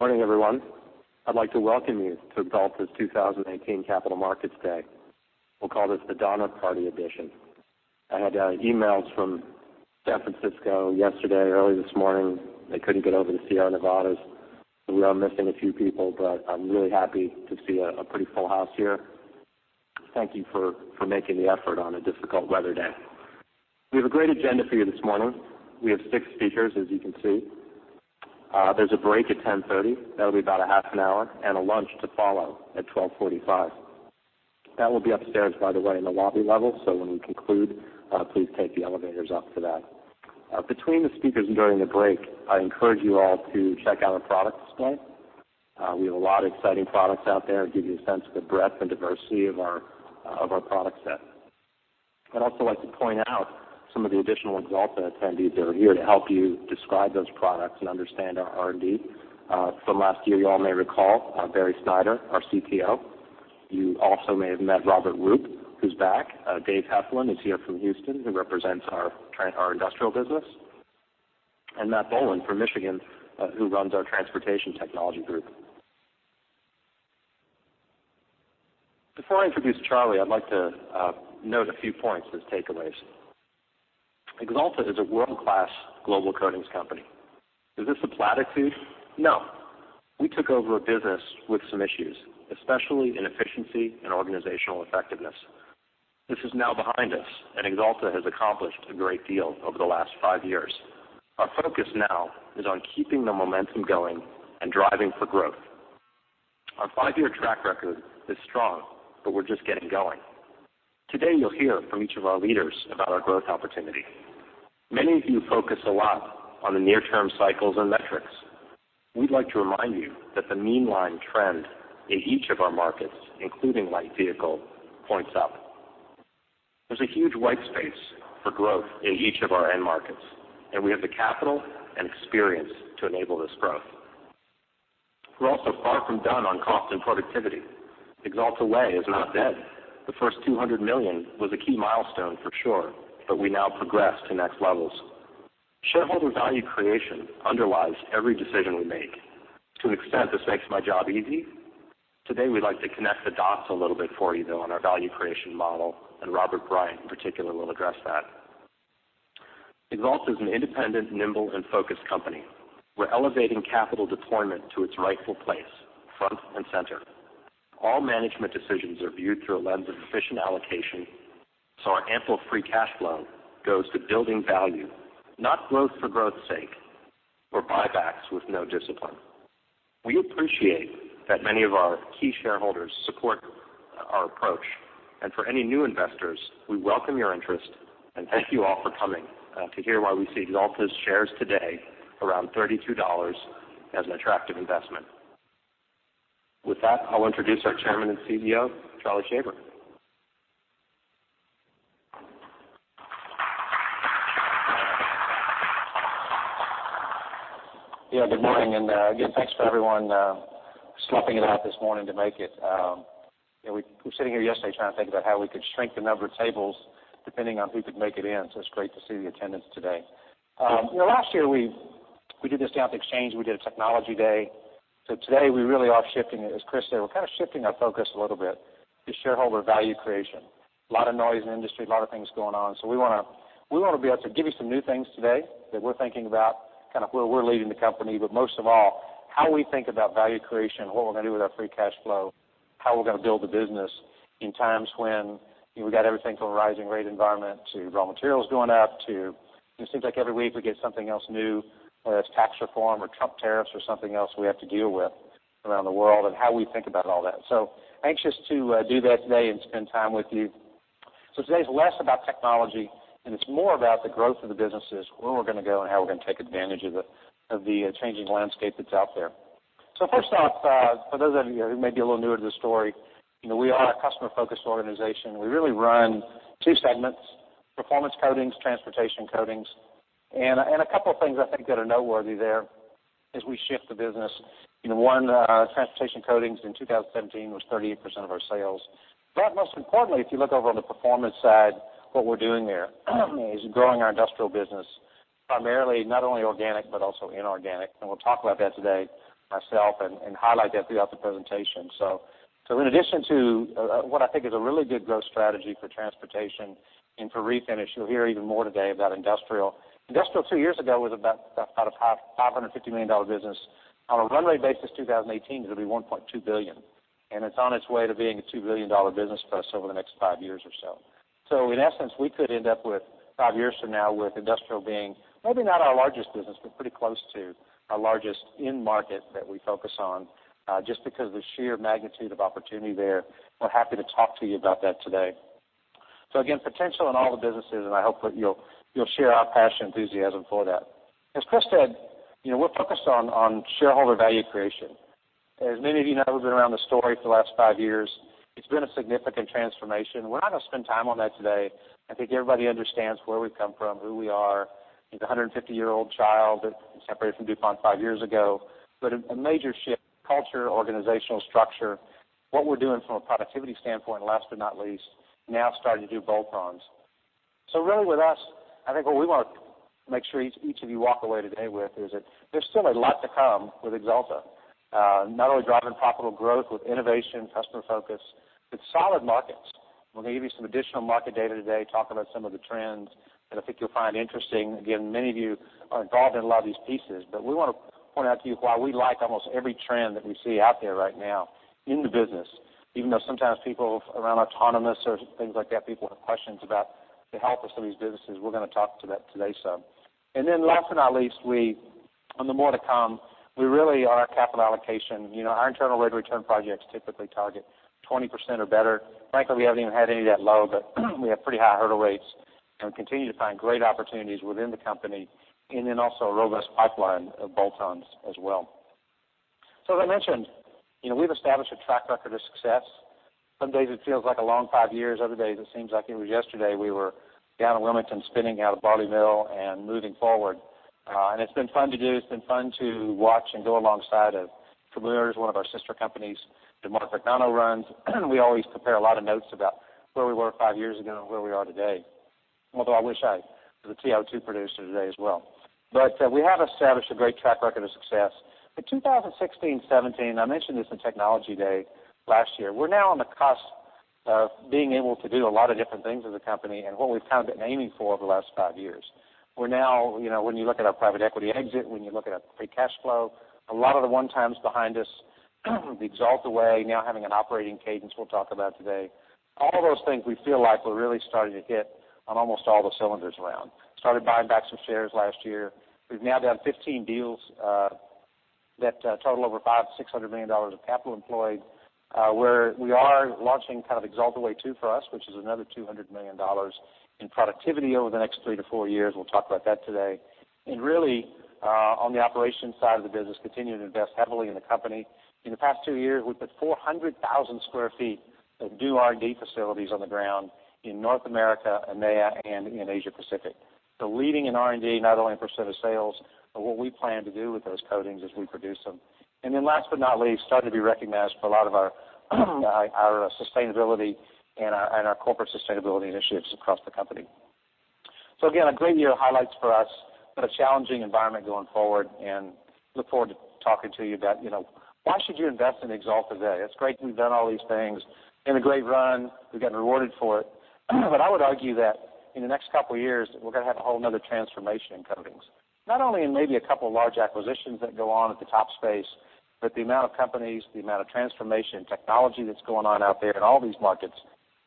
Morning, everyone. I'd like to welcome you to Axalta's 2018 Capital Markets Day. We'll call this the Donner Party edition. I had emails from San Francisco yesterday, early this morning. They couldn't get over the Sierra Nevadas. We are missing a few people, but I'm really happy to see a pretty full house here. Thank you for making the effort on a difficult weather day. We have a great agenda for you this morning. We have 6 speakers, as you can see. There's a break at 10:30, that'll be about a half an hour, and a lunch to follow at 12:45. That will be upstairs, by the way, in the lobby level. When we conclude, please take the elevators up for that. Between the speakers and during the break, I encourage you all to check out our product display. We have a lot of exciting products out there, give you a sense of the breadth and diversity of our product set. I'd also like to point out some of the additional Axalta attendees that are here to help you describe those products and understand our R&D. From last year, you all may recall Barry Snyder, our CTO. You also may have met Robert Roop, who's back. Dave Heflin is here from Houston, who represents our industrial business, and Matt Boland from Michigan, who runs our transportation technology group. Before I introduce Charlie, I'd like to note a few points as takeaways. Axalta is a world-class global coatings company. Is this a platitude? No. We took over a business with some issues, especially in efficiency and organizational effectiveness. This is now behind us, and Axalta has accomplished a great deal over the last 5 years. Our focus now is on keeping the momentum going and driving for growth. Our 5-year track record is strong, but we're just getting going. Today, you'll hear from each of our leaders about our growth opportunity. Many of you focus a lot on the near-term cycles and metrics. We'd like to remind you that the mean line trend in each of our markets, including light vehicle, points up. There's a huge white space for growth in each of our end markets, and we have the capital and experience to enable this growth. We're also far from done on cost and productivity. Axalta Way is not dead. The first $200 million was a key milestone for sure, but we now progress to next levels. Shareholder value creation underlies every decision we make. To an extent, this makes my job easy. Today, we'd like to connect the dots a little bit for you, though, on our value creation model, and Robert Bryant in particular will address that. Axalta is an independent, nimble, and focused company. We're elevating capital deployment to its rightful place, front and center. All management decisions are viewed through a lens of efficient allocation, our ample free cash flow goes to building value, not growth for growth's sake or buybacks with no discipline. We appreciate that many of our key shareholders support our approach, and for any new investors, we welcome your interest and thank you all for coming to hear why we see Axalta's shares today around $32 as an attractive investment. With that, I'll introduce our Chairman and CEO, Charlie Shaver. Good morning. Again, thanks for everyone sloughing it out this morning to make it. We were sitting here yesterday trying to think about how we could shrink the number of tables depending on who could make it in, so it's great to see the attendance today. Last year, we did this down at the Exchange. We did a technology day. Today, we really are shifting it. As Chris said, we're kind of shifting our focus a little bit to shareholder value creation. A lot of noise in the industry, a lot of things going on. We want to be able to give you some new things today that we're thinking about, kind of where we're leading the company. Most of all, how we think about value creation, what we're going to do with our free cash flow, how we're going to build the business in times when we've got everything from a rising rate environment to raw materials going up to, it seems like every week we get something else new, whether it's tax reform or Trump tariffs or something else we have to deal with around the world, and how we think about all that. Anxious to do that today and spend time with you. Today's less about technology, and it's more about the growth of the businesses, where we're going to go, and how we're going to take advantage of the changing landscape that's out there. First off, for those of you who may be a little newer to the story, we are a customer-focused organization. We really run two segments, Performance Coatings, Transportation Coatings. A couple of things I think that are noteworthy there as we shift the business. One, Transportation Coatings in 2017 was 38% of our sales. Most importantly, if you look over on the Performance side, what we're doing there is growing our Industrial business, primarily not only organic, but also inorganic. We'll talk about that today, myself, and highlight that throughout the presentation. In addition to what I think is a really good growth strategy for Transportation and for Refinish, you'll hear even more today about Industrial. Industrial two years ago was about a $550 million business. On a runway basis, 2018, it'll be $1.2 billion, and it's on its way to being a $2 billion business for us over the next five years or so. In essence, we could end up with five years from now with Industrial being maybe not our largest business, but pretty close to our largest end market that we focus on, just because of the sheer magnitude of opportunity there. We're happy to talk to you about that today. Again, potential in all the businesses. I hope that you'll share our passion and enthusiasm for that. As Chris said, we're focused on shareholder value creation. As many of you know, who've been around the story for the last five years, it's been a significant transformation. We're not going to spend time on that today. I think everybody understands where we've come from, who we are. It's a 150-year-old child that separated from DuPont five years ago. A major shift, culture, organizational structure, what we're doing from a productivity standpoint, last but not least, now starting to do bolt-ons. Really with us, I think what we want to make sure each of you walk away today with is that there's still a lot to come with Axalta. Not only driving profitable growth with innovation, customer focus, but solid markets. We're going to give you some additional market data today, talk about some of the trends that I think you'll find interesting. Again, many of you are involved in a lot of these pieces, but we want to point out to you why we like almost every trend that we see out there right now in the business, even though sometimes people around autonomous or things like that, people have questions about the health of some of these businesses. We're going to talk to that today some. Last but not least, on the more to come, we really, on our capital allocation, our internal rate return projects typically target 20% or better. Frankly, we haven't even had any of that low, but we have pretty high hurdle rates, and we continue to find great opportunities within the company, and then also a robust pipeline of bolt-ons as well. As I mentioned, we've established a track record of success. Some days it feels like a long five years. Other days it seems like it was yesterday we were down in Wilmington spinning out of Barley Mill and moving forward. It's been fun to do. It's been fun to watch and go alongside of [inaudible] is one of our sister companies that Mark McDonough runs. We always compare a lot of notes about where we were five years ago and where we are today. Although I wish I were the CO2 producer today as well. We have established a great track record of success. In 2016, 2017, I mentioned this in Technology Day last year. We're now on the cusp of being able to do a lot of different things as a company and what we've kind of been aiming for over the last five years. We're now, when you look at our private equity exit, when you look at our free cash flow, a lot of the one times behind us, the Axalta Way, now having an operating cadence we'll talk about today. All of those things we feel like we're really starting to hit on almost all the cylinders around. Started buying back some shares last year. We've now done 15 deals that total of [inaudible] capital employed, where we are launching kind of Axalta Way 2 for us, which is another $200 million in productivity over the next three to four years. We'll talk about that today. Really, on the operations side of the business, continuing to invest heavily in the company. In the past two years, we put 400,000 sq ft of new R&D facilities on the ground in North America, EMEA, and in Asia Pacific. Leading in R&D, not only in % of sales, but what we plan to do with those coatings as we produce them. Last but not least, starting to be recognized for a lot of our sustainability and our corporate sustainability initiatives across the company. Again, a great year of highlights for us, but a challenging environment going forward, and look forward to talking to you about why should you invest in Axalta today? It's great that we've done all these things, been a great run. We've gotten rewarded for it. I would argue that in the next couple of years, we're going to have a whole another transformation in coatings. Not only in maybe a couple of large acquisitions that go on at the top space, but the amount of companies, the amount of transformation and technology that's going on out there in all these markets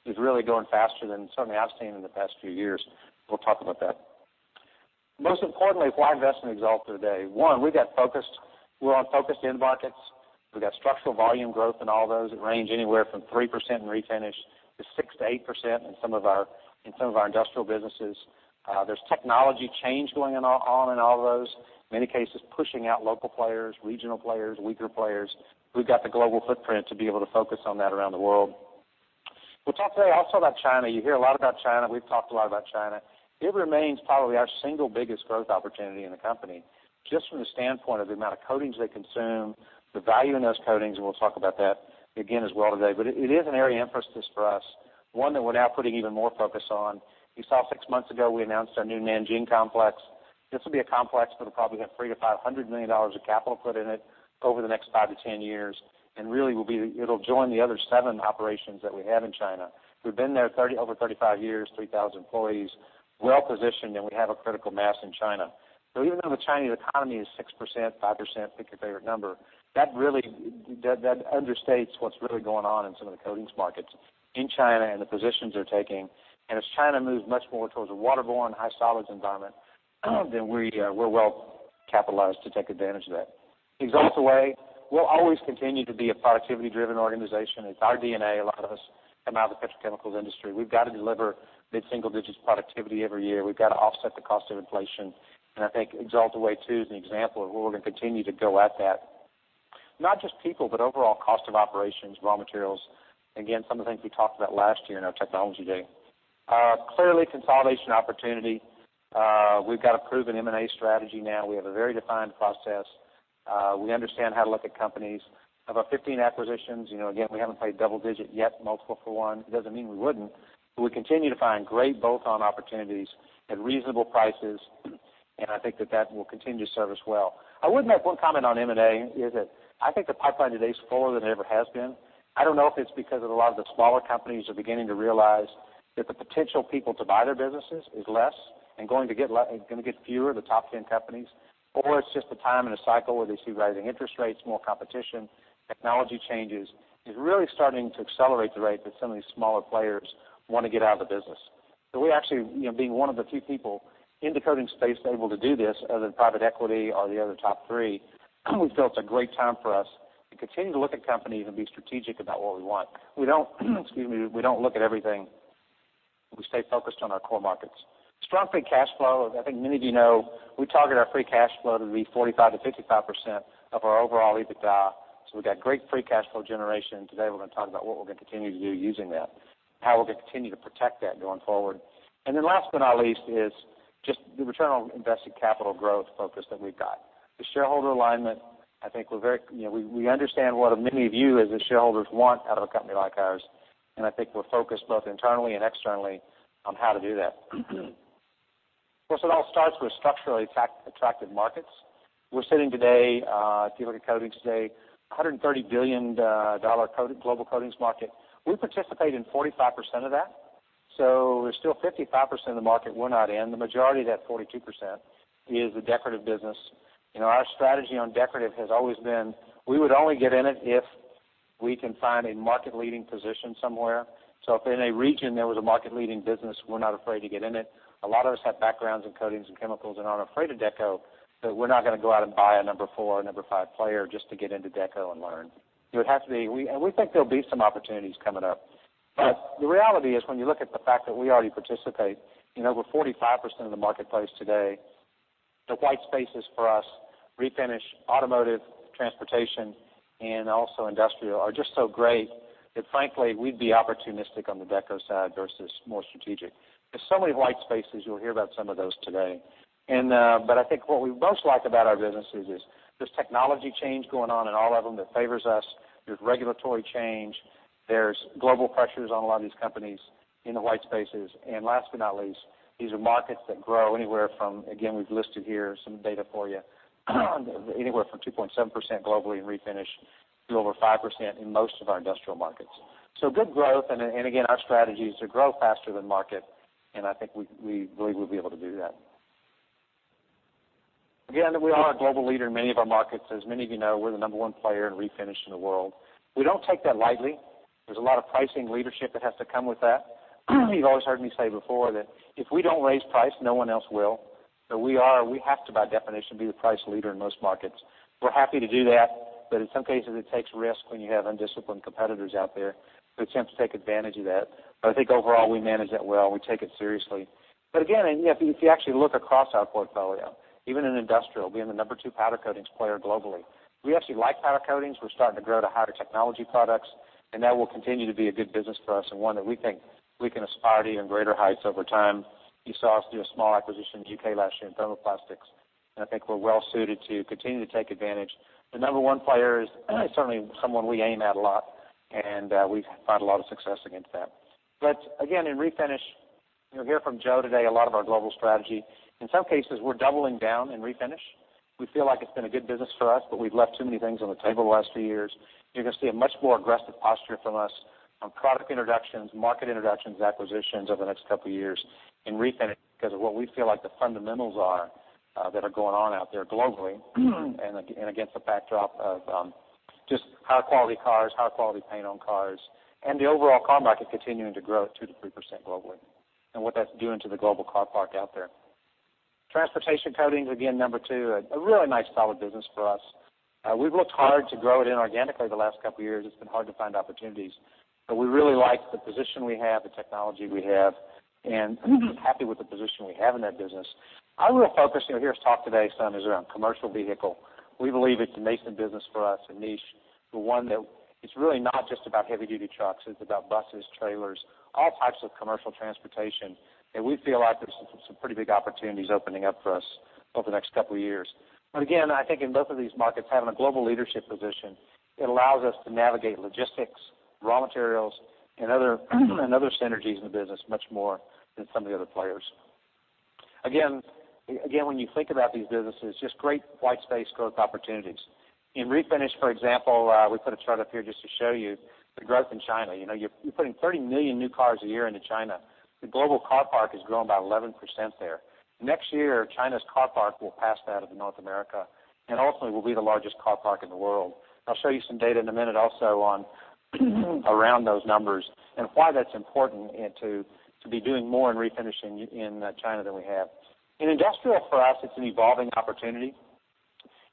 is really going faster than certainly I've seen in the past few years. We'll talk about that. Most importantly, why invest in Axalta today? One, we're on focused end markets. We've got structural volume growth in all those. It range anywhere from 3% in refinish to 6%-8% in some of our industrial businesses. There's technology change going on in all of those, in many cases, pushing out local players, regional players, weaker players. We've got the global footprint to be able to focus on that around the world. We'll talk today also about China. You hear a lot about China. We've talked a lot about China. It remains probably our single biggest growth opportunity in the company, just from the standpoint of the amount of coatings they consume, the value in those coatings, and we'll talk about that again as well today. It is an area of emphasis for us, one that we're now putting even more focus on. You saw six months ago, we announced our new Nanjing complex. This will be a complex that'll probably have $300 million-$500 million of capital put in it over the next 5-10 years, really it'll join the other seven operations that we have in China. We've been there over 35 years, 3,000 employees, well-positioned, and we have a critical mass in China. Even though the Chinese economy is 6%, 5%, pick your favorite number, that understates what's really going on in some of the coatings markets in China and the positions they're taking. As China moves much more towards a waterborne, high solids environment, then we're well capitalized to take advantage of that. Axalta Way will always continue to be a productivity-driven organization. It's our DNA. A lot of us come out of the petrochemicals industry. We've got to deliver mid-single digits productivity every year. We've got to offset the cost of inflation. I think Axalta Way 2 is an example of where we're going to continue to go at that. Not just people, but overall cost of operations, raw materials. Again, some of the things we talked about last year in our Technology Day. Clearly, consolidation opportunity. We've got a proven M&A strategy now. We have a very defined process. We understand how to look at companies. Of our 15 acquisitions, again, we haven't played double digit yet multiple for one. It doesn't mean we wouldn't, we continue to find great bolt-on opportunities at reasonable prices, I think that that will continue to serve us well. I would make one comment on M&A, is that I think the pipeline today is fuller than it ever has been. I don't know if it's because of a lot of the smaller companies are beginning to realize that the potential people to buy their businesses is less and going to get fewer, the top 10 companies, or it's just the time in a cycle where they see rising interest rates, more competition, technology changes, is really starting to accelerate the rate that some of these smaller players want to get out of the business. We actually, being one of the few people in the coatings space able to do this, other than private equity or the other top three, we feel it's a great time for us to continue to look at companies and be strategic about what we want. We don't look at everything. We stay focused on our core markets. Strong free cash flow. I think many of you know we target our free cash flow to be 45%-55% of our overall EBITDA, so we've got great free cash flow generation. Today, we're going to talk about what we're going to continue to do using that, how we're going to continue to protect that going forward. Last but not least is Just the return on invested capital growth focus that we've got. The shareholder alignment, I think we understand what many of you as the shareholders want out of a company like ours, and I think we're focused both internally and externally on how to do that. Of course, it all starts with structurally attractive markets. We're sitting today, if you look at coatings today, a $130 billion global coatings market. We participate in 45% of that. There's still 55% of the market we're not in. The majority of that 42% is the decorative business. Our strategy on decorative has always been, we would only get in it if we can find a market-leading position somewhere. If in a region there was a market-leading business, we're not afraid to get in it. A lot of us have backgrounds in coatings and chemicals and aren't afraid of deco, but we're not going to go out and buy a number 4 or number 5 player just to get into deco and learn. We think there'll be some opportunities coming up. The reality is, when you look at the fact that we already participate in over 45% of the marketplace today, the white spaces for us, refinish, automotive, transportation, and also industrial, are just so great that frankly, we'd be opportunistic on the deco side versus more strategic. There's so many white spaces. You'll hear about some of those today. I think what we most like about our businesses is this technology change going on in all of them that favors us. There's regulatory change. There's global pressures on a lot of these companies in the white spaces. Last but not least, these are markets that grow anywhere from, again, we've listed here some data for you, anywhere from 2.7% globally in refinish to over 5% in most of our industrial markets. Good growth, and again, our strategy is to grow faster than market, and I think we believe we'll be able to do that. Again, we are a global leader in many of our markets. As many of you know, we're the number 1 player in refinish in the world. We don't take that lightly. There's a lot of pricing leadership that has to come with that. You've always heard me say before that if we don't raise price, no one else will. We have to, by definition, be the price leader in most markets. We're happy to do that, but in some cases, it takes risk when you have undisciplined competitors out there who attempt to take advantage of that. I think overall, we manage that well. We take it seriously. Again, if you actually look across our portfolio, even in industrial, being the number 2 powder coatings player globally, we actually like powder coatings. We're starting to grow to higher technology products, and that will continue to be a good business for us and one that we think we can aspire to even greater heights over time. You saw us do a small acquisition in the U.K. last year in thermoplastics, I think we're well suited to continue to take advantage. The number 1 player is certainly someone we aim at a lot. We've had a lot of success against that. Again, in refinish, you'll hear from Joe today a lot of our global strategy. In some cases, we're doubling down in refinish. We feel like it's been a good business for us, but we've left too many things on the table the last few years. You're going to see a much more aggressive posture from us on product introductions, market introductions, acquisitions over the next couple of years in refinish because of what we feel like the fundamentals are that are going on out there globally, and against the backdrop of just higher quality cars, higher quality paint on cars, and the overall car market continuing to grow at 2%-3% globally, what that's doing to the global car park out there. Transportation coatings, again, number 2, a really nice, solid business for us. We've looked hard to grow it inorganically the last couple of years. It's been hard to find opportunities. We really like the position we have, the technology we have, happy with the position we have in that business. Our real focus, you'll hear us talk today some, is around commercial vehicle. We believe it's a nascent business for us, a niche, but one that is really not just about heavy-duty trucks. It's about buses, trailers, all types of commercial transportation. We feel like there's some pretty big opportunities opening up for us over the next couple of years. Again, I think in both of these markets, having a global leadership position, it allows us to navigate logistics, raw materials, and other synergies in the business much more than some of the other players. Again, when you think about these businesses, just great white space growth opportunities. In refinish, for example, we put a chart up here just to show you the growth in China. You're putting 30 million new cars a year into China. The global car park has grown by 11% there. Next year, China's car park will pass that of the North America, ultimately, will be the largest car park in the world. I'll show you some data in a minute also around those numbers and why that's important to be doing more in refinishing in China than we have. In industrial, for us, it's an evolving opportunity.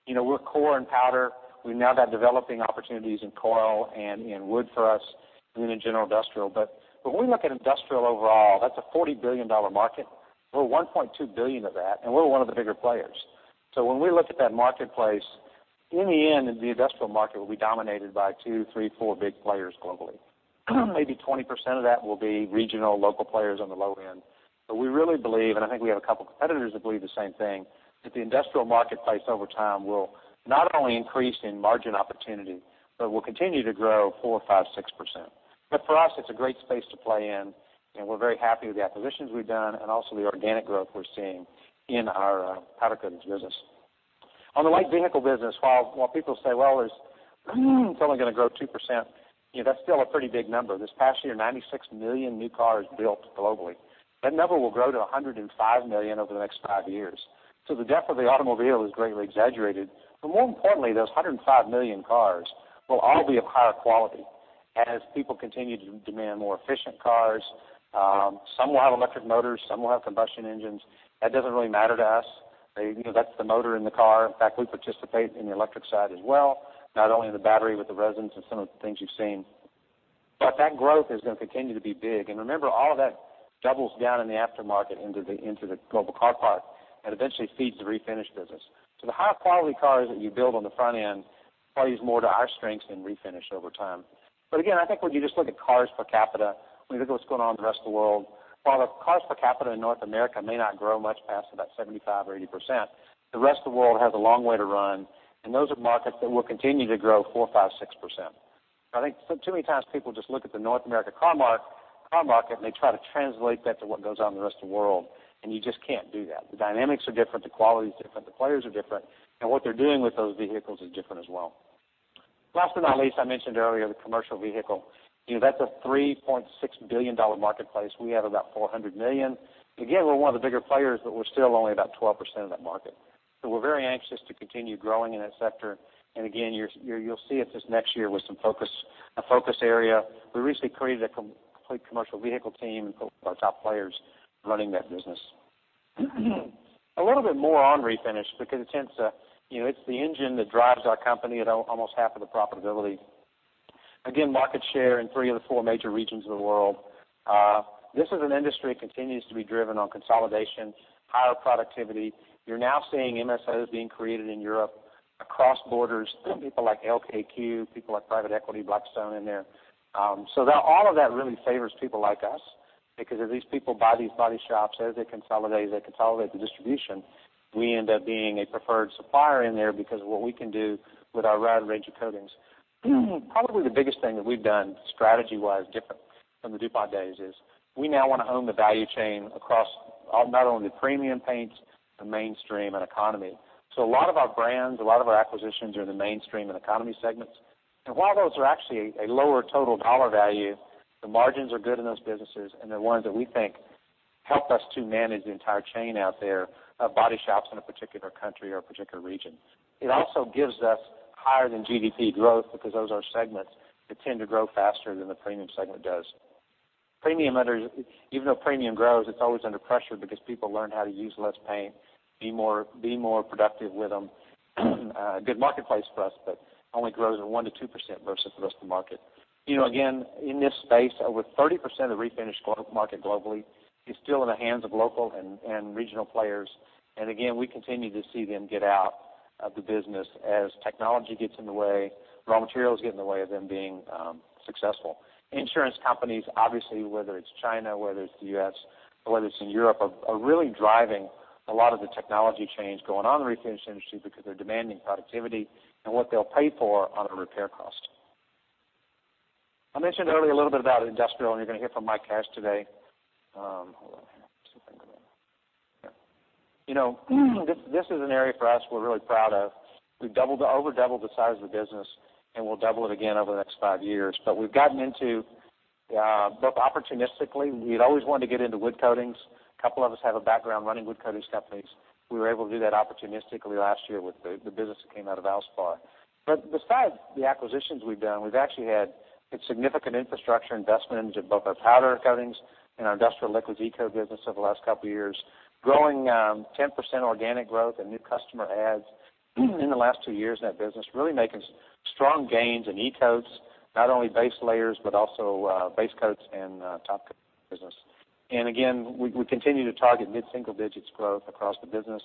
We're core in powder. We now have developing opportunities in coil and in wood for us, and then in general industrial. When we look at industrial overall, that's a $40 billion market. We're $1.2 billion of that, and we're one of the bigger players. When we look at that marketplace, in the end, the industrial market will be dominated by two, three, four big players globally. Maybe 20% of that will be regional, local players on the low end. We really believe, and I think we have a couple competitors that believe the same thing, that the industrial marketplace over time will not only increase in margin opportunity, but will continue to grow 4%, 5%, 6%. For us, it's a great space to play in, and we're very happy with the acquisitions we've done and also the organic growth we're seeing in our powder coatings business. On the light vehicle business, while people say, "Well, it's only going to grow 2%," that's still a pretty big number. This past year, 96 million new cars built globally. That number will grow to 105 million over the next five years. The death of the automobile is greatly exaggerated. More importantly, those 105 million cars will all be of higher quality as people continue to demand more efficient cars. Some will have electric motors, some will have combustion engines. That doesn't really matter to us. That's the motor in the car. In fact, we participate in the electric side as well, not only in the battery with the resins and some of the things you've seen. That growth is going to continue to be big. Remember, all of that doubles down in the aftermarket into the global car park. That eventually feeds the refinish business. The high-quality cars that you build on the front end probably is more to our strengths than refinish over time. Again, I think when you just look at cars per capita, when you look at what's going on in the rest of the world, while the cars per capita in North America may not grow much past about 75% or 80%, the rest of the world has a long way to run, and those are markets that will continue to grow 4%, 5%, 6%. I think too many times people just look at the North America car market, and they try to translate that to what goes on in the rest of the world, and you just can't do that. The dynamics are different, the quality's different, the players are different, and what they're doing with those vehicles is different as well. Last but not least, I mentioned earlier the commercial vehicle. That's a $3.6 billion marketplace. We have about $400 million. Again, we're one of the bigger players, but we're still only about 12% of that market. We're very anxious to continue growing in that sector. Again, you'll see it this next year with a focus area. We recently created a complete commercial vehicle team with our top players running that business. A little bit more on refinish because it's the engine that drives our company at almost half of the profitability. Again, market share in three of the four major regions of the world. This is an industry that continues to be driven on consolidation, higher productivity. You're now seeing MSOs being created in Europe across borders, people like LKQ, people like private equity, Blackstone in there. All of that really favors people like us, because as these people buy these body shops, as they consolidate, they consolidate the distribution. We end up being a preferred supplier in there because of what we can do with our wide range of coatings. Probably the biggest thing that we've done strategy-wise different from the DuPont days is we now want to own the value chain across not only the premium paints, the mainstream, and economy. A lot of our brands, a lot of our acquisitions are in the mainstream and economy segments. While those are actually a lower total dollar value, the margins are good in those businesses, and they're ones that we think help us to manage the entire chain out there of body shops in a particular country or a particular region. It also gives us higher than GDP growth because those are segments that tend to grow faster than the premium segment does. Even though premium grows, it's always under pressure because people learn how to use less paint, be more productive with them. A good marketplace for us, but only grows at 1%-2% versus the rest of the market. Again, in this space, over 30% of the refinish market globally is still in the hands of local and regional players. Again, we continue to see them get out of the business as technology gets in the way, raw materials get in the way of them being successful. Insurance companies, obviously, whether it's China, whether it's the U.S., or whether it's in Europe, are really driving a lot of the technology change going on in the refinish industry because they're demanding productivity and what they'll pay for on a repair cost. I mentioned earlier a little bit about industrial, and you're going to hear from Mike Cash today. Hold on. This is an area for us we're really proud of. We've over doubled the size of the business, and we'll double it again over the next five years. We've gotten into both opportunistically. We'd always wanted to get into wood coatings. A couple of us have a background running wood coatings companies. We were able to do that opportunistically last year with the business that came out of Valspar. Besides the acquisitions we've done, we've actually had significant infrastructure investment into both our powder coatings and our industrial liquids e-coat business over the last couple of years, growing 10% organic growth and new customer adds in the last two years in that business, really making strong gains in e-coats, not only base layers, but also base coats and top coat business. Again, we continue to target mid-single digits growth across the business.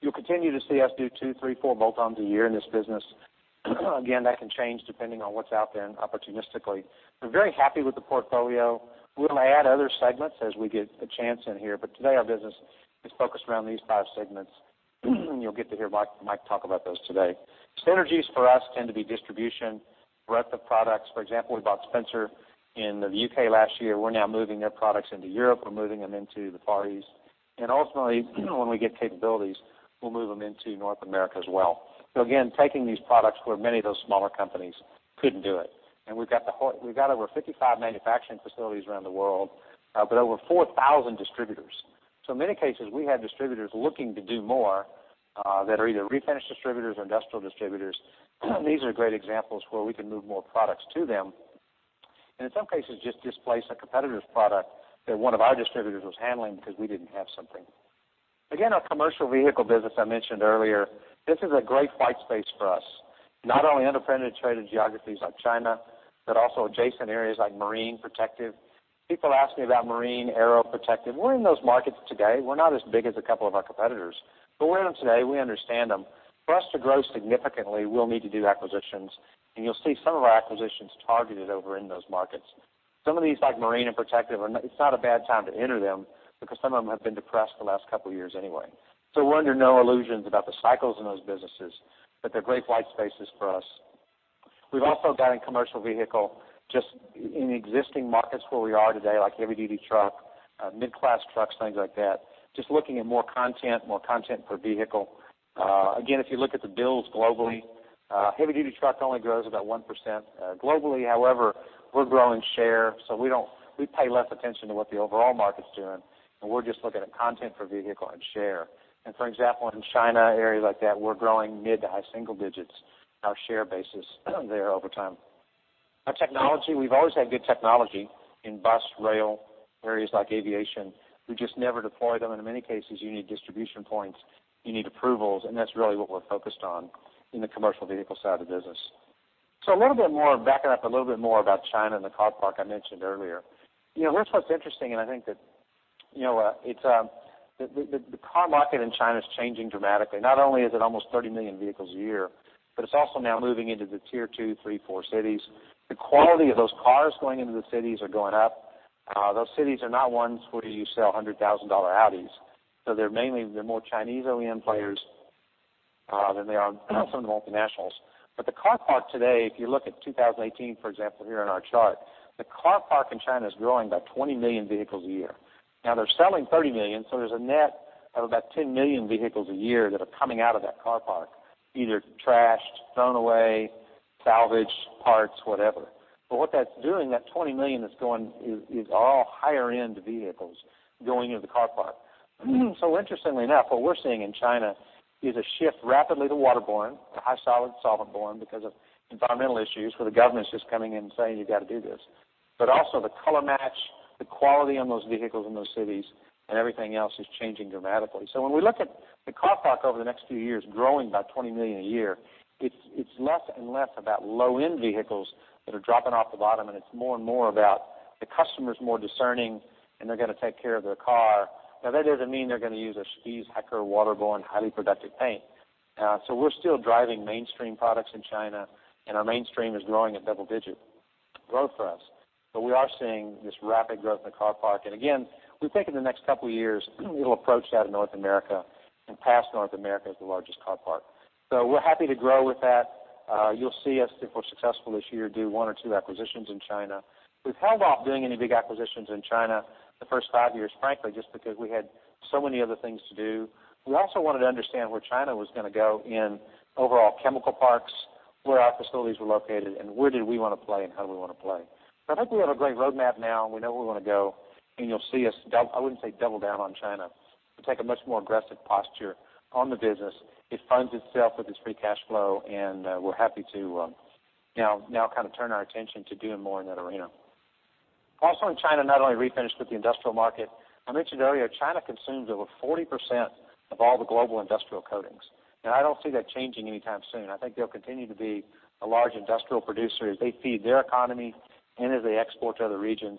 You'll continue to see us do two, three, four bolt-ons a year in this business. Again, that can change depending on what's out there opportunistically. We're very happy with the portfolio. We may add other segments as we get a chance in here, but today our business is focused around these five segments. You'll get to hear Mike talk about those today. Synergies for us tend to be distribution, breadth of products. For example, we bought Spencer in the U.K. last year. We're now moving their products into Europe. We're moving them into the Far East. Ultimately, when we get capabilities, we'll move them into North America as well. Again, taking these products where many of those smaller companies couldn't do it. We've got over 55 manufacturing facilities around the world, but over 4,000 distributors. In many cases, we have distributors looking to do more that are either refinish distributors or industrial distributors. These are great examples where we can move more products to them, and in some cases, just displace a competitor's product that one of our distributors was handling because we did not have something. Our commercial vehicle business I mentioned earlier, this is a great white space for us, not only under-penetrated geographies like China, but also adjacent areas like marine protective. People ask me about marine aero protective. We are in those markets today. We are not as big as a couple of our competitors, but we are in them today. We understand them. For us to grow significantly, we will need to do acquisitions, and you will see some of our acquisitions targeted over in those markets. Some of these, like marine and protective, it is not a bad time to enter them because some of them have been depressed the last couple of years anyway. We are under no illusions about the cycles in those businesses, but they are great white spaces for us. We have also got in commercial vehicle, just in existing markets where we are today, like heavy-duty truck, mid-class trucks, things like that. Just looking at more content, more content per vehicle. If you look at the builds globally, heavy-duty truck only grows about 1%. Globally, however, we are growing share, so we pay less attention to what the overall market is doing, and we are just looking at content per vehicle and share. For example, in China, areas like that, we are growing mid to high single digits, our share basis there over time. Our technology, we have always had good technology in bus, rail, areas like aviation. We just never deployed them, and in many cases, you need distribution points, you need approvals, and that is really what we are focused on in the commercial vehicle side of the business. Backing up a little bit more about China and the car park I mentioned earlier. Here is what is interesting, and I think that the car market in China is changing dramatically. Not only is it almost 30 million vehicles a year, but it is also now moving into the tier 2, 3, 4 cities. The quality of those cars going into the cities are going up. Those cities are not ones where you sell $100,000 Audis. They are mainly the more Chinese OEM players than they are some of the multinationals. The car park today, if you look at 2018, for example, here in our chart, the car park in China is growing by 20 million vehicles a year. Now they are selling 30 million, there is a net of about 10 million vehicles a year that are coming out of that car park, either trashed, thrown away, salvaged parts, whatever. What that is doing, that 20 million that is going, is all higher end vehicles going into the car park. Interestingly enough, what we are seeing in China is a shift rapidly to waterborne, to high solid, solventborne, because of environmental issues where the government is just coming in and saying, "You have got to do this." Also the color match, the quality on those vehicles in those cities, and everything else is changing dramatically. When we look at the car park over the next few years growing by 20 million a year, it's less and less about low-end vehicles that are dropping off the bottom, and it's more and more about the customer's more discerning, and they're going to take care of their car. Now, that doesn't mean they're going to use a Spies Hecker waterborne, highly productive paint. We're still driving mainstream products in China, and our mainstream is growing at double digit growth for us. We are seeing this rapid growth in the car park. Again, we think in the next couple of years, it'll approach that of North America, and pass North America as the largest car park. We're happy to grow with that. You'll see us, if we're successful this year, do one or two acquisitions in China. We've held off doing any big acquisitions in China the first five years, frankly, just because we had so many other things to do. We also wanted to understand where China was going to go in overall chemical parks, where our facilities were located, and where did we want to play and how do we want to play. I think we have a great roadmap now, we know where we want to go, and you'll see us, I wouldn't say double down on China, but take a much more aggressive posture on the business. It funds itself with its free cash flow, we're happy to now turn our attention to doing more in that arena. Also in China, not only refinish but the industrial market. I mentioned earlier, China consumes over 40% of all the global industrial coatings, I don't see that changing anytime soon. I think they'll continue to be a large industrial producer as they feed their economy as they export to other regions.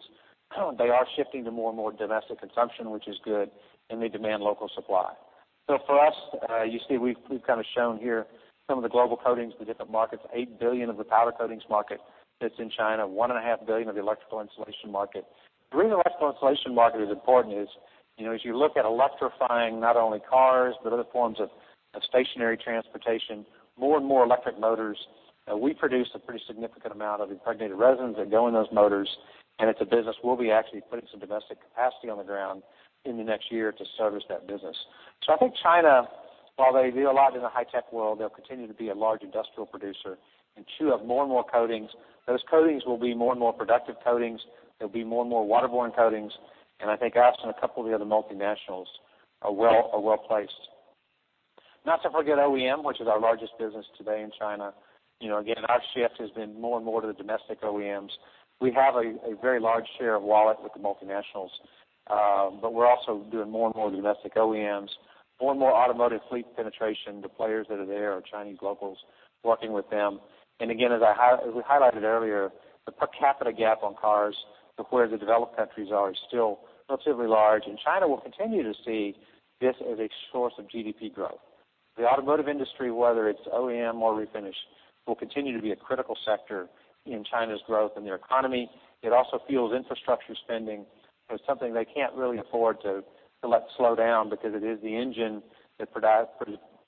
They are shifting to more and more domestic consumption, which is good, they demand local supply. For us, you see we've shown here some of the global coatings, the different markets, $8 billion of the powder coatings market sits in China, $1.5 billion of the electrical insulation market. The reason the electrical insulation market is important is, as you look at electrifying not only cars but other forms of stationary transportation, more and more electric motors. We produce a pretty significant amount of impregnated resins that go in those motors, it's a business we'll be actually putting some domestic capacity on the ground in the next year to service that business. I think China, while they do a lot in the high tech world, they'll continue to be a large industrial producer chew up more and more coatings. Those coatings will be more and more productive coatings. There'll be more and more waterborne coatings. I think us and a couple of the other multinationals are well-placed. Not to forget OEM, which is our largest business today in China. Again, our shift has been more and more to the domestic OEMs. We have a very large share of wallet with the multinationals. We're also doing more and more domestic OEMs, more and more automotive fleet penetration. The players that are there are Chinese locals, working with them. Again, as we highlighted earlier, the per capita gap on cars to where the developed countries are is still relatively large, and China will continue to see this as a source of GDP growth. The automotive industry, whether it's OEM or refinish, will continue to be a critical sector in China's growth and their economy. It also fuels infrastructure spending. It's something they can't really afford to let slow down because it is the engine that provides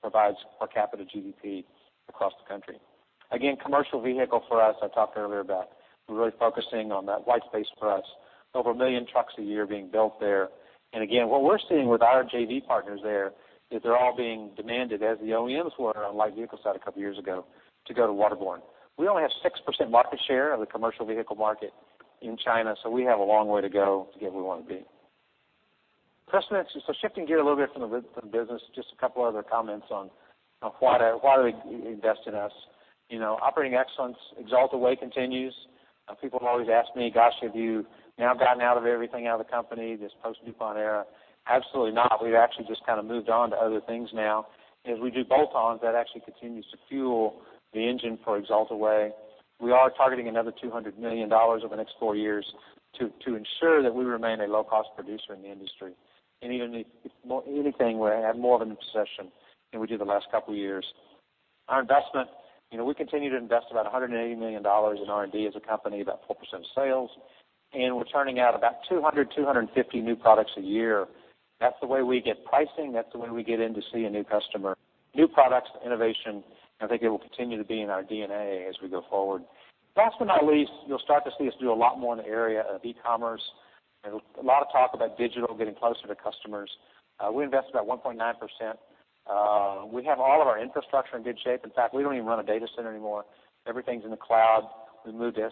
per capita GDP across the country. Commercial vehicle for us, I talked earlier about. We're really focusing on that white space for us. Over 1 million trucks a year being built there. Again, what we're seeing with our JV partners there is they're all being demanded, as the OEMs were on the light vehicle side a couple of years ago, to go to waterborne. We only have 6% market share of the commercial vehicle market in China, we have a long way to go to get where we want to be. Shifting gear a little bit from the business, just a couple other comments on why they invest in us. Operating excellence, Axalta Way continues. People have always asked me, "Gosh, have you now gotten out of everything out of the company, this post-DuPont era?" Absolutely not. We've actually just moved on to other things now. As we do bolt-ons, that actually continues to fuel the engine for Axalta Way. We are targeting another $200 million over the next four years to ensure that we remain a low-cost producer in the industry. If anything, we're going to have more of an obsession than we did the last couple of years. Our investment, we continue to invest about $180 million in R&D as a company, about 4% of sales, and we're churning out about 200, 250 new products a year. That's the way we get pricing. That's the way we get in to see a new customer. New products, innovation, I think it will continue to be in our DNA as we go forward. Last but not least, you'll start to see us do a lot more in the area of e-commerce. A lot of talk about digital, getting closer to customers. We invest about 1.9%. We have all of our infrastructure in good shape. In fact, we don't even run a data center anymore. Everything's in the cloud. We'll move into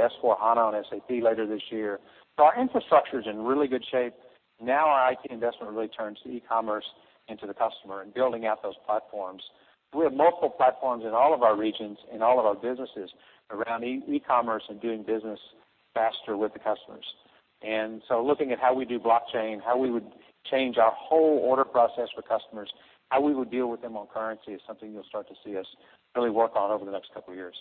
S/4HANA on SAP later this year. Our infrastructure's in really good shape. Now our IT investment really turns to e-commerce and to the customer and building out those platforms. We have multiple platforms in all of our regions, in all of our businesses around e-commerce and doing business faster with the customers. Looking at how we do blockchain, how we would change our whole order process for customers, how we would deal with them on currency is something you'll start to see us really work on over the next couple of years.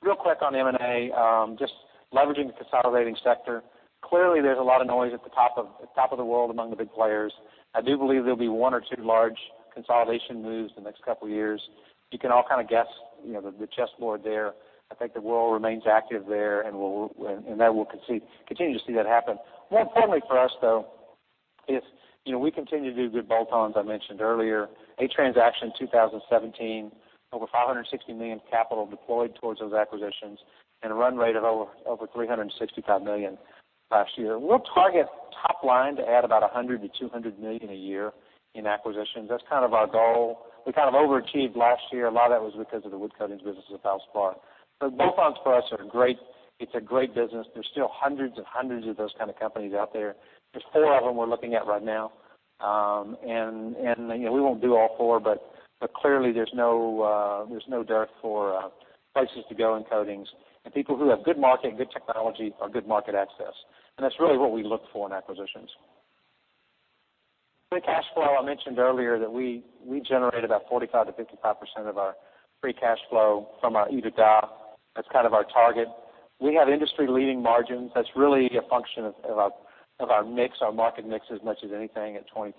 Real quick on M&A, just leveraging the consolidating sector. Clearly, there's a lot of noise at the top of the world among the big players. I do believe there'll be one or two large consolidation moves in the next couple of years. You can all kind of guess the chessboard there. I think the world remains active there, and that we'll continue to see that happen. More importantly for us, though, is we continue to do good bolt-ons, I mentioned earlier. Eight transactions in 2017, over $560 million capital deployed towards those acquisitions, and a run rate of over $365 million last year. We'll target top line to add about $100 million to $200 million a year in acquisitions. That's kind of our goal. We kind of overachieved last year. A lot of that was because of the wood coatings business with Valspar. Bolt-ons for us, it's a great business. There's still hundreds and hundreds of those kind of companies out there. There's four of them we're looking at right now. We won't do all four, but clearly there's no dearth for places to go in coatings and people who have good market and good technology or good market access. That's really what we look for in acquisitions. Free cash flow, I mentioned earlier that we generate about 45%-55% of our free cash flow from our EBITDA. That's kind of our target. We have industry-leading margins. That's really a function of our market mix as much as anything at 20%,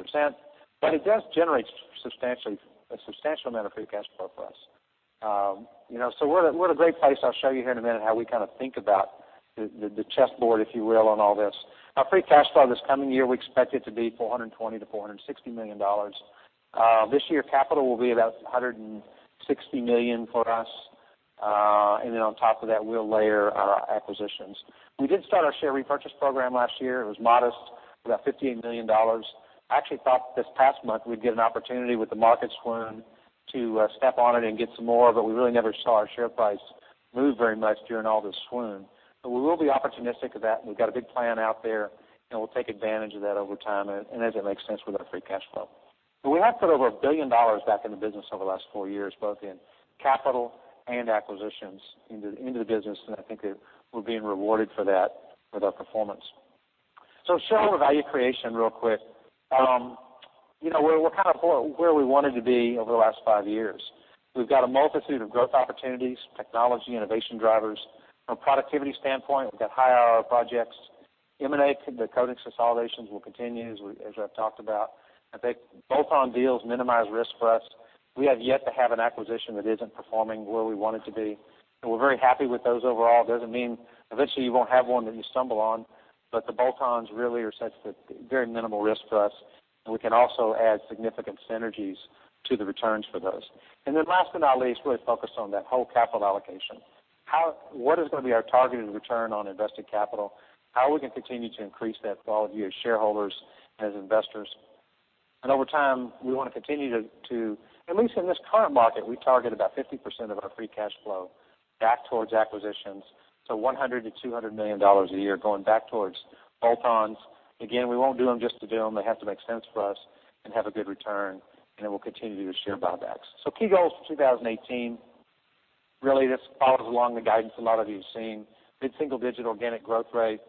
but it does generate a substantial amount of free cash flow for us. We're in a great place. I'll show you here in a minute how we kind of think about the chessboard, if you will, on all this. Our free cash flow this coming year, we expect it to be $420 million to $460 million. This year, capital will be about $160 million for us. On top of that, we'll layer our acquisitions. We did start our share repurchase program last year. It was modest, about $15 million. I actually thought this past month we'd get an opportunity with the market swoon to step on it and get some more, we really never saw our share price move very much during all this swoon. We will be opportunistic of that, and we've got a big plan out there, and we'll take advantage of that over time, and as it makes sense with our free cash flow. We have put over $1 billion back in the business over the last four years, both in capital and acquisitions into the business, and I think that we're being rewarded for that with our performance. I'll share our value creation real quick. We're kind of where we wanted to be over the last five years. We've got a multitude of growth opportunities, technology, innovation drivers. From a productivity standpoint, we've got high-hour projects. M&A, the coatings consolidations will continue, as I've talked about. I think bolt-on deals minimize risk for us. We have yet to have an acquisition that isn't performing where we want it to be. We're very happy with those overall. Doesn't mean eventually you won't have one that you stumble on, but the bolt-ons really are such that very minimal risk to us, and we can also add significant synergies to the returns for those. Last but not least, really focused on that whole capital allocation. What is going to be our targeted return on invested capital? How we can continue to increase that for all of you as shareholders and as investors. Over time, we want to continue to, at least in this current market, we target about 50% of our free cash flow back towards acquisitions. $100 million-$200 million a year going back towards bolt-ons. Again, we won't do them just to do them. They have to make sense for us and have a good return, and then we'll continue to do share buybacks. Key goals for 2018, really this follows along the guidance a lot of you have seen. Mid-single-digit organic growth rate.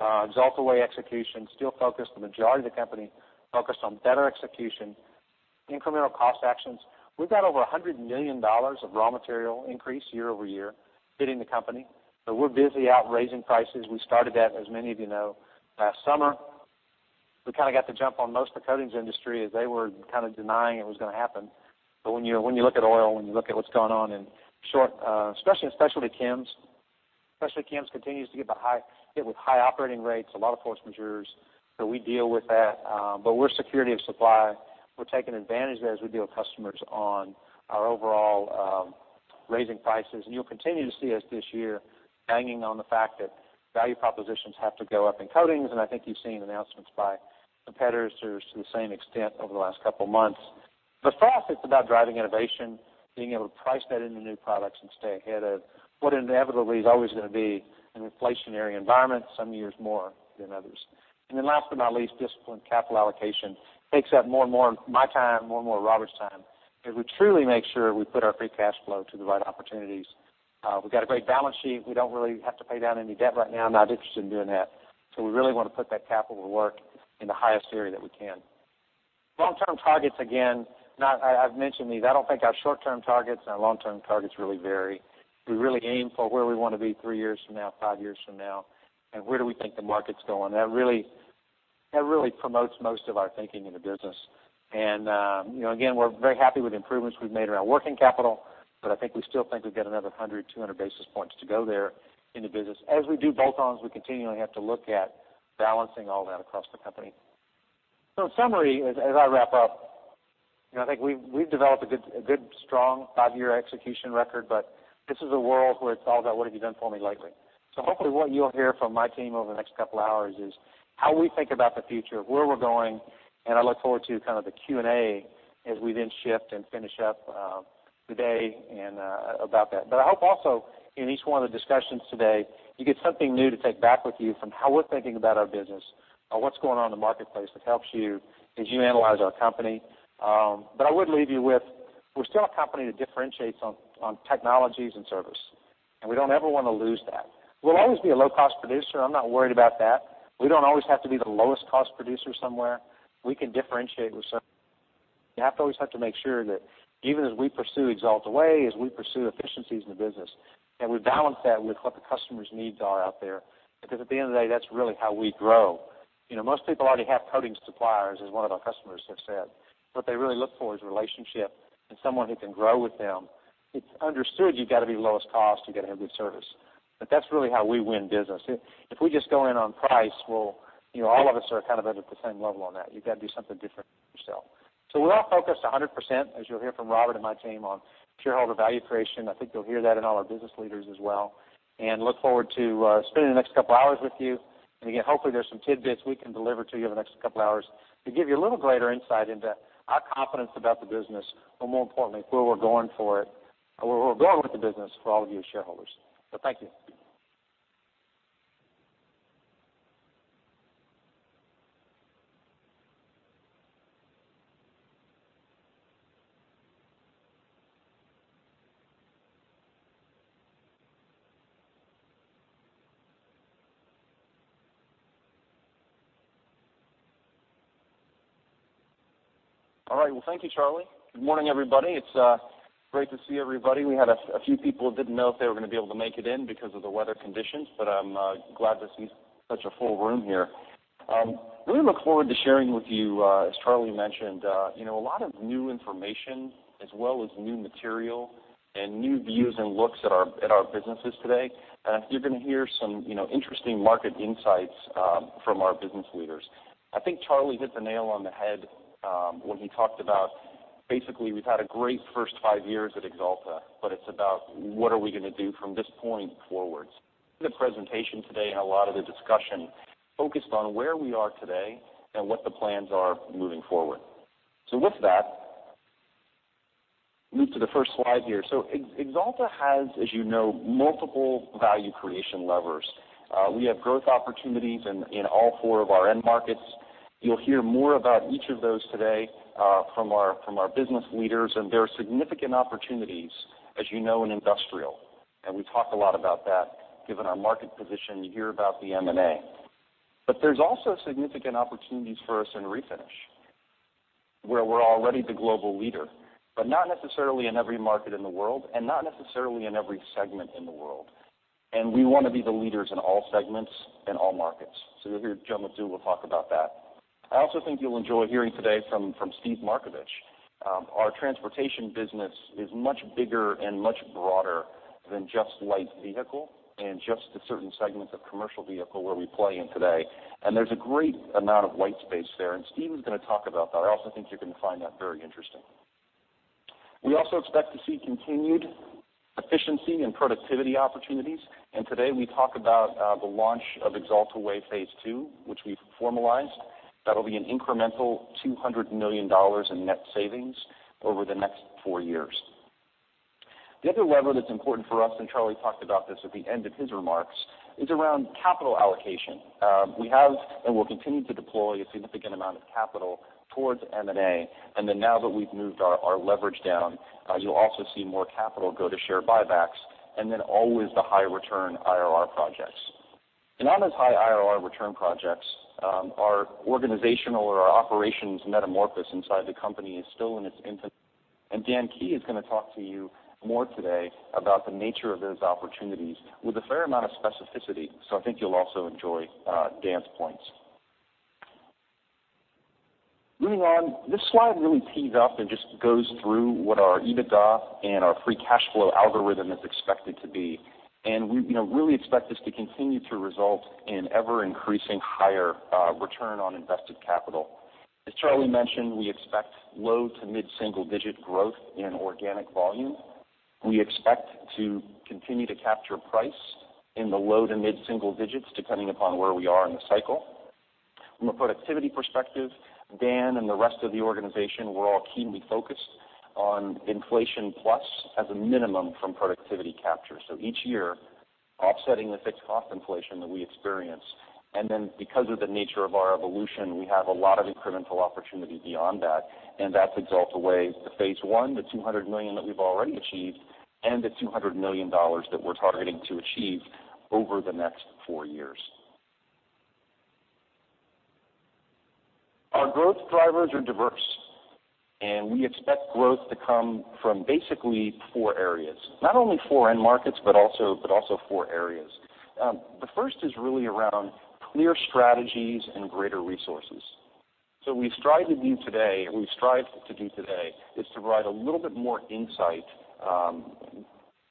Axalta Way execution, still focused. The majority of the company focused on better execution. Incremental cost actions. We've got over $100 million of raw material increase year-over-year hitting the company. We're busy out raising prices. We started that, as many of you know, last summer. We kind of got the jump on most of the coatings industry as they were kind of denying it was going to happen. When you look at oil, when you look at what's going on in short, especially in specialty chems. Specialty chems continues to get hit with high operating rates, a lot of force majeure. We deal with that. We're security of supply. We're taking advantage of that as we deal with customers on our overall raising prices. You'll continue to see us this year banging on the fact that value propositions have to go up in coatings, and I think you've seen announcements by competitors to the same extent over the last couple of months. For us, it's about driving innovation, being able to price that into new products and stay ahead of what inevitably is always going to be an inflationary environment, some years more than others. Last but not least, disciplined capital allocation. Takes up more and more of my time, more and more of Robert's time, as we truly make sure we put our free cash flow to the right opportunities. We've got a great balance sheet. We don't really have to pay down any debt right now. I'm not interested in doing that. We really want to put that capital to work in the highest area that we can. Long-term targets, again, I've mentioned these. I don't think our short-term targets and our long-term targets really vary. We really aim for where we want to be three years from now, five years from now, and where do we think the market's going. That really promotes most of our thinking in the business. Again, we're very happy with the improvements we've made around working capital, I think we still think we've got another 100 basis points, 200 basis points to go there in the business. As we do bolt-ons, we continually have to look at balancing all that across the company. In summary, as I wrap up, I think we've developed a good, strong five-year execution record, this is a world where it's all about what have you done for me lately. Hopefully what you'll hear from my team over the next couple of hours is how we think about the future, where we're going, and I look forward to kind of the Q&A as we then shift and finish up the day. I hope also in each one of the discussions today, you get something new to take back with you from how we're thinking about our business, what's going on in the marketplace that helps you as you analyze our company. I would leave you with. We're still a company that differentiates on technologies and service, and we don't ever want to lose that. We'll always be a low-cost producer. I'm not worried about that. We don't always have to be the lowest cost producer somewhere. We can differentiate with service. You always have to make sure that even as we pursue Axalta Way, as we pursue efficiencies in the business, that we balance that with what the customer's needs are out there. At the end of the day, that's really how we grow. Most people already have coatings suppliers, as one of our customers have said. What they really look for is relationship and someone who can grow with them. It's understood you've got to be lowest cost, you got to have good service. That's really how we win business. If we just go in on price, all of us are kind of at the same level on that. You've got to do something different yourself. We're all focused 100%, as you'll hear from Robert and my team, on shareholder value creation. I think you'll hear that in all our business leaders as well, and look forward to spending the next couple of hours with you. Again, hopefully, there's some tidbits we can deliver to you over the next couple of hours to give you a little greater insight into our confidence about the business, but more importantly, where we're going with the business for all of you shareholders. Thank you. All right. Thank you, Charlie. Good morning, everybody. It's great to see everybody. We had a few people who didn't know if they were going to be able to make it in because of the weather conditions, but I'm glad to see such a full room here. We look forward to sharing with you, as Charlie mentioned, a lot of new information as well as new material and new views and looks at our businesses today. You're going to hear some interesting market insights from our business leaders. I think Charlie hit the nail on the head when he talked about basically we've had a great first five years at Axalta, but it's about what are we going to do from this point forward. The presentation today and a lot of the discussion focused on where we are today and what the plans are moving forward. With that, move to the first slide here. Axalta has, as you know, multiple value creation levers. We have growth opportunities in all four of our end markets. You'll hear more about each of those today from our business leaders, and there are significant opportunities, as you know, in industrial. We talk a lot about that given our market position. You hear about the M&A. There's also significant opportunities for us in Refinish, where we're already the global leader, but not necessarily in every market in the world and not necessarily in every segment in the world. We want to be the leaders in all segments, in all markets. You'll hear Joe McDougall will talk about that. I also think you'll enjoy hearing today from Steve Markevich. Our transportation business is much bigger and much broader than just light vehicle and just the certain segments of commercial vehicle where we play in today. There's a great amount of white space there, and Steve is going to talk about that. I also think you're going to find that very interesting. We also expect to see continued efficiency and productivity opportunities. Today, we talk about the launch of Axalta Way Phase 2, which we've formalized. That'll be an incremental $200 million in net savings over the next four years. The other lever that's important for us, Charlie talked about this at the end of his remarks, is around capital allocation. We have and will continue to deploy a significant amount of capital towards M&A. Now that we've moved our leverage down, you'll also see more capital go to share buybacks. Always the high return IRR projects. On those high IRR return projects, our organizational or our operations metamorphosis inside the company is still in its infancy. Dan Key is going to talk to you more today about the nature of those opportunities with a fair amount of specificity. I think you'll also enjoy Dan's points. Moving on. This slide really tees up and just goes through what our EBITDA and our free cash flow algorithm is expected to be. We really expect this to continue to result in ever-increasing higher return on invested capital. As Charlie mentioned, we expect low to mid-single-digit growth in organic volume. We expect to continue to capture price in the low to mid-single digits, depending upon where we are in the cycle. From a productivity perspective, Dan and the rest of the organization, we're all keenly focused on inflation plus as a minimum from productivity capture. Each year, offsetting the fixed cost inflation that we experience. Because of the nature of our evolution, we have a lot of incremental opportunity beyond that, and that's Axalta Way, the Phase 1, the $200 million that we've already achieved, and the $200 million that we're targeting to achieve over the next four years. Our growth drivers are diverse. We expect growth to come from basically four areas. Not only four end markets, but also four areas. The first is really around clear strategies and greater resources. What we strive to do today is to provide a little bit more insight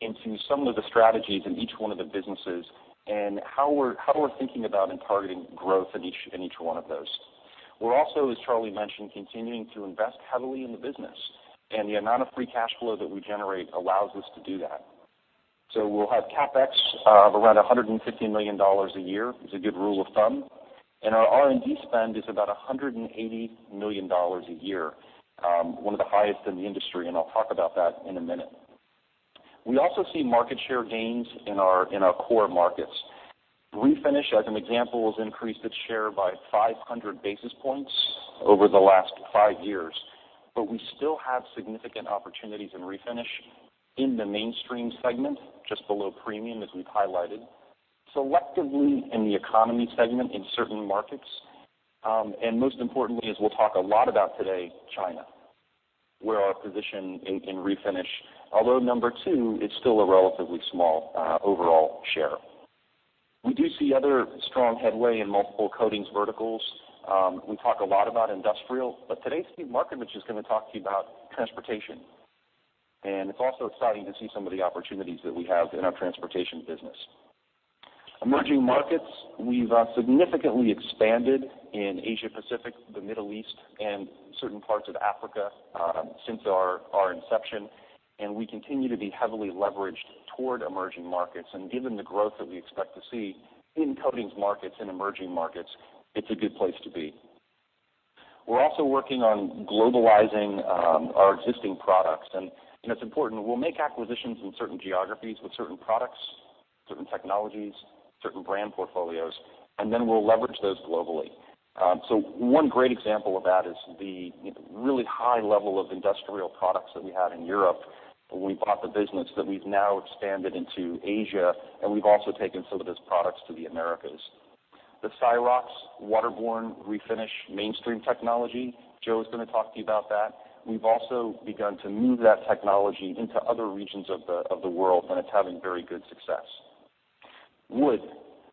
into some of the strategies in each one of the businesses and how we're thinking about and targeting growth in each one of those. We're also, as Charlie mentioned, continuing to invest heavily in the business, the amount of free cash flow that we generate allows us to do that. We'll have CapEx of around $150 million a year, is a good rule of thumb. Our R&D spend is about $180 million a year, one of the highest in the industry, and I'll talk about that in a minute. We also see market share gains in our core markets. Refinish, as an example, has increased its share by 500 basis points over the last five years, but we still have significant opportunities in Refinish in the mainstream segment, just below premium, as we've highlighted, selectively in the economy segment in certain markets. Most importantly, as we'll talk a lot about today, China, where our position in Refinish, although number two, it's still a relatively small overall share. We do see other strong headway in multiple coatings verticals. We talk a lot about industrial, but today, Steve Markevich is going to talk to you about transportation. It's also exciting to see some of the opportunities that we have in our transportation business. Emerging markets, we've significantly expanded in Asia Pacific, the Middle East, and certain parts of Africa since our inception, and we continue to be heavily leveraged toward emerging markets. Given the growth that we expect to see in coatings markets and emerging markets, it's a good place to be. We're also working on globalizing our existing products, and it's important. We'll make acquisitions in certain geographies with certain products, certain technologies, certain brand portfolios, and then we'll leverage those globally. One great example of that is the really high level of industrial products that we had in Europe when we bought the business, that we've now expanded into Asia, and we've also taken some of those products to the Americas. The Syrox waterborne Refinish mainstream technology, Joe is going to talk to you about that. We've also begun to move that technology into other regions of the world, and it's having very good success. Wood.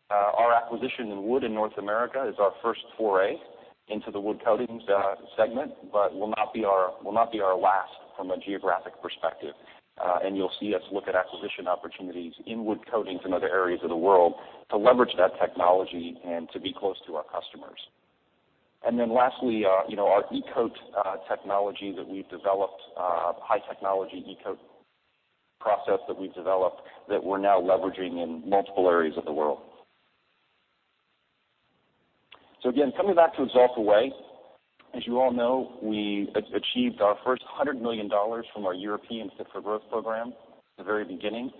Our acquisition in wood in North America is our first foray into the wood coatings segment, but will not be our last from a geographic perspective. You'll see us look at acquisition opportunities in wood coatings in other areas of the world to leverage that technology and to be close to our customers. Lastly, our e-coat technology that we've developed, high technology e-coat process that we've developed, that we're now leveraging in multiple areas of the world. Again, coming back to Axalta Way, as you all know, we achieved our first $100 million from our European Fit for Growth program at the very beginning.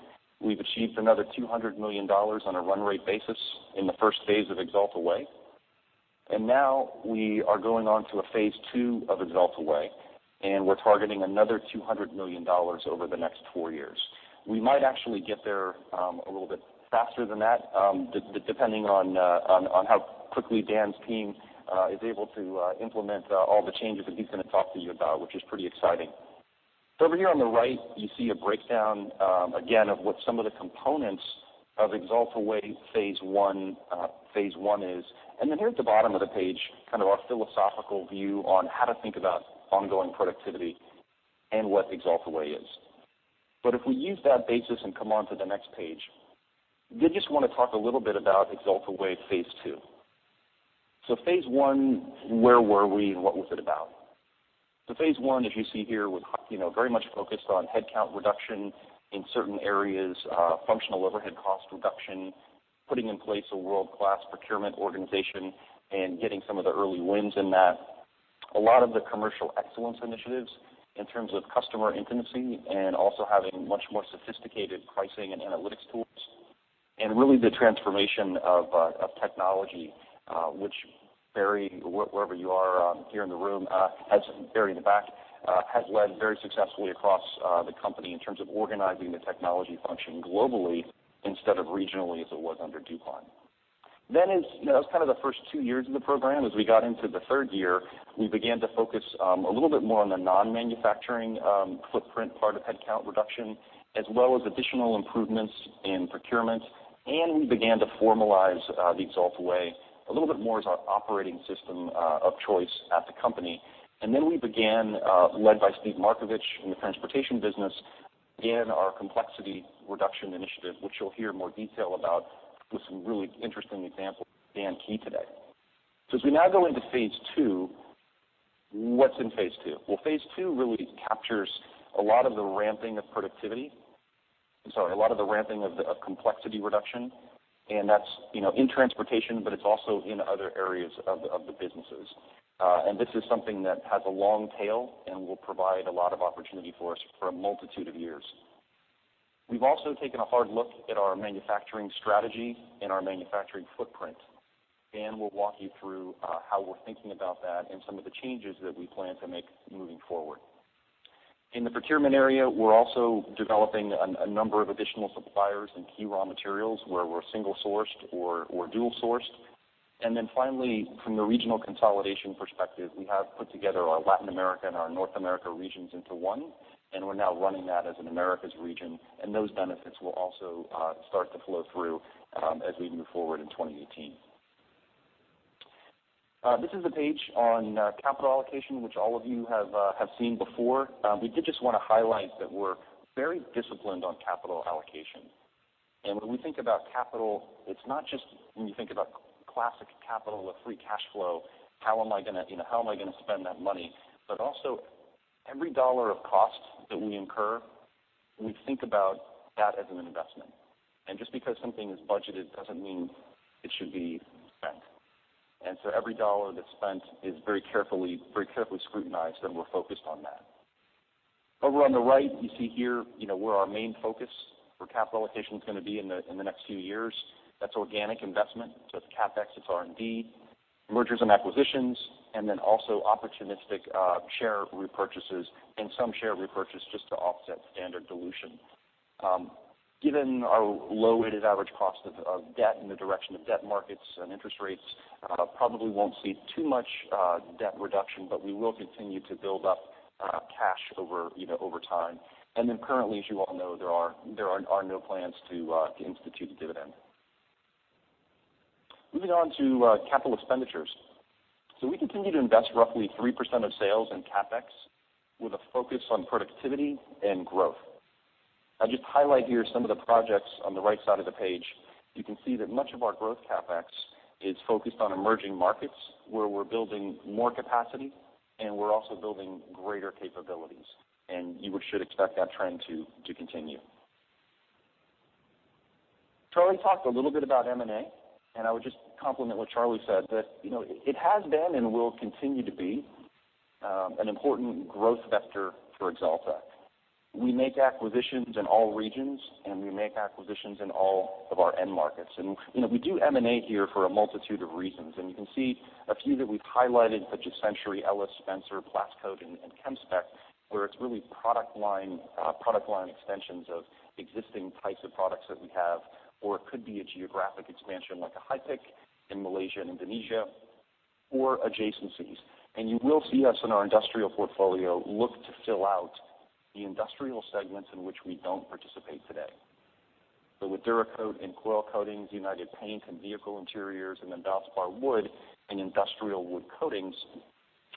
We've achieved another $200 million on a run rate basis in the first phase of Axalta Way. We are going on to a phase 2 of Axalta Way, we're targeting another $200 million over the next four years. We might actually get there a little bit faster than that, depending on how quickly Dan's team is able to implement all the changes that he's going to talk to you about, which is pretty exciting. Over here on the right, you see a breakdown again of what some of the components of Axalta Way phase 1 is. Here at the bottom of the page, our philosophical view on how to think about ongoing productivity and what Axalta Way is. If we use that basis and come on to the next page, I did just want to talk a little bit about Axalta Way phase 2. Phase 1, where were we and what was it about? Phase 1, as you see here, was very much focused on headcount reduction in certain areas, functional overhead cost reduction, putting in place a world-class procurement organization, getting some of the early wins in that. A lot of the commercial excellence initiatives in terms of customer intimacy and also having much more sophisticated pricing and analytics tools. Really the transformation of technology, which Barry, wherever you are here in the room, Barry in the back, has led very successfully across the company in terms of organizing the technology function globally instead of regionally as it was under DuPont. That was the first 2 years of the program. As we got into the 3rd year, we began to focus a little bit more on the non-manufacturing footprint part of headcount reduction, as well as additional improvements in procurement. We began to formalize the Axalta Way a little bit more as our operating system of choice at the company. We began, led by Steve Markevich in the transportation business, began our complexity reduction initiative, which you'll hear more detail about with some really interesting examples from Dan Key today. As we now go into phase 2, what's in phase 2? Phase 2 really captures a lot of the ramping of productivity. I'm sorry, a lot of the ramping of complexity reduction, that's in transportation, but it's also in other areas of the businesses. This is something that has a long tail and will provide a lot of opportunity for us for a multitude of years. We've also taken a hard look at our manufacturing strategy and our manufacturing footprint. Dan will walk you through how we're thinking about that and some of the changes that we plan to make moving forward. In the procurement area, we're also developing a number of additional suppliers and key raw materials where we're single-sourced or dual-sourced. Finally, from the regional consolidation perspective, we have put together our Latin America and our North America regions into 1, we're now running that as an Americas region, those benefits will also start to flow through as we move forward in 2018. This is a page on capital allocation, which all of you have seen before. We did just want to highlight that we're very disciplined on capital allocation. When we think about capital, it's not just when you think about classic capital or free cash flow, how am I going to spend that money? Also every dollar of cost that we incur, we think about that as an investment. Just because something is budgeted doesn't mean it should be. Every dollar that's spent is very carefully scrutinized, and we're focused on that. Over on the right, you see here where our main focus for capital allocation is going to be in the next few years. That's organic investment. It's CapEx, it's R&D, mergers and acquisitions, opportunistic share repurchases and some share repurchase just to offset standard dilution. Given our low weighted average cost of debt and the direction of debt markets and interest rates, probably won't see too much debt reduction, but we will continue to build up cash over time. Currently, as you all know, there are no plans to institute a dividend. Moving on to capital expenditures. We continue to invest roughly 3% of sales in CapEx with a focus on productivity and growth. I'll just highlight here some of the projects on the right side of the page. You can see that much of our growth CapEx is focused on emerging markets, where we're building more capacity, and we're also building greater capabilities. You should expect that trend to continue. Charlie talked a little bit about M&A, I would just complement what Charlie said, that it has been and will continue to be an important growth vector for Axalta. We make acquisitions in all regions, and we make acquisitions in all of our end markets. We do M&A here for a multitude of reasons. You can see a few that we've highlighted, such as Century, Ellis, Spencer, Plascoat, and ChemSpec, where it's really product line extensions of existing types of products that we have, or it could be a geographic expansion like a HIPIC in Malaysia and Indonesia, or adjacencies. You will see us in our industrial portfolio look to fill out the industrial segments in which we don't participate today. With DuraCoat and coil coatings, United Paint and vehicle interiors, Valspar Wood and industrial wood coatings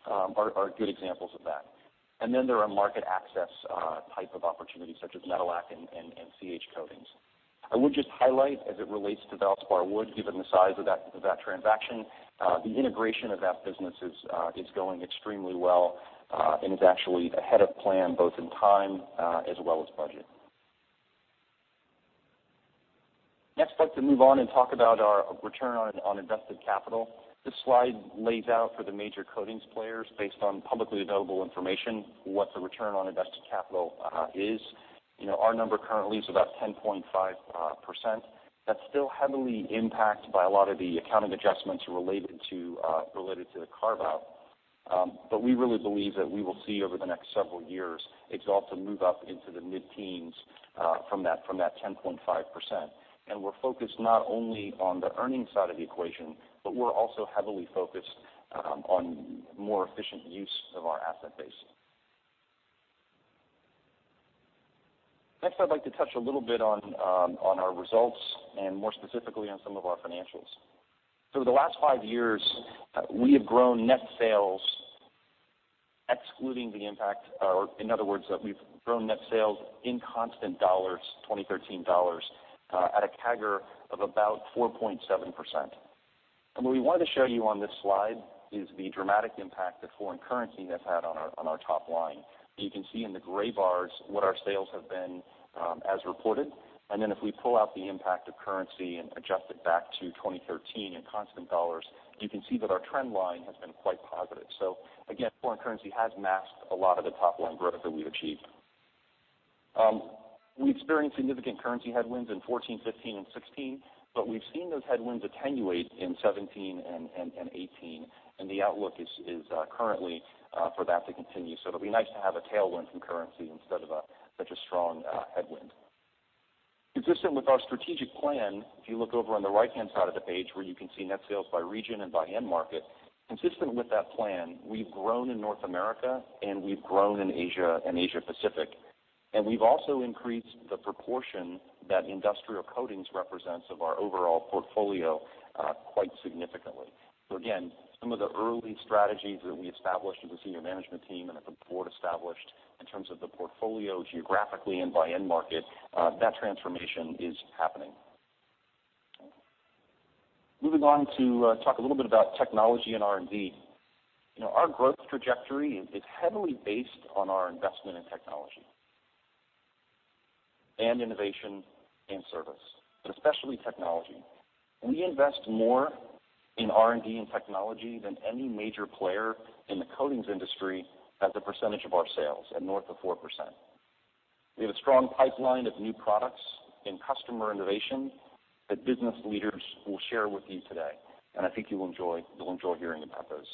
are good examples of that. There are market access type of opportunities such as Metalak and CH Coatings. I would just highlight as it relates to Valspar Wood, given the size of that transaction, the integration of that business is going extremely well, and is actually ahead of plan, both in time as well as budget. Next, I'd like to move on and talk about our return on invested capital. This slide lays out for the major coatings players, based on publicly available information, what the return on invested capital is. Our number currently is about 10.5%. That's still heavily impacted by a lot of the accounting adjustments related to the carve-out. We really believe that we will see over the next several years Axalta move up into the mid-teens from that 10.5%. We're focused not only on the earnings side of the equation, but we're also heavily focused on more efficient use of our asset base. Next, I'd like to touch a little bit on our results and more specifically on some of our financials. Over the last five years, we have grown net sales excluding the impact, or in other words, that we've grown net sales in constant dollars, 2013 dollars, at a CAGR of about 4.7%. What we wanted to show you on this slide is the dramatic impact that foreign currency has had on our top line. You can see in the gray bars what our sales have been as reported, and then if we pull out the impact of currency and adjust it back to 2013 in constant dollars, you can see that our trend line has been quite positive. Again, foreign currency has masked a lot of the top-line growth that we've achieved. We experienced significant currency headwinds in 2014, 2015, and 2016, but we've seen those headwinds attenuate in 2017 and 2018, and the outlook is currently for that to continue. It'll be nice to have a tailwind from currency instead of such a strong headwind. Consistent with our strategic plan, if you look over on the right-hand side of the page where you can see net sales by region and by end market, consistent with that plan, we've grown in North America and we've grown in Asia and Asia Pacific. We've also increased the proportion that Industrial Coatings represents of our overall portfolio quite significantly. Again, some of the early strategies that we established as a senior management team and that the board established in terms of the portfolio geographically and by end market, that transformation is happening. Moving on to talk a little bit about technology and R&D. Our growth trajectory is heavily based on our investment in technology, and innovation, and service, but especially technology. We invest more in R&D and technology than any major player in the coatings industry as a percentage of our sales at north of 4%. We have a strong pipeline of new products and customer innovation that business leaders will share with you today, and I think you'll enjoy hearing about those.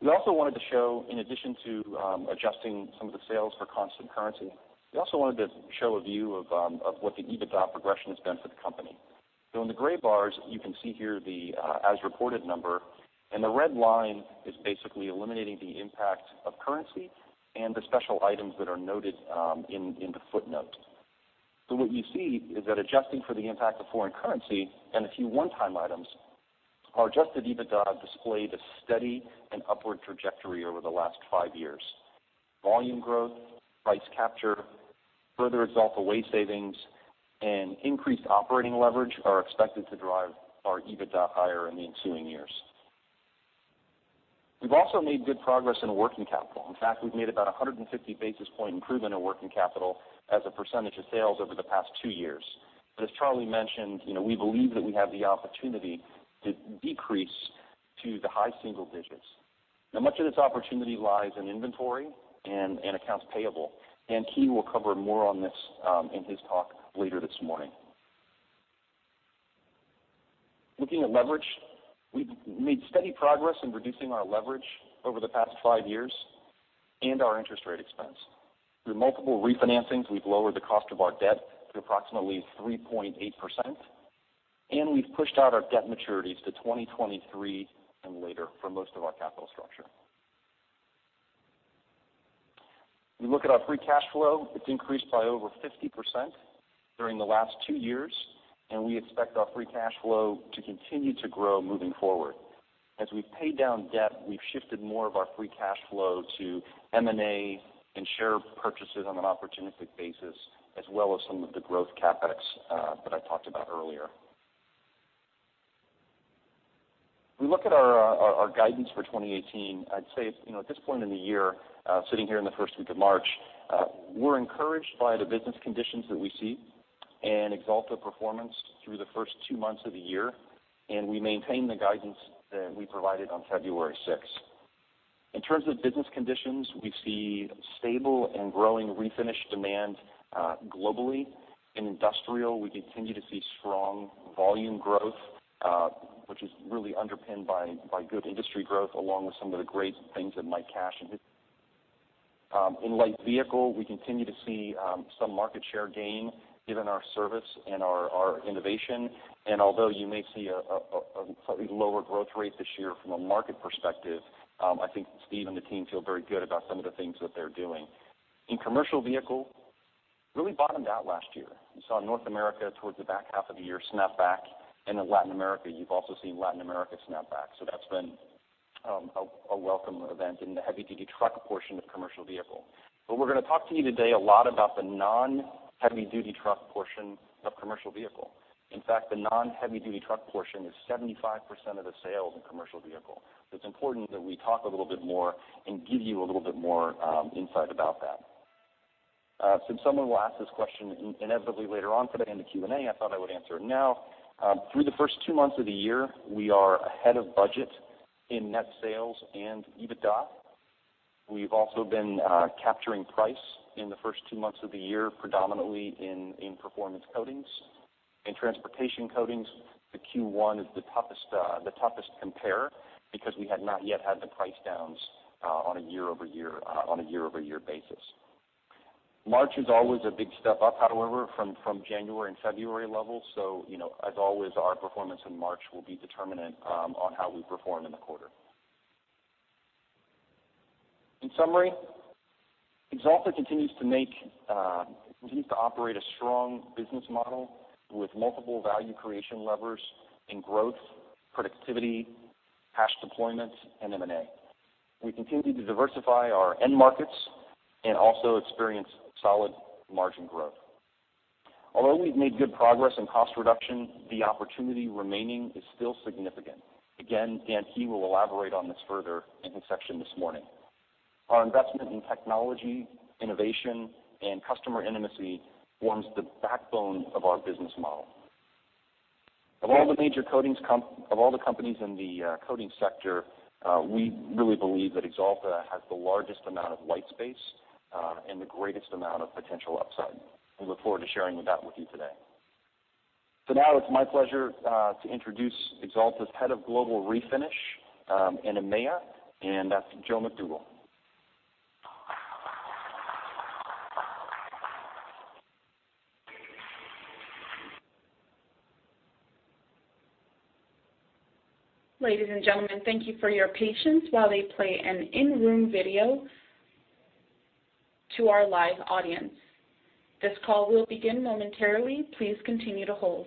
We also wanted to show, in addition to adjusting some of the sales for constant currency, we also wanted to show a view of what the EBITDA progression has been for the company. In the gray bars, you can see here the as-reported number, and the red line is basically eliminating the impact of currency and the special items that are noted in the footnote. What you see is that adjusting for the impact of foreign currency and a few one-time items, our adjusted EBITDA displayed a steady and upward trajectory over the last five years. Volume growth, price capture, further Axalta waste savings, and increased operating leverage are expected to drive our EBITDA higher in the ensuing years. We've also made good progress in working capital. In fact, we've made about 150 basis point improvement in working capital as a percentage of sales over the past two years. As Charlie mentioned, we believe that we have the opportunity to decrease to the high single digits. Now, much of this opportunity lies in inventory and accounts payable, and he will cover more on this in his talk later this morning. Looking at leverage, we've made steady progress in reducing our leverage over the past five years and our interest rate expense. Through multiple refinancings, we've lowered the cost of our debt to approximately 3.8%, and we've pushed out our debt maturities to 2023 and later for most of our capital structure. We look at our free cash flow. It's increased by over 50% during the last two years, and we expect our free cash flow to continue to grow moving forward. As we've paid down debt, we've shifted more of our free cash flow to M&A and share purchases on an opportunistic basis, as well as some of the growth CapEx that I talked about earlier. We look at our guidance for 2018. I'd say at this point in the year, sitting here in the first week of March, we're encouraged by the business conditions that we see and Axalta performance through the first two months of the year, and we maintain the guidance that we provided on February 6. In terms of business conditions, we see stable and growing refinish demand globally. In industrial, we continue to see strong volume growth, which is really underpinned by good industry growth, along with some of the great things that Mike Cash. In light vehicle, we continue to see some market share gain given our service and our innovation. Although you may see a slightly lower growth rate this year from a market perspective, I think Steve and the team feel very good about some of the things that they're doing. In commercial vehicle, really bottomed out last year. We saw North America towards the back half of the year snap back. In Latin America, you've also seen Latin America snap back. That's been a welcome event in the heavy-duty truck portion of commercial vehicle. We're going to talk to you today a lot about the non-heavy-duty truck portion of commercial vehicle. In fact, the non-heavy-duty truck portion is 75% of the sales in commercial vehicle. It's important that we talk a little bit more and give you a little bit more insight about that. Since someone will ask this question inevitably later on today in the Q&A, I thought I would answer it now. Through the first two months of the year, we are ahead of budget in net sales and EBITDA. We've also been capturing price in the first two months of the year, predominantly in performance coatings. In transportation coatings, the Q1 is the toughest compare because we had not yet had the price downs on a year-over-year basis. March is always a big step up, however, from January and February levels. As always, our performance in March will be determinant on how we perform in the quarter. In summary, Axalta continues to operate a strong business model with multiple value creation levers in growth, productivity, cash deployment, and M&A. We continue to diversify our end markets and also experience solid margin growth. Although we've made good progress in cost reduction, the opportunity remaining is still significant. Again, Dan will elaborate on this further in his section this morning. Our investment in technology, innovation, and customer intimacy forms the backbone of our business model. Of all the companies in the coatings sector, we really believe that Axalta has the largest amount of white space and the greatest amount of potential upside. We look forward to sharing that with you today. Now it's my pleasure to introduce Axalta's Head of Global Refinish in EMEA, and that's Joe McDougall. Ladies and gentlemen, thank you for your patience while they play an in-room video to our live audience. This call will begin momentarily. Please continue to hold.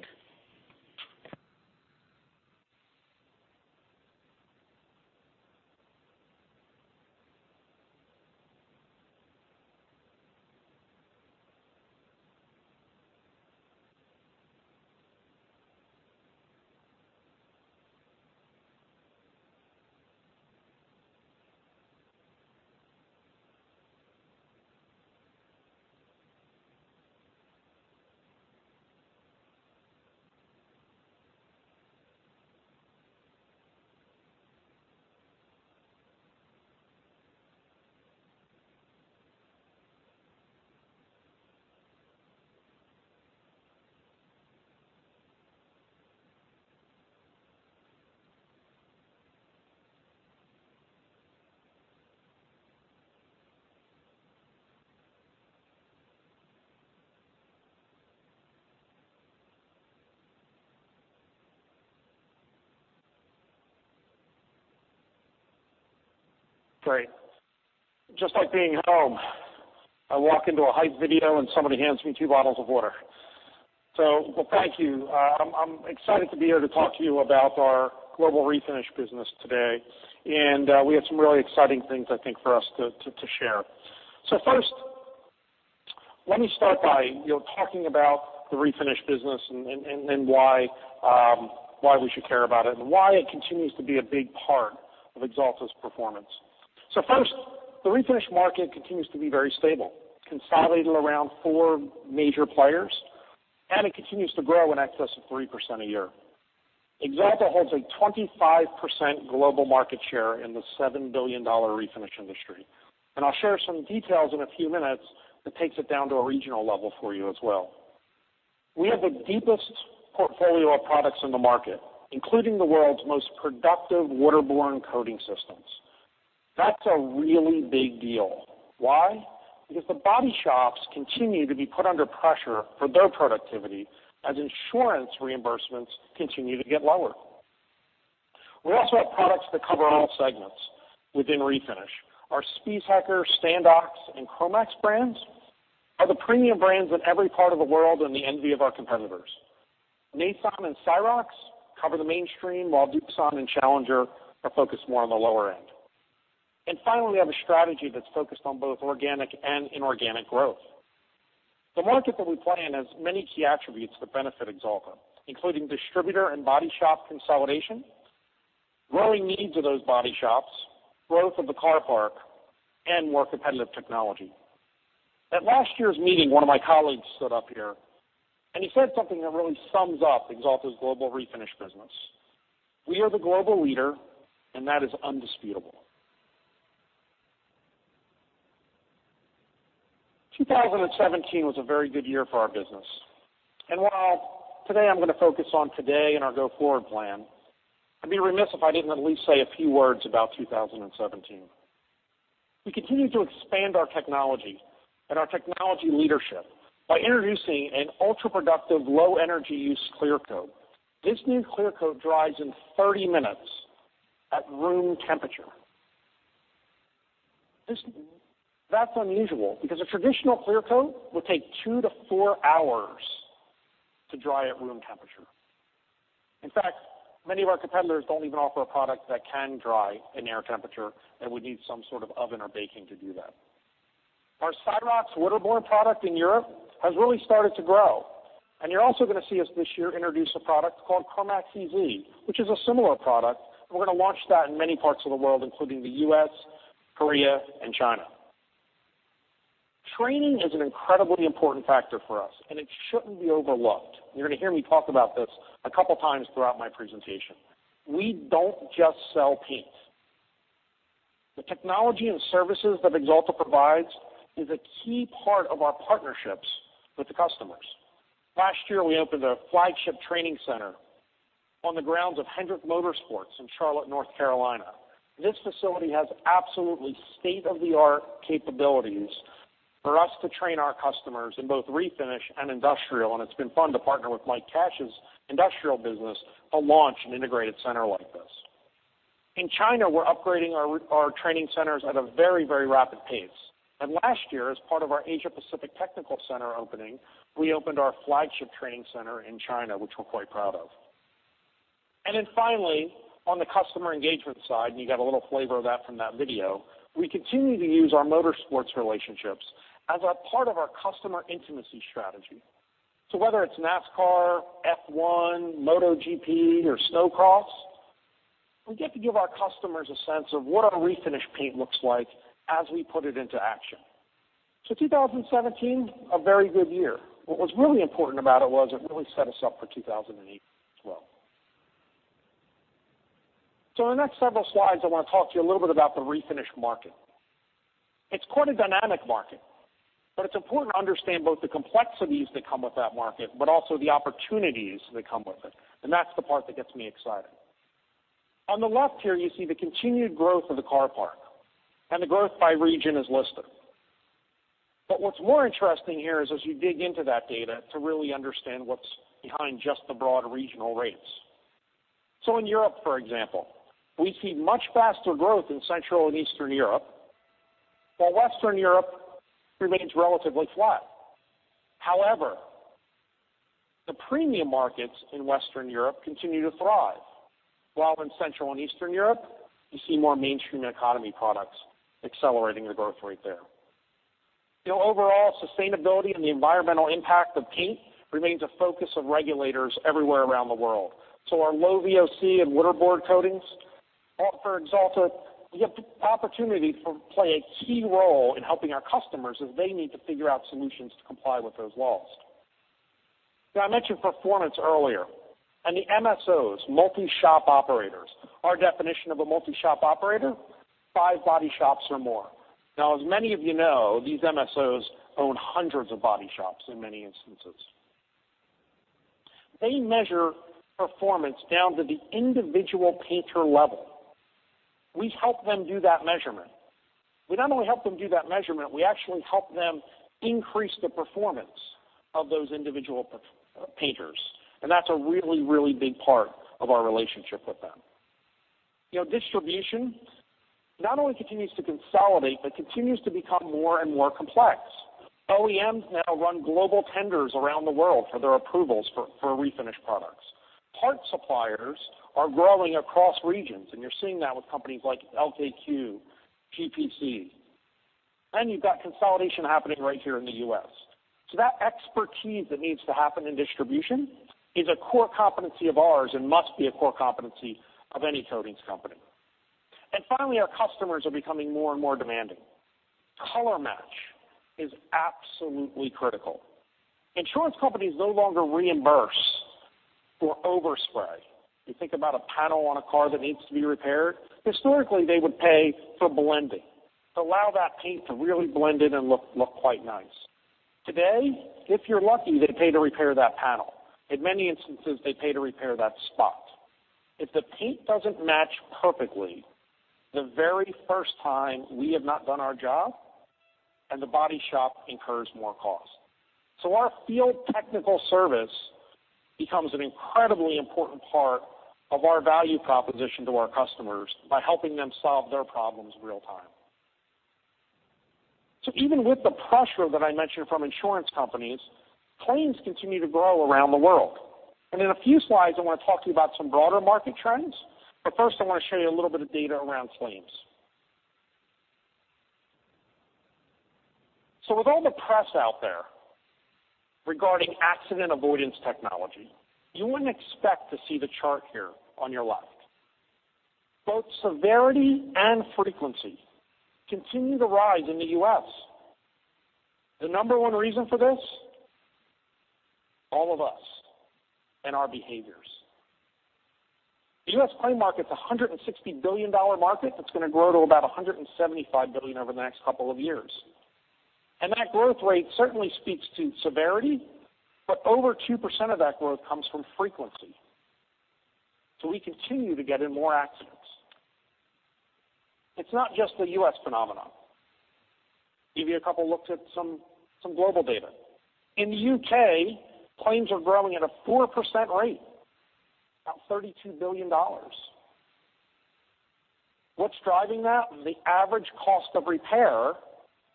Great. Just like being home. I walk into a hyped video, somebody hands me two bottles of water. Well, thank you. I'm excited to be here to talk to you about our global refinish business today, we have some really exciting things, I think, for us to share. First Let me start by talking about the refinish business and why we should care about it, why it continues to be a big part of Axalta's performance. First, the refinish market continues to be very stable, consolidated around four major players, it continues to grow in excess of 3% a year. Axalta has a 25% global market share in the $7 billion refinish industry, I'll share some details in a few minutes that takes it down to a regional level for you as well. We have the deepest portfolio of products in the market, including the world's most productive waterborne coating systems. That's a really big deal. Why? Because the body shops continue to be put under pressure for their productivity as insurance reimbursements continue to get lower. We also have products that cover all segments within refinish. Our Spies Hecker, Standox, and Cromax brands are the premium brands in every part of the world and the envy of our competitors. Nason and Syrox cover the mainstream, while Duxone and Challenger are focused more on the lower end. Finally, we have a strategy that's focused on both organic and inorganic growth. The market that we play in has many key attributes that benefit Axalta, including distributor and body shop consolidation, growing needs of those body shops, growth of the car park, more competitive technology. At last year's meeting, one of my colleagues stood up here and he said something that really sums up Axalta's global refinish business. We are the global leader, that is undisputable. 2017 was a very good year for our business. While today I'm going to focus on today and our go-forward plan, I'd be remiss if I didn't at least say a few words about 2017. We continued to expand our technology and our technology leadership by introducing an ultra-productive, low energy use clear coat. This new clear coat dries in 30 minutes at room temperature. That's unusual, because a traditional clear coat would take 2 to 4 hours to dry at room temperature. In fact, many of our competitors don't even offer a product that can dry in air temperature, and would need some sort of oven or baking to do that. Our Syrox waterborne product in Europe has really started to grow. You're also going to see us this year introduce a product called Cromax EZ, which is a similar product. We're going to launch that in many parts of the world, including the U.S., Korea, and China. Training is an incredibly important factor for us. It shouldn't be overlooked. You're going to hear me talk about this a couple times throughout my presentation. We don't just sell paint. The technology and services that Axalta provides is a key part of our partnerships with the customers. Last year, we opened a flagship training center on the grounds of Hendrick Motorsports in Charlotte, North Carolina. This facility has absolutely state-of-the-art capabilities for us to train our customers in both refinish and industrial. It's been fun to partner with Mike Cash's industrial business to launch an integrated center like this. In China, we're upgrading our training centers at a very rapid pace. Last year, as part of our Asia-Pacific technical center opening, we opened our flagship training center in China, which we're quite proud of. Then finally, on the customer engagement side, you got a little flavor of that from that video. We continue to use our motorsports relationships as a part of our customer intimacy strategy. Whether it's NASCAR, F1, MotoGP, or Snocross, we get to give our customers a sense of what our refinish paint looks like as we put it into action. 2017, a very good year. What was really important about it was it really set us up for 2018 as well. In the next several slides, I want to talk to you a little bit about the refinish market. It's quite a dynamic market. It's important to understand both the complexities that come with that market, also the opportunities that come with it. That's the part that gets me excited. On the left here, you see the continued growth of the car park. The growth by region is listed. What's more interesting here is as you dig into that data to really understand what's behind just the broad regional rates. In Europe, for example, we see much faster growth in Central and Eastern Europe, while Western Europe remains relatively flat. However, the premium markets in Western Europe continue to thrive. While in Central and Eastern Europe, you see more mainstream economy products accelerating the growth rate there. The overall sustainability and the environmental impact of paint remains a focus of regulators everywhere around the world. Our low VOC and waterborne coatings offer Axalta the opportunity to play a key role in helping our customers as they need to figure out solutions to comply with those laws. I mentioned performance earlier, and the MSOs, multi-shop operators. Our definition of a multi-shop operator, five body shops or more. As many of you know, these MSOs own hundreds of body shops in many instances. They measure performance down to the individual painter level. We help them do that measurement. We not only help them do that measurement, we actually help them increase the performance of those individual painters, and that's a really big part of our relationship with them. Distribution not only continues to consolidate, but continues to become more and more complex. OEMs now run global tenders around the world for their approvals for refinish products. Part suppliers are growing across regions, and you're seeing that with companies like LKQ, GPC. You've got consolidation happening right here in the U.S. So that expertise that needs to happen in distribution is a core competency of ours and must be a core competency of any coatings company. Finally, our customers are becoming more and more demanding. Color match is absolutely critical. Insurance companies no longer reimburse for overspray. You think about a panel on a car that needs to be repaired. Historically, they would pay for blending, to allow that paint to really blend in and look quite nice. Today, if you're lucky, they pay to repair that panel. In many instances, they pay to repair that spot. If the paint doesn't match perfectly the very first time, we have not done our job, and the body shop incurs more cost. Our field technical service becomes an incredibly important part of our value proposition to our customers by helping them solve their problems real time. Even with the pressure that I mentioned from insurance companies, claims continue to grow around the world. In a few slides, I want to talk to you about some broader market trends. First, I want to show you a little bit of data around claims. With all the press out there regarding accident avoidance technology, you wouldn't expect to see the chart here on your left. Both severity and frequency continue to rise in the U.S. The number 1 reason for this, all of us and our behaviors. The U.S. claim market's a $160 billion market that's going to grow to about $175 billion over the next couple of years. That growth rate certainly speaks to severity, but over 2% of that growth comes from frequency. We continue to get in more accidents. It's not just a U.S. phenomenon. Give you a couple looks at some global data. In the U.K., claims are growing at a 4% rate, about $32 billion. What's driving that? The average cost of repair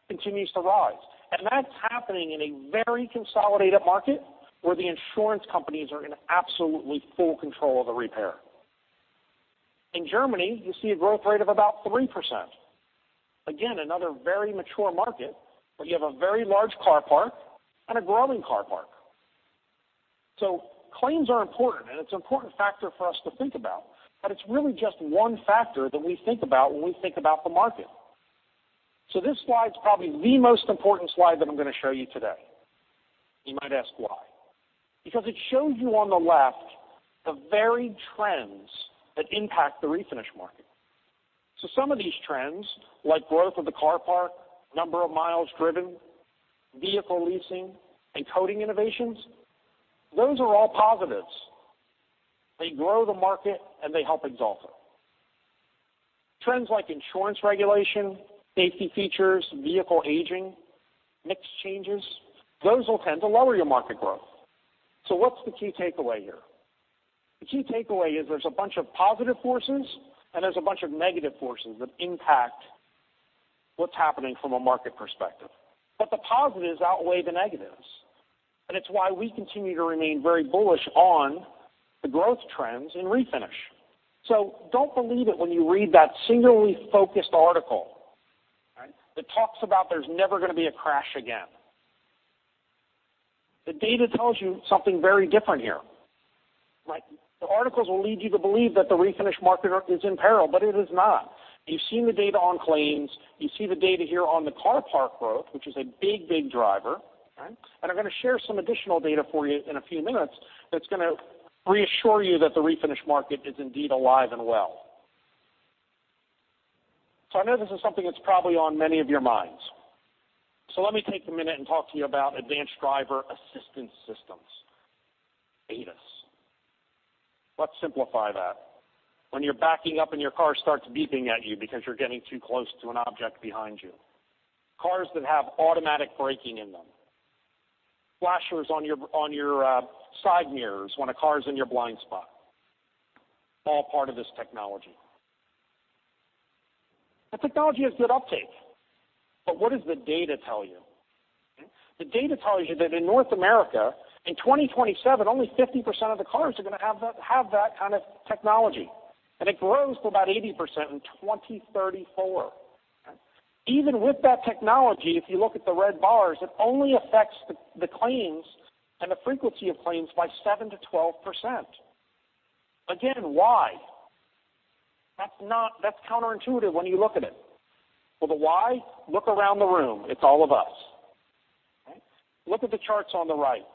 continues to rise, and that's happening in a very consolidated market where the insurance companies are in absolutely full control of the repair. In Germany, you see a growth rate of about 3%. Again, another very mature market, but you have a very large car park and a growing car park. Claims are important, and it's an important factor for us to think about, but it's really just one factor that we think about when we think about the market. This slide's probably the most important slide that I'm going to show you today. You might ask why. It shows you on the left the very trends that impact the refinish market. Some of these trends, like growth of the car park, number of miles driven, vehicle leasing, and coating innovations, those are all positives. They grow the market and they help Axalta. Trends like insurance regulation, safety features, vehicle aging, mix changes, those will tend to lower your market growth. What's the key takeaway here? The key takeaway is there's a bunch of positive forces and there's a bunch of negative forces that impact what's happening from a market perspective, but the positives outweigh the negatives, and it's why we continue to remain very bullish on the growth trends in refinish. Don't believe it when you read that singularly focused article, okay, that talks about there's never going to be a crash again. The data tells you something very different here, right? The articles will lead you to believe that the refinish market is in peril, but it is not. You've seen the data on claims. You see the data here on the car park growth, which is a big driver, okay? I'm going to share some additional data for you in a few minutes that's going to reassure you that the refinish market is indeed alive and well. I know this is something that's probably on many of your minds. Let me take a minute and talk to you about advanced driver assistance systems, ADAS. Let's simplify that. When you're backing up and your car starts beeping at you because you're getting too close to an object behind you. Cars that have automatic braking in them, flashers on your side mirrors when a car's in your blind spot, all part of this technology. That technology has good uptake. What does the data tell you? The data tells you that in North America, in 2027, only 50% of the cars are going to have that kind of technology, and it grows to about 80% in 2034. Even with that technology, if you look at the red bars, it only affects the claims and the frequency of claims by 7%-12%. Again, why? That's counterintuitive when you look at it. For the why, look around the room. It's all of us. Look at the charts on the right.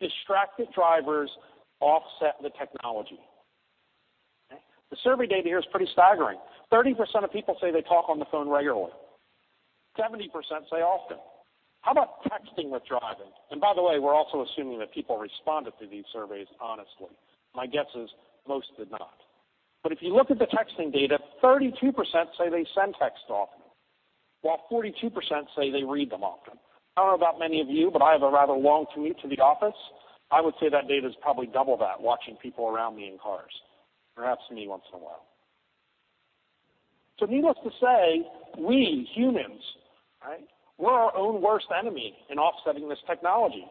Distracted drivers offset the technology. The survey data here is pretty staggering. 30% of people say they talk on the phone regularly. 70% say often. How about texting with driving? By the way, we're also assuming that people responded to these surveys honestly. My guess is most did not. If you look at the texting data, 32% say they send texts often, while 42% say they read them often. I don't know about many of you, but I have a rather long commute to the office. I would say that data's probably double that, watching people around me in cars. Perhaps me once in a while. Needless to say, we humans, we're our own worst enemy in offsetting this technology.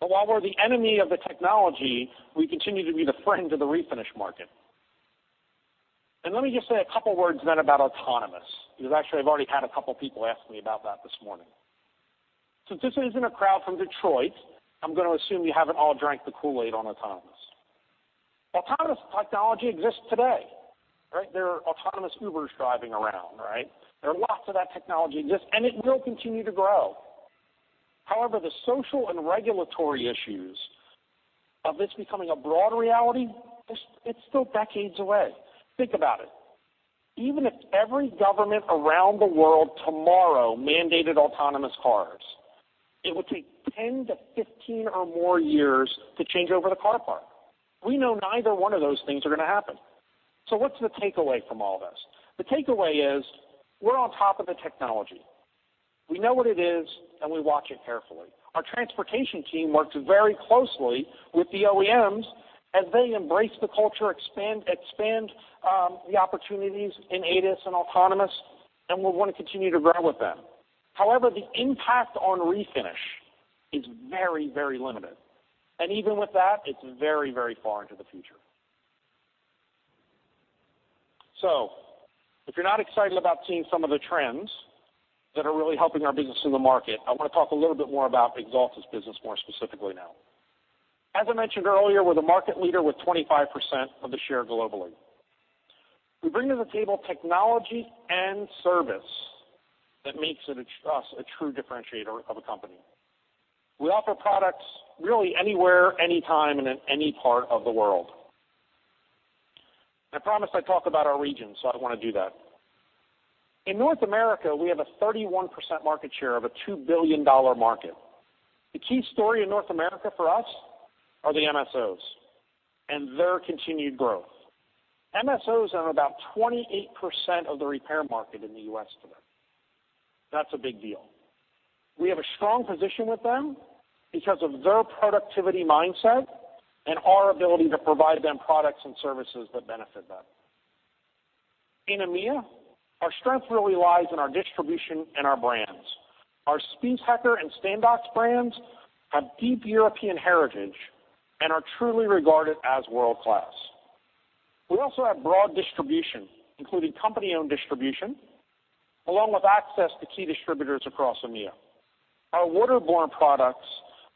While we're the enemy of the technology, we continue to be the friend of the refinish market. Let me just say a couple of words then about autonomous, because actually I've already had a couple people ask me about that this morning. Since this isn't a crowd from Detroit, I'm going to assume you haven't all drank the Kool-Aid on autonomous. Autonomous technology exists today. There are autonomous Ubers driving around. There are lots of that technology, and it will continue to grow. However, the social and regulatory issues of this becoming a broad reality, it's still decades away. Think about it. Even if every government around the world tomorrow mandated autonomous cars, it would take 10-15 or more years to change over the car park. We know neither one of those things are going to happen. What's the takeaway from all this? The takeaway is we're on top of the technology. We know what it is, and we watch it carefully. Our transportation team works very closely with the OEMs as they embrace the culture, expand the opportunities in ADAS and autonomous, and we're going to continue to grow with them. However, the impact on refinish is very limited. Even with that, it's very far into the future. If you're not excited about seeing some of the trends that are really helping our business in the market, I want to talk a little bit more about Axalta's business more specifically now. As I mentioned earlier, we're the market leader with 25% of the share globally. We bring to the table technology and service that makes us a true differentiator of a company. We offer products really anywhere, anytime, and in any part of the world. I promised I'd talk about our regions, I want to do that. In North America, we have a 31% market share of a $2 billion market. The key story in North America for us are the MSOs and their continued growth. MSOs are about 28% of the repair market in the U.S. today. That's a big deal. We have a strong position with them because of their productivity mindset and our ability to provide them products and services that benefit them. In EMEA, our strength really lies in our distribution and our brands. Our Spies Hecker and Standox brands have deep European heritage and are truly regarded as world-class. We also have broad distribution, including company-owned distribution, along with access to key distributors across EMEA. Our waterborne products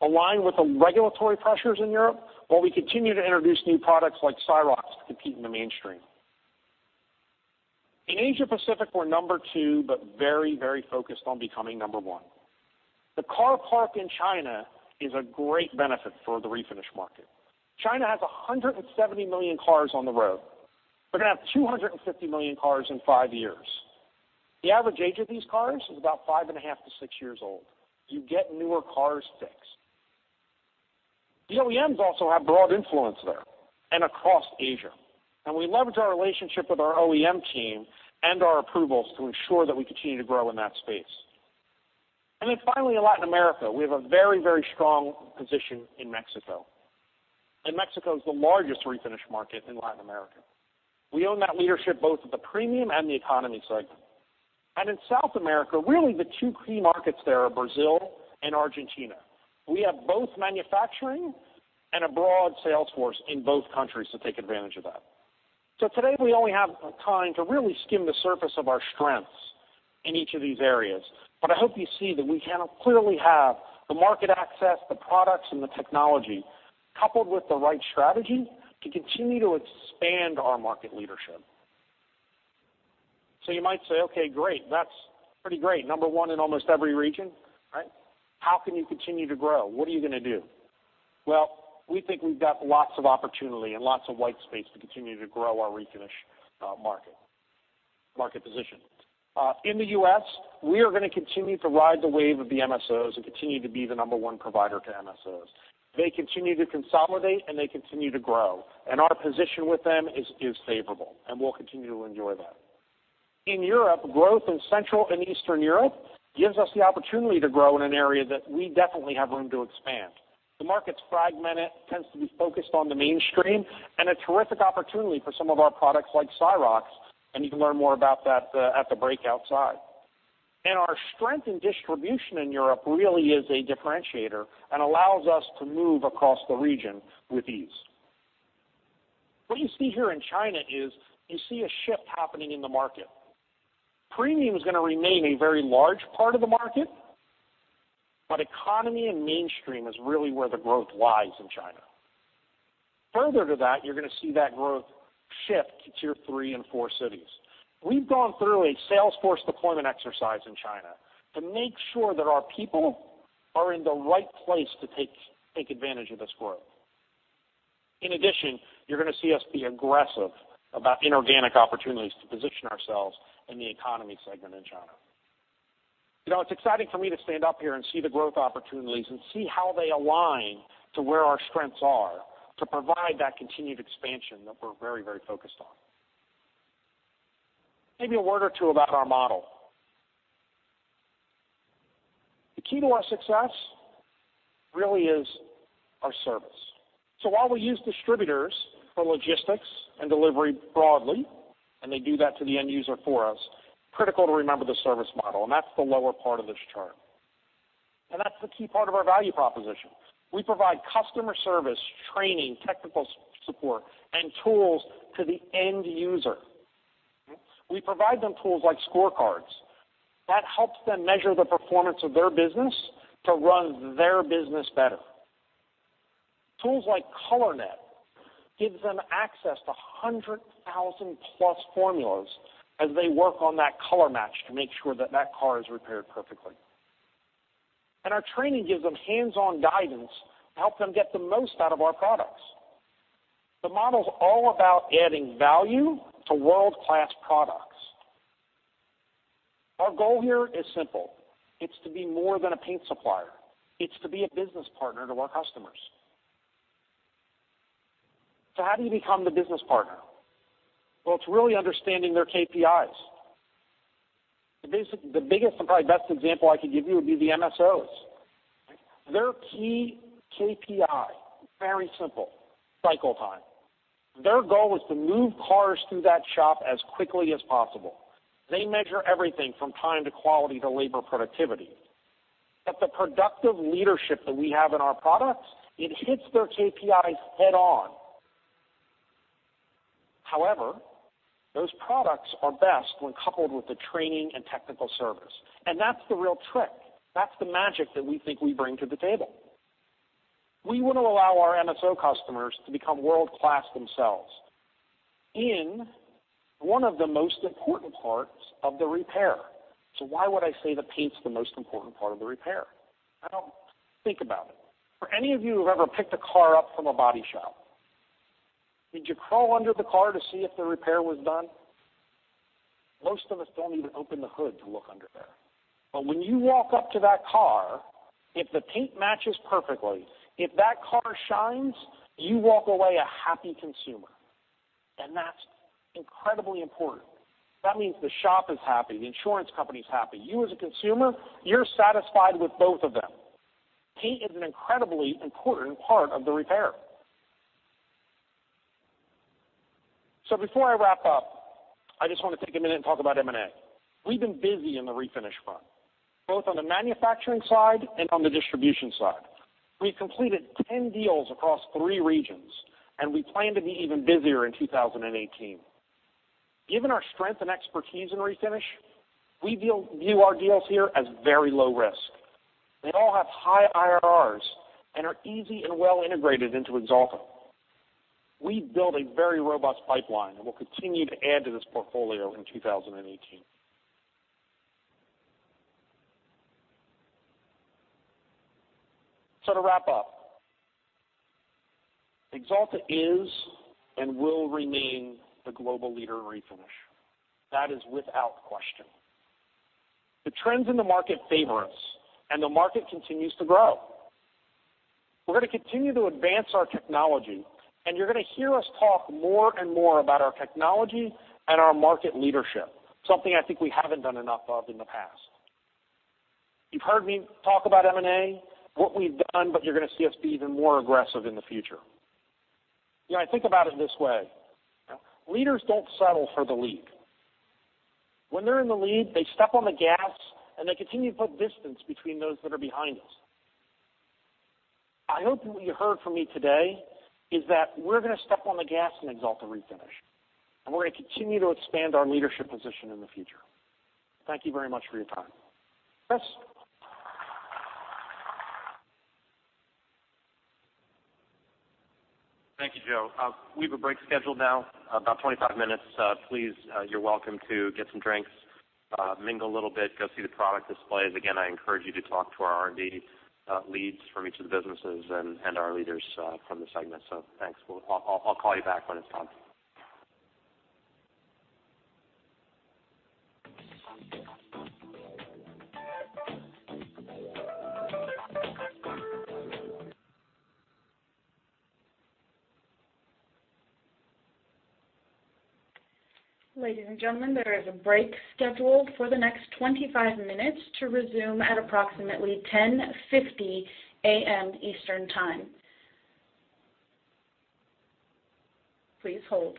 align with the regulatory pressures in Europe, while we continue to introduce new products like Syrox to compete in the mainstream. In Asia Pacific, we're number two, but very focused on becoming number one. The car park in China is a great benefit for the refinish market. China has 170 million cars on the road. They're going to have 250 million cars in five years. The average age of these cars is about five and a half to six years old. You get newer cars fixed. The OEMs also have broad influence there and across Asia, we leverage our relationship with our OEM team and our approvals to ensure that we continue to grow in that space. Finally, in Latin America, we have a very strong position in Mexico is the largest refinish market in Latin America. We own that leadership both at the premium and the economy segment. In South America, really the two key markets there are Brazil and Argentina. We have both manufacturing and a broad sales force in both countries to take advantage of that. Today, we only have time to really skim the surface of our strengths in each of these areas. I hope you see that we clearly have the market access, the products, and the technology, coupled with the right strategy to continue to expand our market leadership. You might say, "Okay, great. That's pretty great. Number one in almost every region. How can you continue to grow? What are you going to do?" We think we've got lots of opportunity and lots of white space to continue to grow our refinish market position. In the U.S., we are going to continue to ride the wave of the MSOs and continue to be the number one provider to MSOs. They continue to consolidate, they continue to grow, our position with them is favorable, and we'll continue to enjoy that. In Europe, growth in Central and Eastern Europe gives us the opportunity to grow in an area that we definitely have room to expand. The market's fragmented, tends to be focused on the mainstream, a terrific opportunity for some of our products like Syrox, and you can learn more about that at the breakout side. Our strength in distribution in Europe really is a differentiator and allows us to move across the region with ease. What you see here in China is you see a shift happening in the market. Premium is going to remain a very large part of the market, economy and mainstream is really where the growth lies in China. Further to that, you're going to see that growth shift to tier 3 and 4 cities. We've gone through a sales force deployment exercise in China to make sure that our people are in the right place to take advantage of this growth. In addition, you're going to see us be aggressive about inorganic opportunities to position ourselves in the economy segment in China. It's exciting for me to stand up here and see the growth opportunities and see how they align to where our strengths are to provide that continued expansion that we're very focused on. Maybe a word or two about our model. The key to our success really is our service. While we use distributors for logistics and delivery broadly, they do that to the end user for us, critical to remember the service model, and that's the lower part of this chart. That's the key part of our value proposition. We provide customer service, training, technical support, and tools to the end user. We provide them tools like Scorecards. That helps them measure the performance of their business to run their business better. Tools like ColorNet gives them access to 100,000-plus formulas as they work on that color match to make sure that car is repaired perfectly. Our training gives them hands-on guidance to help them get the most out of our products. The model's all about adding value to world-class products. Our goal here is simple. It's to be more than a paint supplier. It's to be a business partner to our customers. How do you become the business partner? It's really understanding their KPIs. The biggest and probably best example I could give you would be the MSOs. Their key KPI, very simple: cycle time. Their goal is to move cars through that shop as quickly as possible. They measure everything from time to quality to labor productivity. The productive leadership that we have in our products, it hits their KPIs head on. However, those products are best when coupled with the training and technical service. That's the real trick. That's the magic that we think we bring to the table. We want to allow our MSO customers to become world-class themselves in one of the most important parts of the repair. Why would I say the paint's the most important part of the repair? Think about it. For any of you who've ever picked a car up from a body shop, did you crawl under the car to see if the repair was done? Most of us don't even open the hood to look under there. When you walk up to that car, if the paint matches perfectly, if that car shines, you walk away a happy consumer, and that's incredibly important. That means the shop is happy, the insurance company's happy. You as a consumer, you're satisfied with both of them. Paint is an incredibly important part of the repair. Before I wrap up, I just want to take a minute and talk about M&A. We've been busy in the Refinish front, both on the manufacturing side and on the distribution side. We've completed 10 deals across three regions, and we plan to be even busier in 2018. Given our strength and expertise in Refinish, we view our deals here as very low risk. They all have high IRRs and are easy and well integrated into Axalta. We've built a very robust pipeline, and we'll continue to add to this portfolio in 2018. To wrap up, Axalta is and will remain the global leader in Refinish. That is without question. The trends in the market favor us, and the market continues to grow. We're going to continue to advance our technology, and you're going to hear us talk more and more about our technology and our market leadership, something I think we haven't done enough of in the past. You've heard me talk about M&A, what we've done, you're going to see us be even more aggressive in the future. I think about it this way. Leaders don't settle for the lead. When they're in the lead, they step on the gas, and they continue to put distance between those that are behind us. I hope that what you heard from me today is that we're going to step on the gas in Axalta Refinish, we're going to continue to expand our leadership position in the future. Thank you very much for your time. Chris? Thank you, Joe. We have a break scheduled now, about 25 minutes. Please, you're welcome to get some drinks, mingle a little bit, go see the product displays. Again, I encourage you to talk to our R&D leads from each of the businesses and our leaders from the segment. Thanks. I'll call you back when it's time. Ladies and gentlemen, there is a break scheduled for the next 25 minutes to resume at approximately 10:50 A.M. Eastern Time. Please hold.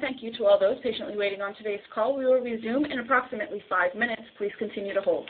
Thank you to all those patiently waiting on today's call. We will resume in approximately five minutes. Please continue to hold.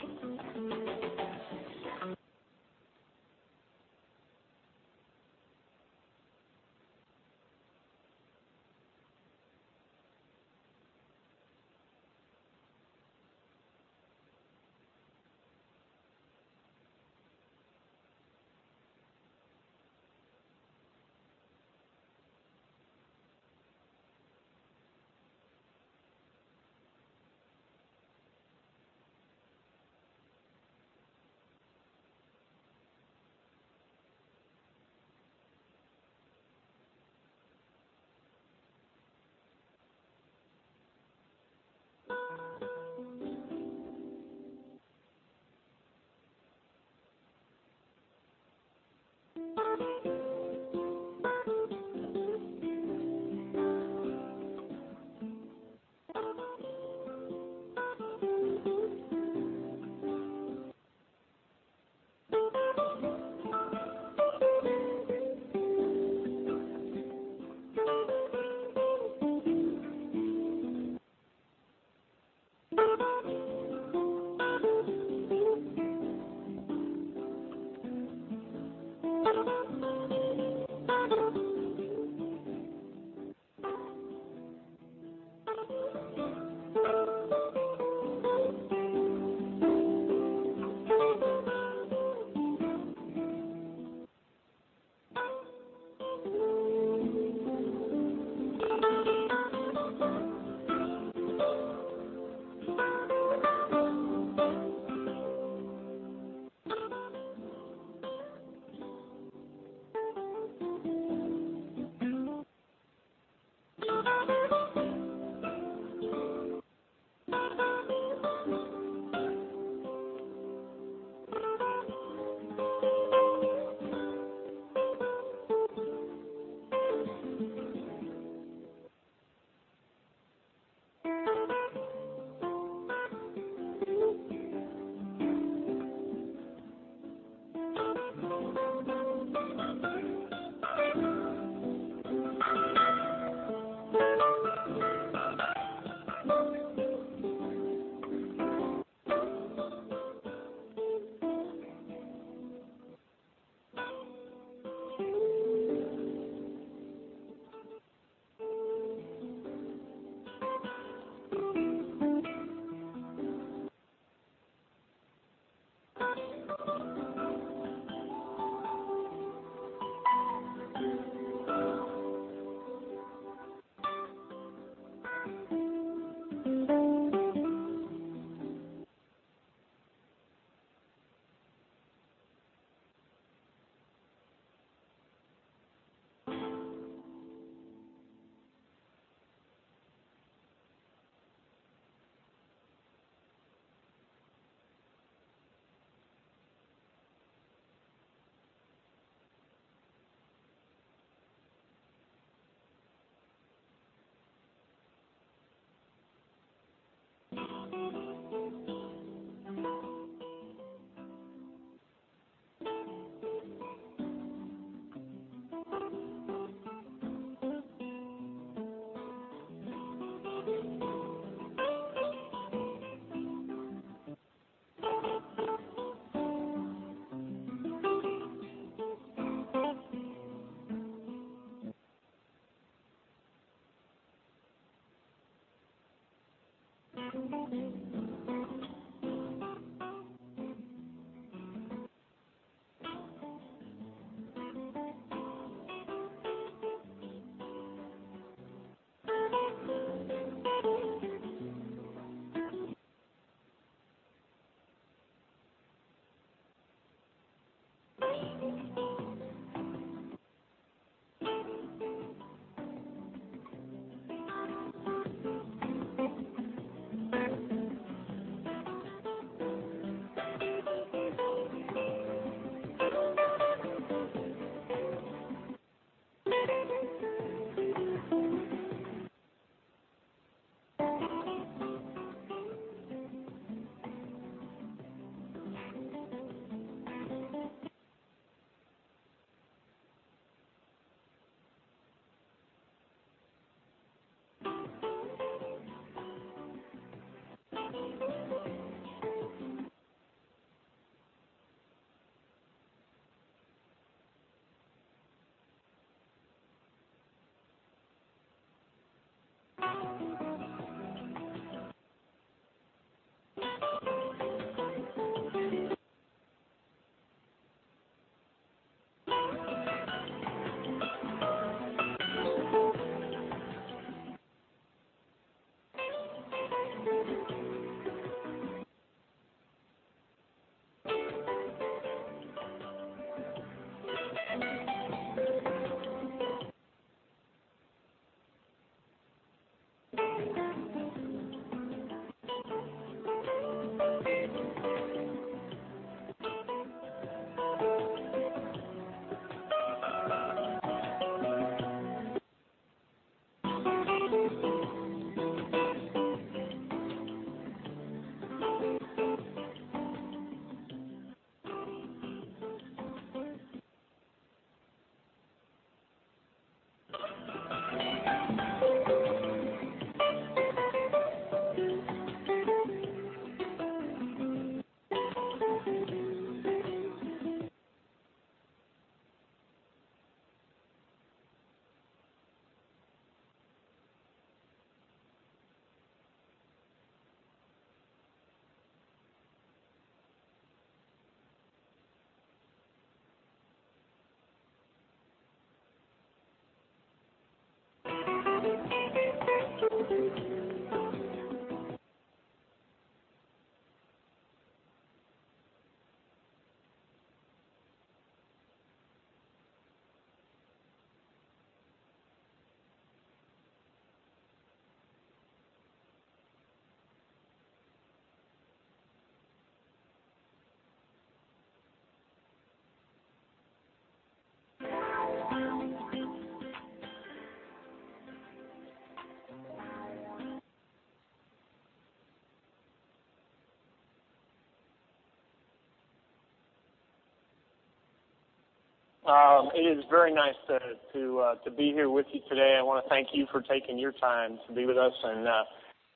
It is very nice to be here with you today. I want to thank you for taking your time to be with us, and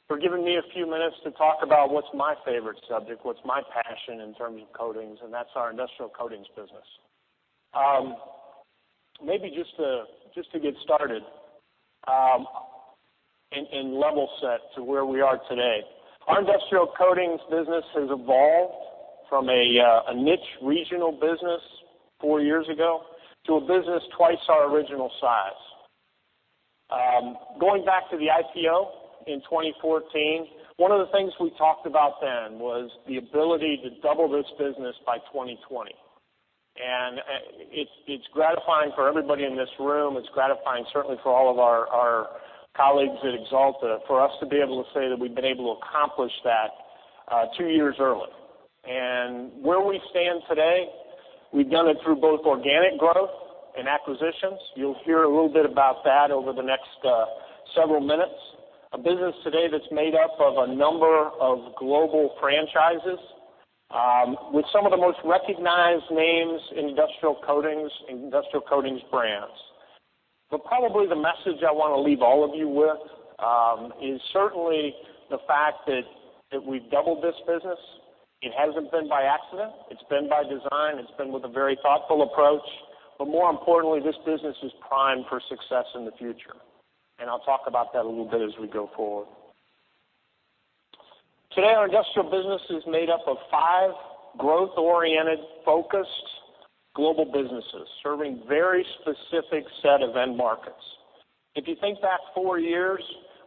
for giving me a few minutes to talk about what's my favorite subject, what's my passion in terms of coatings, and that's our industrial coatings business. Maybe just to get started and level set to where we are today. Our industrial coatings business has evolved from a niche regional business four years ago to a business twice our original size. Going back to the IPO in 2014, one of the things we talked about then was the ability to double this business by 2020. It's gratifying for everybody in this room. It's gratifying, certainly, for all of our colleagues at Axalta, for us to be able to say that we've been able to accomplish that two years early. Where we stand today, we've done it through both organic growth and acquisitions. You'll hear a little bit about that over the next several minutes. A business today that's made up of a number of global franchises with some of the most recognized names in industrial coatings brands. Probably the message I want to leave all of you with is certainly the fact that we've doubled this business. It hasn't been by accident. It's been by design. It's been with a very thoughtful approach. More importantly, this business is primed for success in the future. I'll talk about that a little bit as we go forward. Today, our industrial business is made up of five growth-oriented, focused global businesses, serving very specific set of end markets. If you think back four years,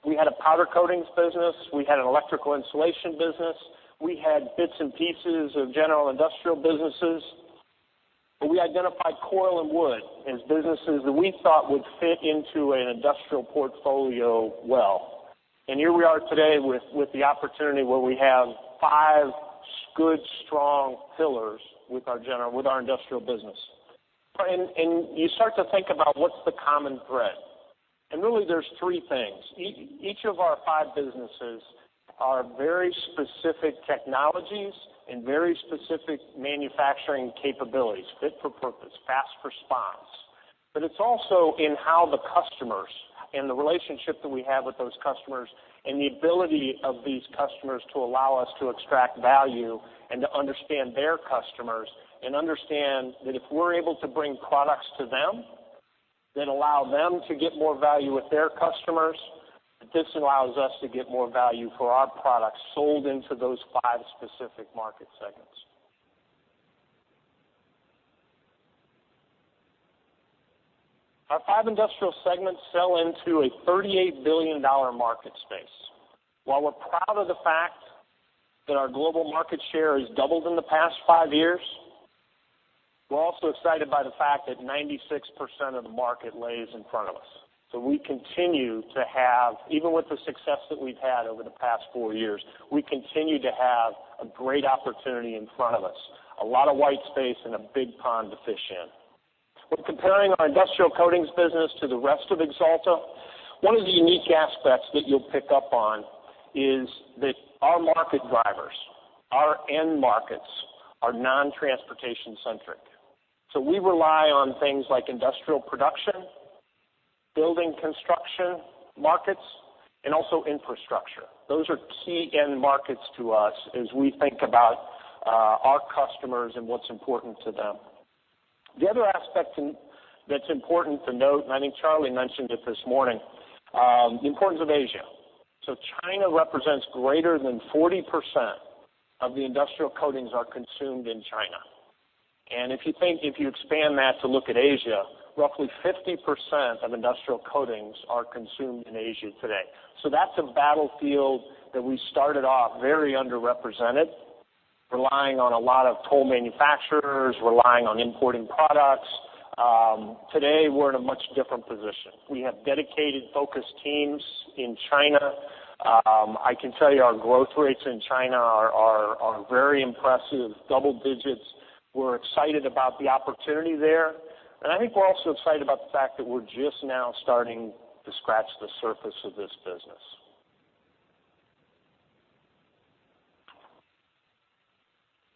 we had a powder coatings business, we had an electrical insulation business, we had bits and pieces of general industrial businesses, but we identified coil and wood as businesses that we thought would fit into an industrial portfolio well. Here we are today with the opportunity where we have five good, strong pillars with our industrial business. You start to think about what's the common thread. Really, there's three things. Each of our five businesses are very specific technologies and very specific manufacturing capabilities, fit for purpose, fast response. But it's also in how the customers and the relationship that we have with those customers, and the ability of these customers to allow us to extract value and to understand their customers, and understand that if we're able to bring products to them, then allow them to get more value with their customers, this allows us to get more value for our products sold into those five specific market segments. Our five industrial segments sell into a $38 billion market space. While we're proud of the fact that our global market share has doubled in the past five years, we're also excited by the fact that 96% of the market lays in front of us. We continue to have, even with the success that we've had over the past four years, we continue to have a great opportunity in front of us. A lot of white space and a big pond to fish in. When comparing our industrial coatings business to the rest of Axalta, one of the unique aspects that you'll pick up on is that our market drivers, our end markets, are non-transportation centric. We rely on things like industrial production, building construction markets, and also infrastructure. Those are key end markets to us as we think about our customers and what's important to them. The other aspect that's important to note, and I think Charlie mentioned it this morning, the importance of Asia. China represents greater than 40% of the industrial coatings are consumed in China. If you expand that to look at Asia, roughly 50% of industrial coatings are consumed in Asia today. That's a battlefield that we started off very underrepresented. Relying on a lot of toll manufacturers, relying on importing products. Today, we're in a much different position. We have dedicated, focused teams in China. I can tell you our growth rates in China are very impressive, double digits. We're excited about the opportunity there, and I think we're also excited about the fact that we're just now starting to scratch the surface of this business.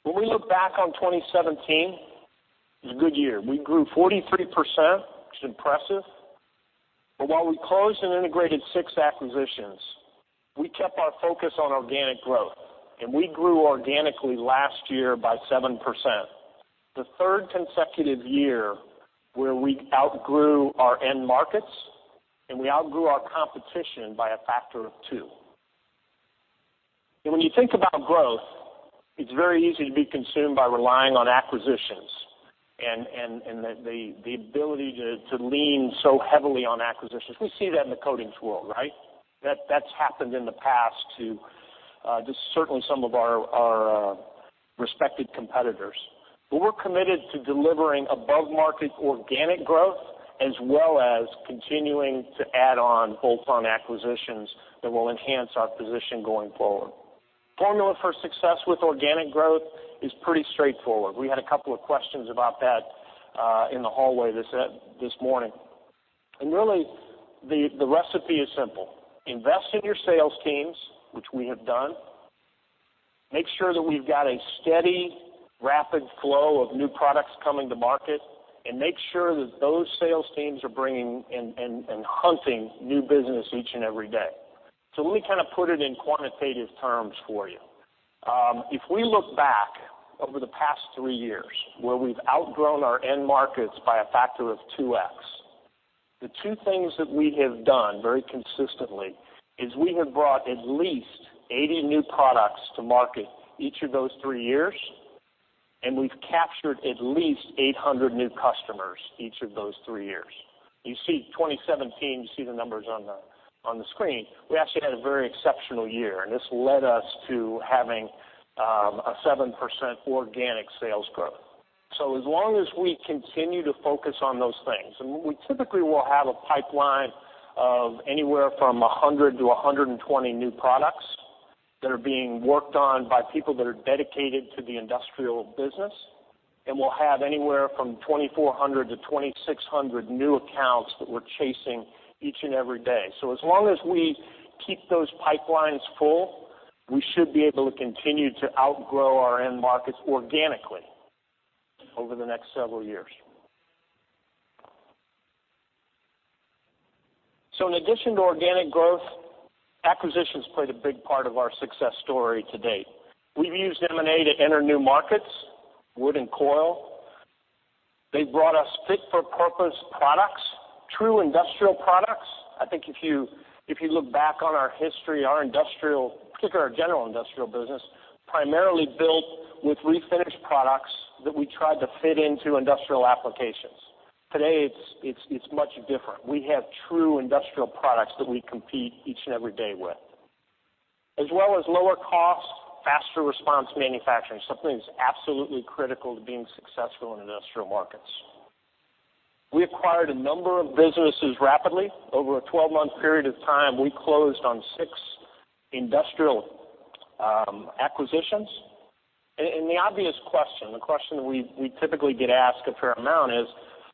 When we look back on 2017, it was a good year. We grew 43%, which is impressive. While we closed and integrated six acquisitions, we kept our focus on organic growth, and we grew organically last year by 7%. The third consecutive year where we outgrew our end markets, and we outgrew our competition by a factor of two. When you think about growth, it's very easy to be consumed by relying on acquisitions and the ability to lean so heavily on acquisitions. We see that in the coatings world, right? That's happened in the past to certainly some of our respected competitors. We're committed to delivering above-market organic growth, as well as continuing to add on bolt-on acquisitions that will enhance our position going forward. Formula for success with organic growth is pretty straightforward. We had a couple of questions about that in the hallway this morning. Really, the recipe is simple. Invest in your sales teams, which we have done, make sure that we've got a steady, rapid flow of new products coming to market, and make sure that those sales teams are bringing and hunting new business each and every day. Let me kind of put it in quantitative terms for you. If we look back over the past three years, where we've outgrown our end markets by a factor of 2X. The two things that we have done very consistently is we have brought at least 80 new products to market each of those three years, and we've captured at least 800 new customers each of those three years. You see 2017, you see the numbers on the screen. We actually had a very exceptional year, and this led us to having a 7% organic sales growth. As long as we continue to focus on those things, we typically will have a pipeline of anywhere from 100 to 120 new products that are being worked on by people that are dedicated to the industrial business. We'll have anywhere from 2,400 to 2,600 new accounts that we're chasing each and every day. As long as we keep those pipelines full, we should be able to continue to outgrow our end markets organically over the next several years. In addition to organic growth, acquisitions played a big part of our success story to date. We've used M&A to enter new markets, wood and coil. They've brought us fit-for-purpose products, true industrial products. I think if you look back on our history, our industrial, particularly our general industrial business, primarily built with refinished products that we tried to fit into industrial applications. Today, it's much different. We have true industrial products that we compete each and every day with. As well as lower cost, faster response manufacturing, something that's absolutely critical to being successful in industrial markets. We acquired a number of businesses rapidly. Over a 12-month period of time, we closed on six industrial acquisitions. The obvious question, the question that we typically get asked a fair amount is,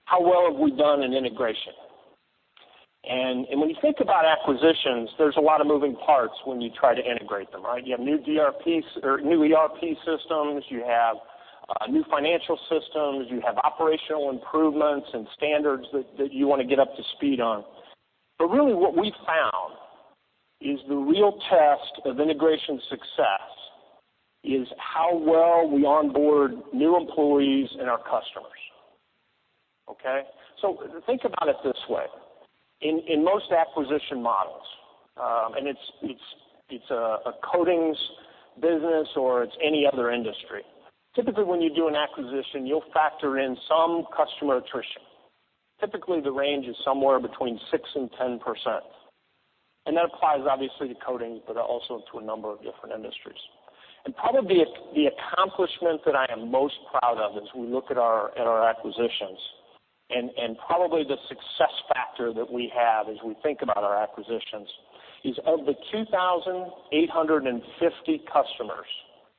how well have we done in integration? When you think about acquisitions, there's a lot of moving parts when you try to integrate them, right? You have new ERP systems, you have new financial systems, you have operational improvements and standards that you want to get up to speed on. Really what we found is the real test of integration success is how well we onboard new employees and our customers. Okay? Think about it this way. In most acquisition models, and it's a coatings business or it's any other industry. Typically, when you do an acquisition, you'll factor in some customer attrition. Typically, the range is somewhere between 6% and 10%. That applies obviously to coatings, but also to a number of different industries. Probably the accomplishment that I am most proud of as we look at our acquisitions, probably the success factor that we have as we think about our acquisitions, is of the 2,850 customers,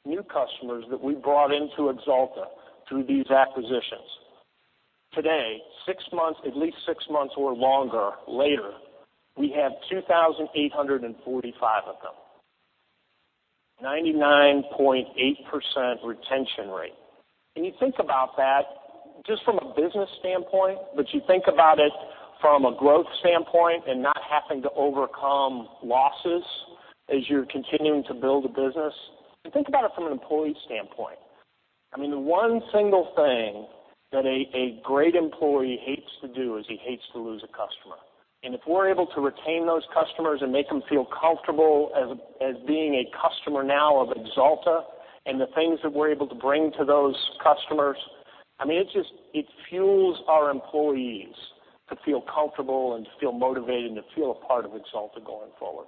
new customers that we brought into Axalta through these acquisitions. Today, at least six months or longer later, we have 2,845 of them. 99.8% retention rate. You think about that just from a business standpoint, but you think about it from a growth standpoint and not having to overcome losses as you're continuing to build a business, and think about it from an employee standpoint. I mean, the one single thing that a great employee hates to do is he hates to lose a customer. If we're able to retain those customers and make them feel comfortable as being a customer now of Axalta, the things that we're able to bring to those customers I mean, it fuels our employees to feel comfortable and to feel motivated and to feel a part of Axalta going forward.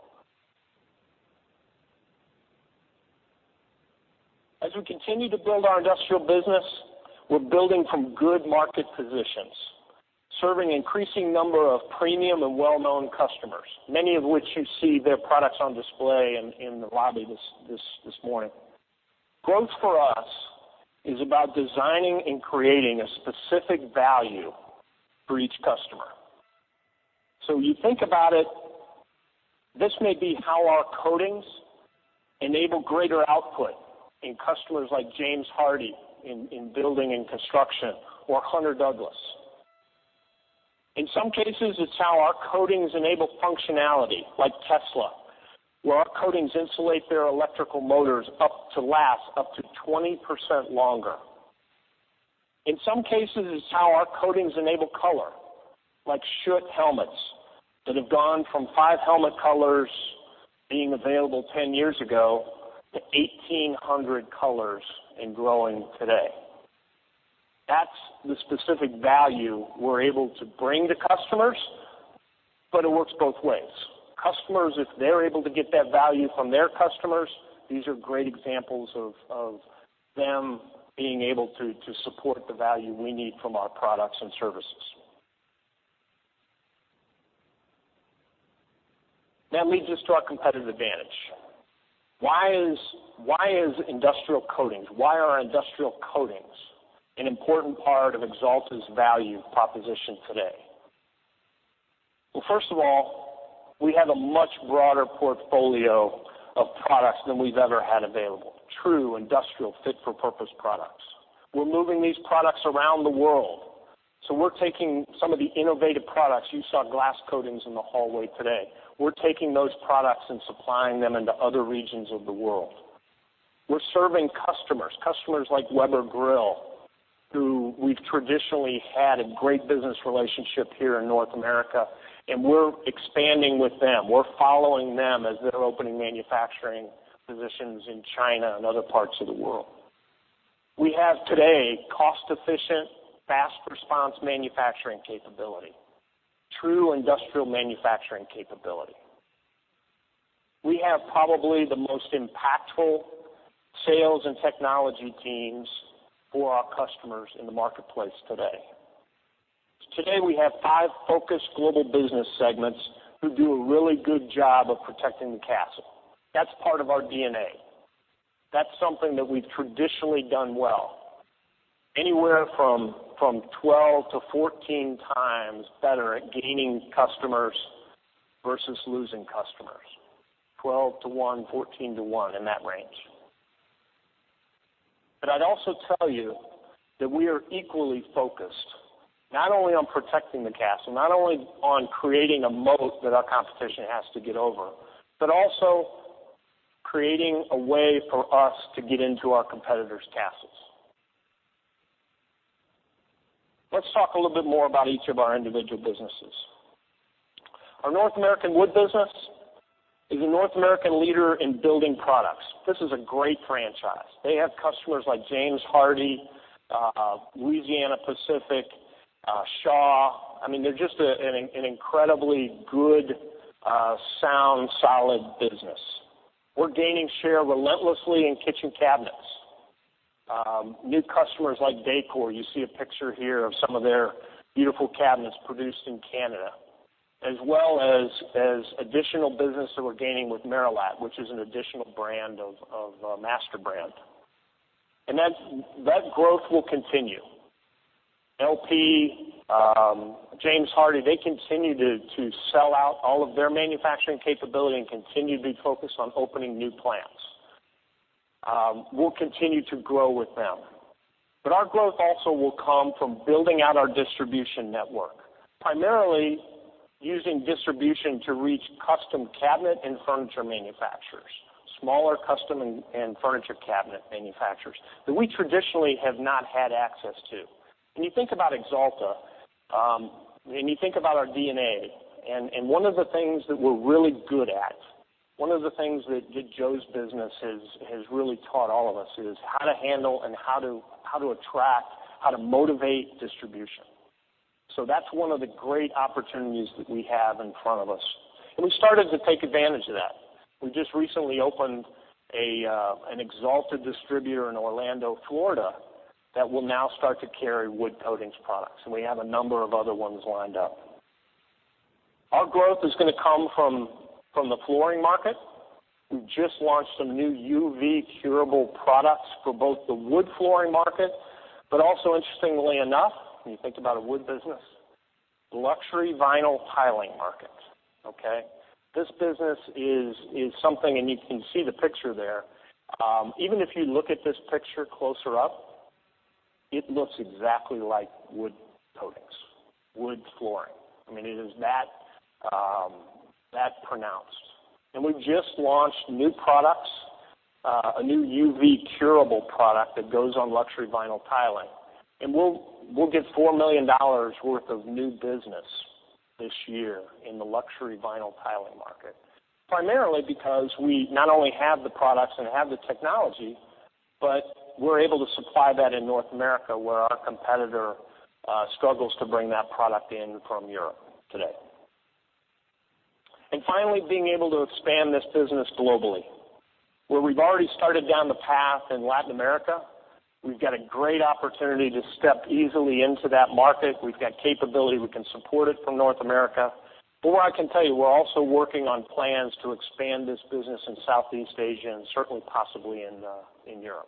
As we continue to build our industrial business, we're building from good market positions, serving increasing number of premium and well-known customers, many of which you see their products on display in the lobby this morning. Growth for us is about designing and creating a specific value for each customer. You think about it, this may be how our coatings enable greater output in customers like James Hardie in building and construction, or Hunter Douglas. In some cases, it's how our coatings enable functionality, like Tesla, where our coatings insulate their electrical motors up to last up to 20% longer. In some cases, it's how our coatings enable color, like Schutt Helmets, that have gone from five helmet colors being available 10 years ago to 1,800 colors and growing today. That's the specific value we're able to bring to customers, but it works both ways. Customers, if they're able to get that value from their customers, these are great examples of them being able to support the value we need from our products and services. That leads us to our competitive advantage. Why is industrial coatings, why are industrial coatings an important part of Axalta's value proposition today? Well, first of all, we have a much broader portfolio of products than we've ever had available. True industrial fit-for-purpose products. We're moving these products around the world. We're taking some of the innovative products, you saw glass coatings in the hallway today. We're taking those products and supplying them into other regions of the world. We're serving customers like Weber Grill, who we've traditionally had a great business relationship here in North America, and we're expanding with them. We're following them as they're opening manufacturing positions in China and other parts of the world. We have today cost-efficient, fast response manufacturing capability, true industrial manufacturing capability. We have probably the most impactful sales and technology teams for our customers in the marketplace today. Today, we have five focused global business segments who do a really good job of protecting the castle. That's part of our DNA. That's something that we've traditionally done well. Anywhere from 12-14 times better at gaining customers versus losing customers. 12 to one, 14 to one, in that range. I'd also tell you that we are equally focused, not only on protecting the castle, not only on creating a moat that our competition has to get over, but also creating a way for us to get into our competitors' castles. Let's talk a little bit more about each of our individual businesses. Our North American Wood business is a North American leader in building products. This is a great franchise. They have customers like James Hardie, Louisiana-Pacific, Shaw. I mean, they're just an incredibly good, sound, solid business. We're gaining share relentlessly in kitchen cabinets. New customers like Decor, you see a picture here of some of their beautiful cabinets produced in Canada, as well as additional business that we're gaining with Merillat, which is an additional brand of MasterBrand. That growth will continue. LP, James Hardie, they continue to sell out all of their manufacturing capability and continue to be focused on opening new plants. We'll continue to grow with them. Our growth also will come from building out our distribution network, primarily using distribution to reach custom cabinet and furniture manufacturers, smaller custom and furniture cabinet manufacturers that we traditionally have not had access to. When you think about Axalta, when you think about our DNA, and one of the things that we're really good at, one of the things that Joe's business has really taught all of us is how to handle and how to attract, how to motivate distribution. That's one of the great opportunities that we have in front of us. We started to take advantage of that. We just recently opened an Axalta distributor in Orlando, Florida, that will now start to carry wood coatings products, and we have a number of other ones lined up. Our growth is going to come from the flooring market. We just launched some new UV curable products for both the wood flooring market, but also interestingly enough, when you think about a wood business, luxury vinyl tiling market. Okay? This business is something, and you can see the picture there. Even if you look at this picture closer up, it looks exactly like wood coatings, wood flooring. I mean, it is that pronounced. We've just launched new products, a new UV curable product that goes on luxury vinyl tiling. We'll get $4 million worth of new business this year in the luxury vinyl tiling market, primarily because we not only have the products and have the technology, but we're able to supply that in North America, where our competitor struggles to bring that product in from Europe today. Finally, being able to expand this business globally, where we've already started down the path in Latin America. We've got a great opportunity to step easily into that market. We've got capability. We can support it from North America. What I can tell you, we're also working on plans to expand this business in Southeast Asia and certainly possibly in Europe.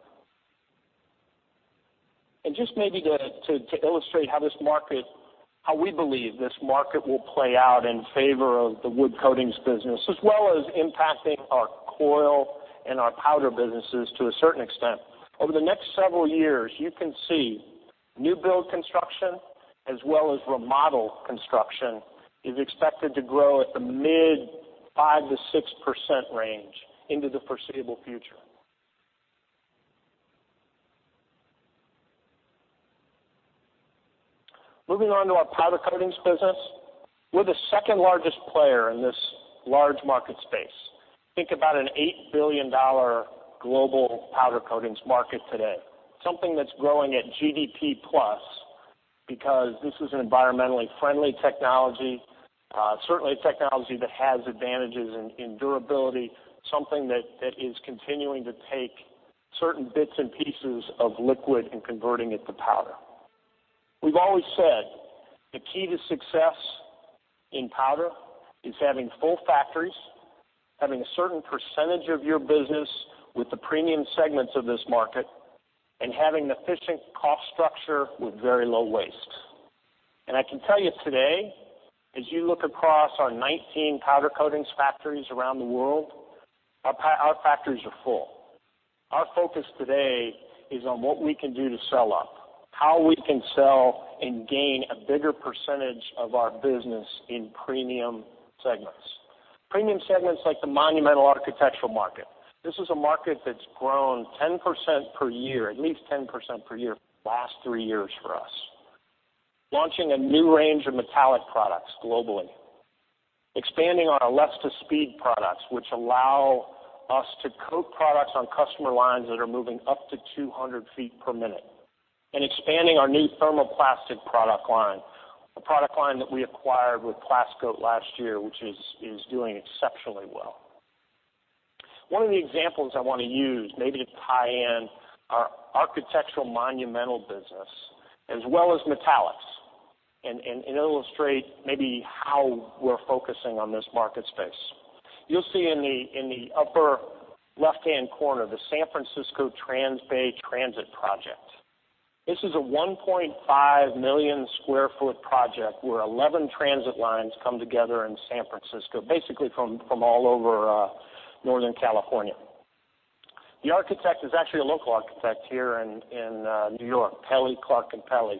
Just maybe to illustrate how we believe this market will play out in favor of the wood coatings business, as well as impacting our coil and our powder businesses to a certain extent. Over the next several years, you can see new build construction as well as remodel construction is expected to grow at the mid 5% to 6% range into the foreseeable future. Moving on to our powder coatings business. We're the second largest player in this large market space. Think about an $8 billion global powder coatings market today. Something that's growing at GDP plus, because this is an environmentally friendly technology. Certainly, a technology that has advantages in durability, something that is continuing to take certain bits and pieces of liquid and converting it to powder. We've always said the key to success in powder is having full factories, having a certain percentage of your business with the premium segments of this market, and having an efficient cost structure with very low waste. I can tell you today, as you look across our 19 powder coatings factories around the world, our factories are full. Our focus today is on what we can do to sell up, how we can sell and gain a bigger percentage of our business in premium segments. Premium segments like the Monumental Architectural market. This is a market that's grown 10% per year, at least 10% per year, last three years for us. Launching a new range of metallic products globally, expanding on our less-to-speed products, which allow us to coat products on customer lines that are moving up to 200 ft per minute, and expanding our new thermoplastic product line, a product line that we acquired with Plascoat last year, which is doing exceptionally well. One of the examples I want to use maybe to tie in our Architectural Monumental business as well as metallics and illustrate maybe how we're focusing on this market space. You'll see in the upper left-hand corner, the San Francisco Transbay Transit Project. This is a 1.5 million sq ft project where 11 transit lines come together in San Francisco, basically from all over Northern California. The architect is actually a local architect here in New York, Pelli Clarke Pelli,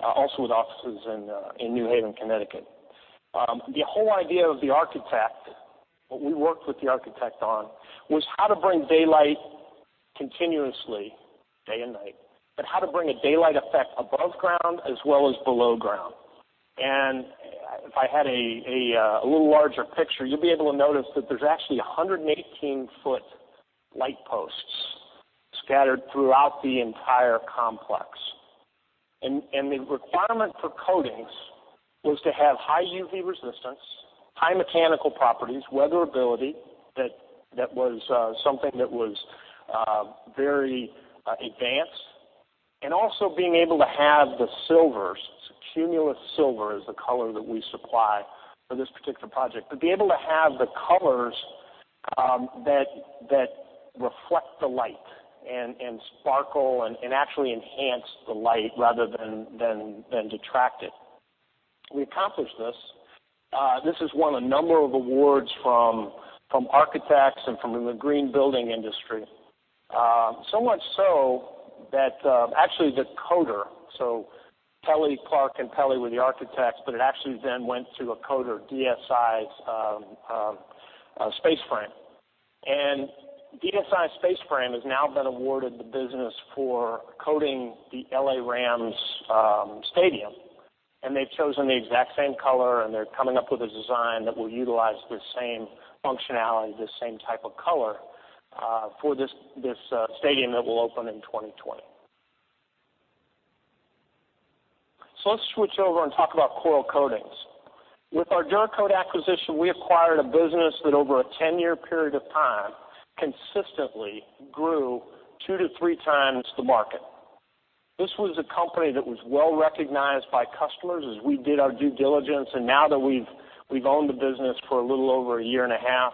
also with offices in New Haven, Connecticut. The whole idea of the architect, what we worked with the architect on, was how to bring daylight continuously, day and night, but how to bring a daylight effect above ground as well as below ground. If I had a little larger picture, you'll be able to notice that there's actually 118 ft light posts scattered throughout the entire complex. The requirement for coatings was to have high UV resistance, high mechanical properties, weatherability, that was something that was very advanced, and also being able to have the silvers. Cumulus Silver is the color that we supply for this particular project. Be able to have the colors that reflect the light and sparkle and actually enhance the light rather than detract it. We accomplished this. This has won a number of awards from architects and from the green building industry. Pelli Clarke Pelli were the architects, but it actually then went to a coater, DSI Spaceframes. DSI Spaceframes has now been awarded the business for coating the L.A. Rams stadium, and they've chosen the exact same color, and they're coming up with a design that will utilize the same functionality, the same type of color, for this stadium that will open in 2020. Let's switch over and talk about coil coatings. With our DuraCoat acquisition, we acquired a business that over a 10-year period of time, consistently grew two to three times the market. This was a company that was well-recognized by customers as we did our due diligence, and now that we've owned the business for a little over a year and a half.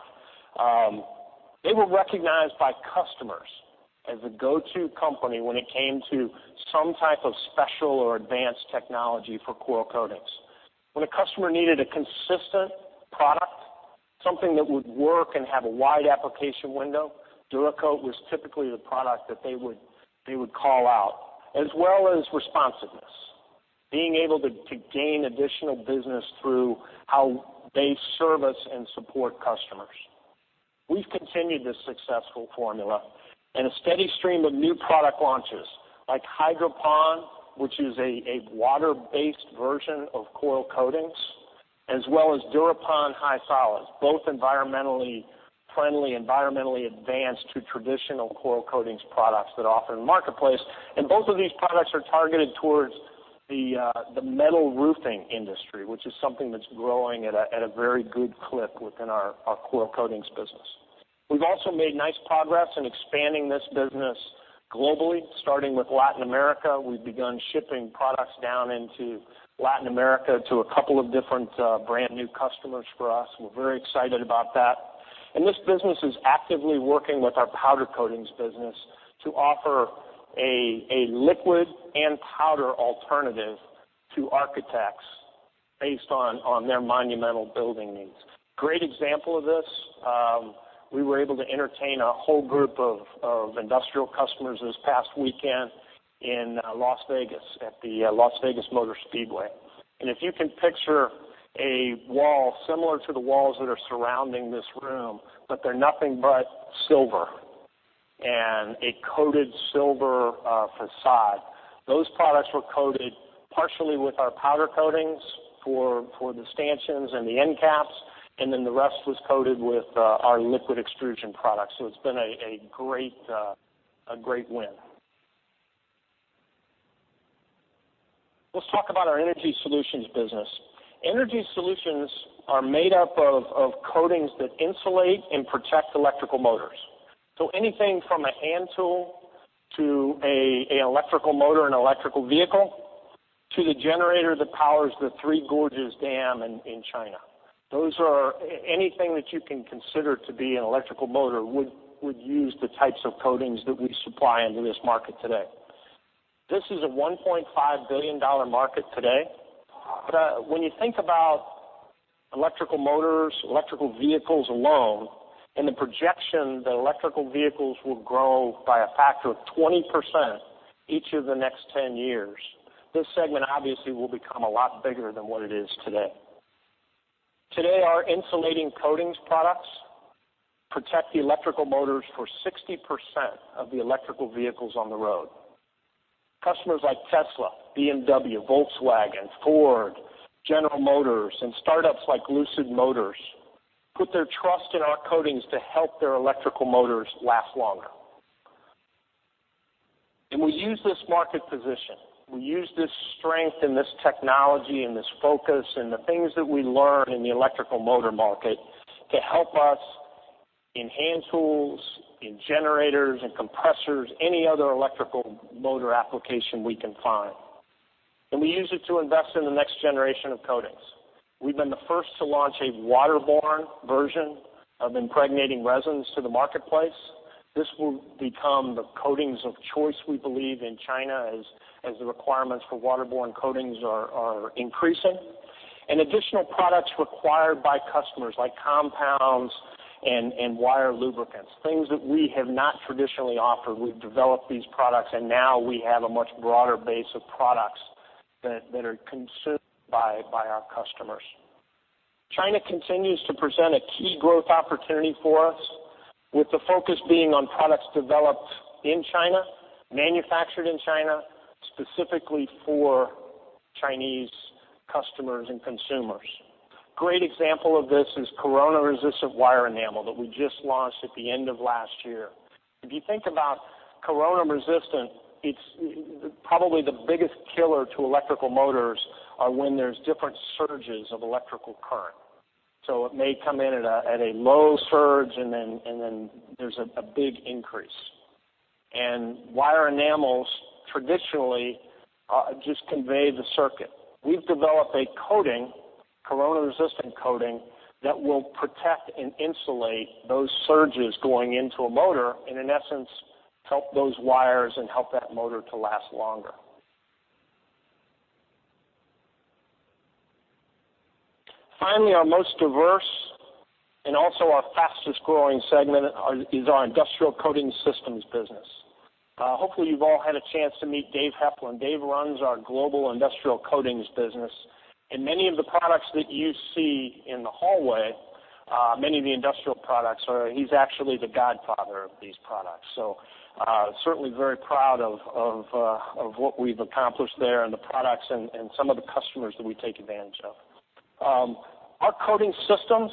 They were recognized by customers as a go-to company when it came to some type of special or advanced technology for coil coatings. When a customer needed a consistent product, something that would work and have a wide application window, DuraCoat was typically the product that they would call out, as well as responsiveness. Being able to gain additional business through how they service and support customers. We've continued this successful formula in a steady stream of new product launches, like Hydorpon, which is a water-based version of coil coatings, as well as Durapon High Solids, both environmentally friendly, environmentally advanced to traditional coil coatings products that offer in the marketplace. Both of these products are targeted towards the metal roofing industry, which is something that's growing at a very good clip within our coil coatings business. We've also made nice progress in expanding this business globally, starting with Latin America. We've begun shipping products down into Latin America to a couple of different brand-new customers for us. We're very excited about that. This business is actively working with our powder coatings business to offer a liquid and powder alternative to architects based on their monumental building needs. Great example of this, we were able to entertain a whole group of industrial customers this past weekend in Las Vegas at the Las Vegas Motor Speedway. If you can picture a wall similar to the walls that are surrounding this room, but they're nothing but silver and a coated silver facade. Those products were coated partially with our powder coatings for the stanchions and the end caps, and then the rest was coated with our liquid extrusion products. It's been a great win. Let's talk about our energy solutions business. Energy solutions are made up of coatings that insulate and protect electrical motors. Anything from a hand tool to an electrical motor in an electrical vehicle to the generator that powers the Three Gorges Dam in China. Anything that you can consider to be an electrical motor would use the types of coatings that we supply into this market today. This is a $1.5 billion market today. When you think about electrical motors, electrical vehicles alone, and the projection that electrical vehicles will grow by a factor of 20% each of the next 10 years, this segment obviously will become a lot bigger than what it is today. Today, our insulating coatings products protect the electrical motors for 60% of the electrical vehicles on the road. Customers like Tesla, BMW, Volkswagen, Ford, General Motors, and startups like Lucid Motors put their trust in our coatings to help their electrical motors last longer. We use this market position, we use this strength and this technology and this focus and the things that we learn in the electrical motor market to help us in hand tools, in generators and compressors, any other electrical motor application we can find. We use it to invest in the next generation of coatings. We've been the first to launch a waterborne version of impregnating resins to the marketplace. This will become the coatings of choice, we believe, in China as the requirements for waterborne coatings are increasing. Additional products required by customers, like compounds and wire lubricants, things that we have not traditionally offered. We've developed these products, now we have a much broader base of products that are consumed by our customers. China continues to present a key growth opportunity for us, with the focus being on products developed in China, manufactured in China, specifically for Chinese customers and consumers. Great example of this is corona-resistant wire enamel that we just launched at the end of last year. If you think about corona-resistant, probably the biggest killer to electrical motors are when there's different surges of electrical current. It may come in at a low surge, then there's a big increase. Wire enamels traditionally just convey the circuit. We've developed a coating, corona-resistant coating, that will protect and insulate those surges going into a motor, and in essence, help those wires and help that motor to last longer. Finally, our most diverse and also our fastest-growing segment is our industrial coating systems business. Hopefully, you've all had a chance to meet Dave Heflin. Dave runs our global industrial coatings business. Many of the products that you see in the hallway, many of the industrial products, he's actually the godfather of these products. Certainly very proud of what we've accomplished there and the products and some of the customers that we take advantage of. Our coating systems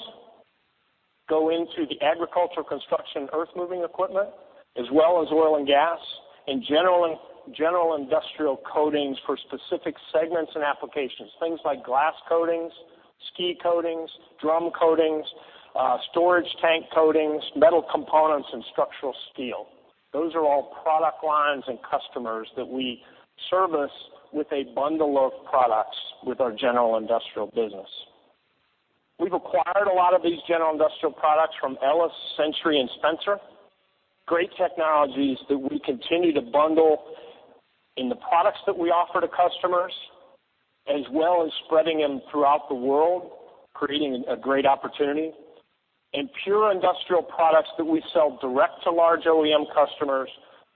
go into the agricultural construction earthmoving equipment, as well as oil and gas, and general industrial coatings for specific segments and applications, things like glass coatings, ski coatings, drum coatings, storage tank coatings, metal components, and structural steel. Those are all product lines and customers that we service with a bundle of products with our general industrial business. We've acquired a lot of these general industrial products from Ellis, Century, and Spencer. Great technologies that we continue to bundle in the products that we offer to customers, as well as spreading them throughout the world, creating a great opportunity. Pure industrial products that we sell direct to large OEM customers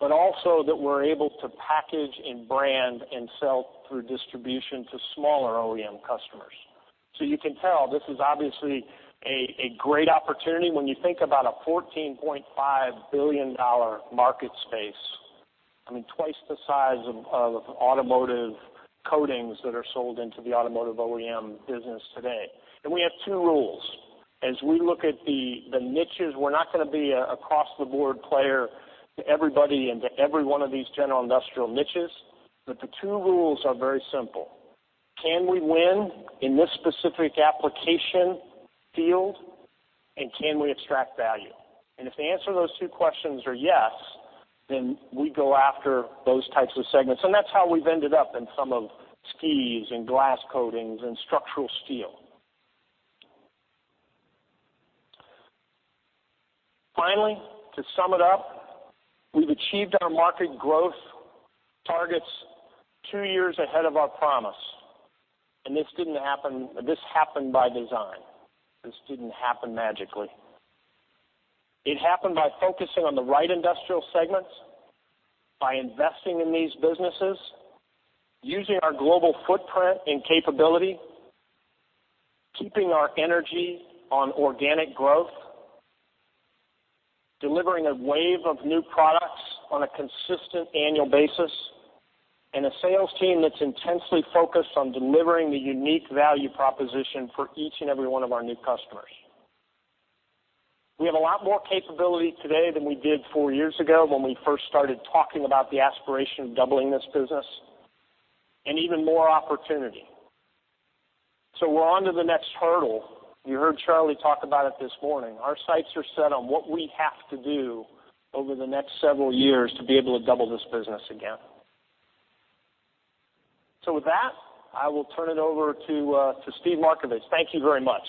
also that we're able to package and brand and sell through distribution to smaller OEM customers. You can tell this is obviously a great opportunity when you think about a $14.5 billion market space. I mean, twice the size of automotive coatings that are sold into the automotive OEM business today. We have two rules. As we look at the niches, we're not going to be an across-the-board player to everybody and to every one of these general industrial niches. The two rules are very simple. Can we win in this specific application field, and can we extract value? If the answer to those two questions are yes, we go after those types of segments. That's how we've ended up in some of skis and glass coatings and structural steel. Finally, to sum it up, we've achieved our market growth targets two years ahead of our promise. This happened by design. This didn't happen magically. It happened by focusing on the right industrial segments, by investing in these businesses, using our global footprint and capability, keeping our energy on organic growth, delivering a wave of new products on a consistent annual basis, and a sales team that's intensely focused on delivering the unique value proposition for each and every one of our new customers. We have a lot more capability today than we did four years ago when we first started talking about the aspiration of doubling this business, and even more opportunity. We're onto the next hurdle. You heard Charlie talk about it this morning. Our sights are set on what we have to do over the next several years to be able to double this business again. With that, I will turn it over to Steve Markevich. Thank you very much.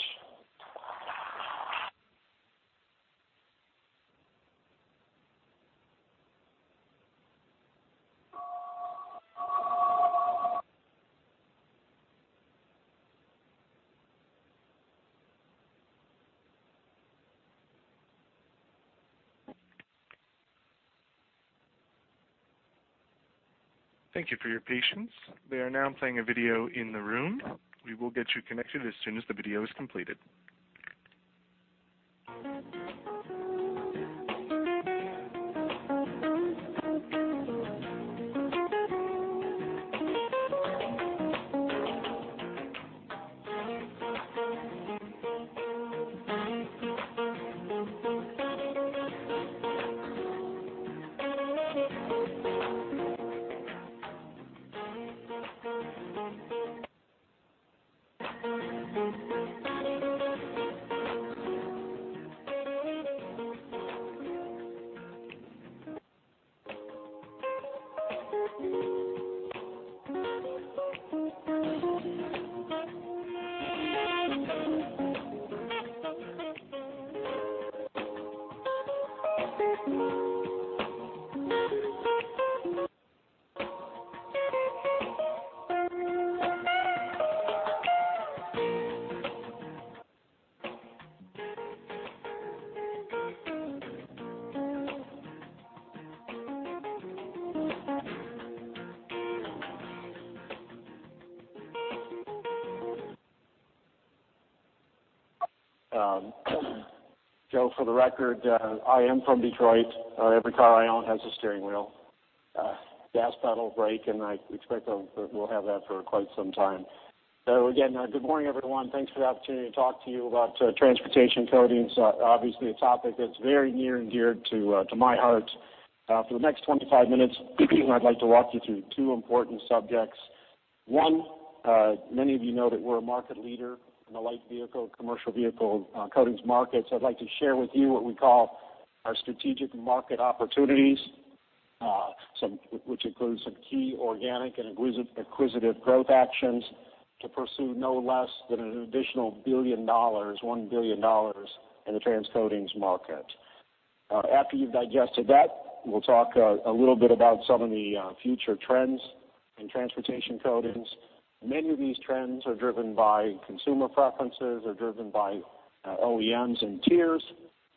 Thank you for your patience. They are now playing a video in the room. We will get you connected as soon as the video is completed. Joe, for the record, I am from Detroit. Every car I own has a steering wheel, gas pedal, brake, and I expect I will have that for quite some time. Again, good morning, everyone. Thanks for the opportunity to talk to you about transportation coatings. Obviously, a topic that's very near and dear to my heart. For the next 25 minutes, I'd like to walk you through two important subjects. One, many of you know that we're a market leader in the light vehicle, commercial vehicle coatings market. I'd like to share with you what we call our strategic market opportunities, which includes some key organic and acquisitive growth actions to pursue no less than an additional $1 billion in the trans coatings market. After you've digested that, we'll talk a little bit about some of the future trends in transportation coatings. Many of these trends are driven by consumer preferences, are driven by OEMs and tiers.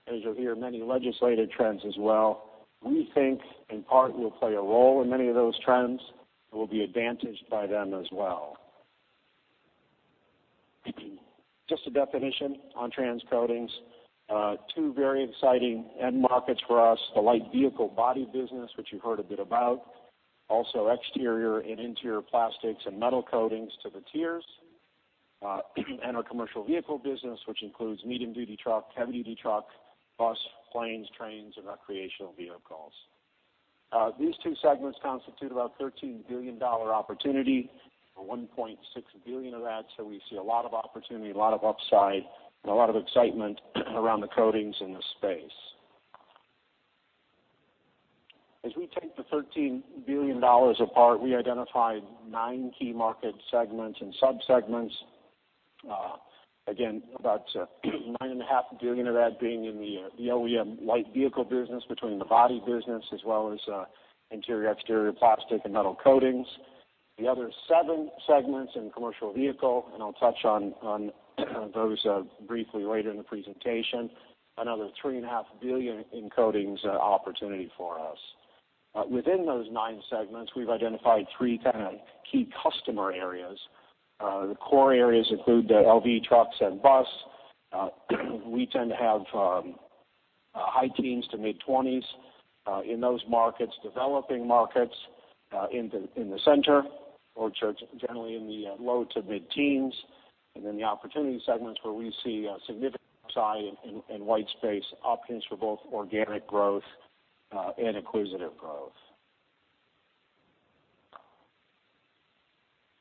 As you'll hear, many legislative trends as well. We think in part, we'll play a role in many of those trends and we'll be advantaged by them as well. Just a definition on trans coatings. Two very exciting end markets for us, the light vehicle body business, which you've heard a bit about, also exterior and interior plastics and metal coatings to the tiers, and our commercial vehicle business, which includes medium-duty truck, heavy-duty truck, bus, planes, trains, and recreational vehicles. These two segments constitute about a $13 billion opportunity, or $1.6 billion of that. We see a lot of opportunity, a lot of upside, and a lot of excitement around the coatings in this space. As we take the $13 billion apart, we identified nine key market segments and sub-segments. About $9.5 billion of that being in the OEM light vehicle business between the body business as well as interior, exterior plastic, and metal coatings. The other seven segments in commercial vehicle, and I'll touch on those briefly later in the presentation, another $3.5 billion in coatings opportunity for us. Within those nine segments, we've identified three key customer areas. The core areas include the LV trucks and bus. We tend to have high teens to mid-20s in those markets. Developing markets in the center, which are generally in the low to mid-teens. The opportunity segments where we see significant size and white space opportunities for both organic growth and acquisitive growth.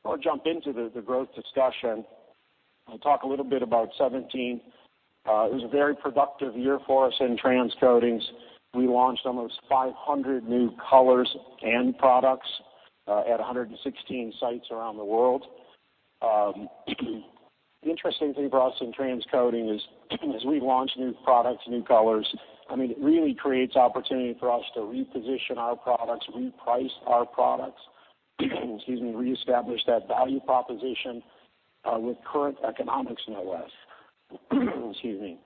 I'll jump into the growth discussion. I'll talk a little bit about 2017. It was a very productive year for us in trans coatings. We launched almost 500 new colors and products at 116 sites around the world. The interesting thing for us in trans coatings is, as we launch new products, new colors, it really creates opportunity for us to reposition our products, reprice our products, reestablish that value proposition with current economics, no less. Excuse me.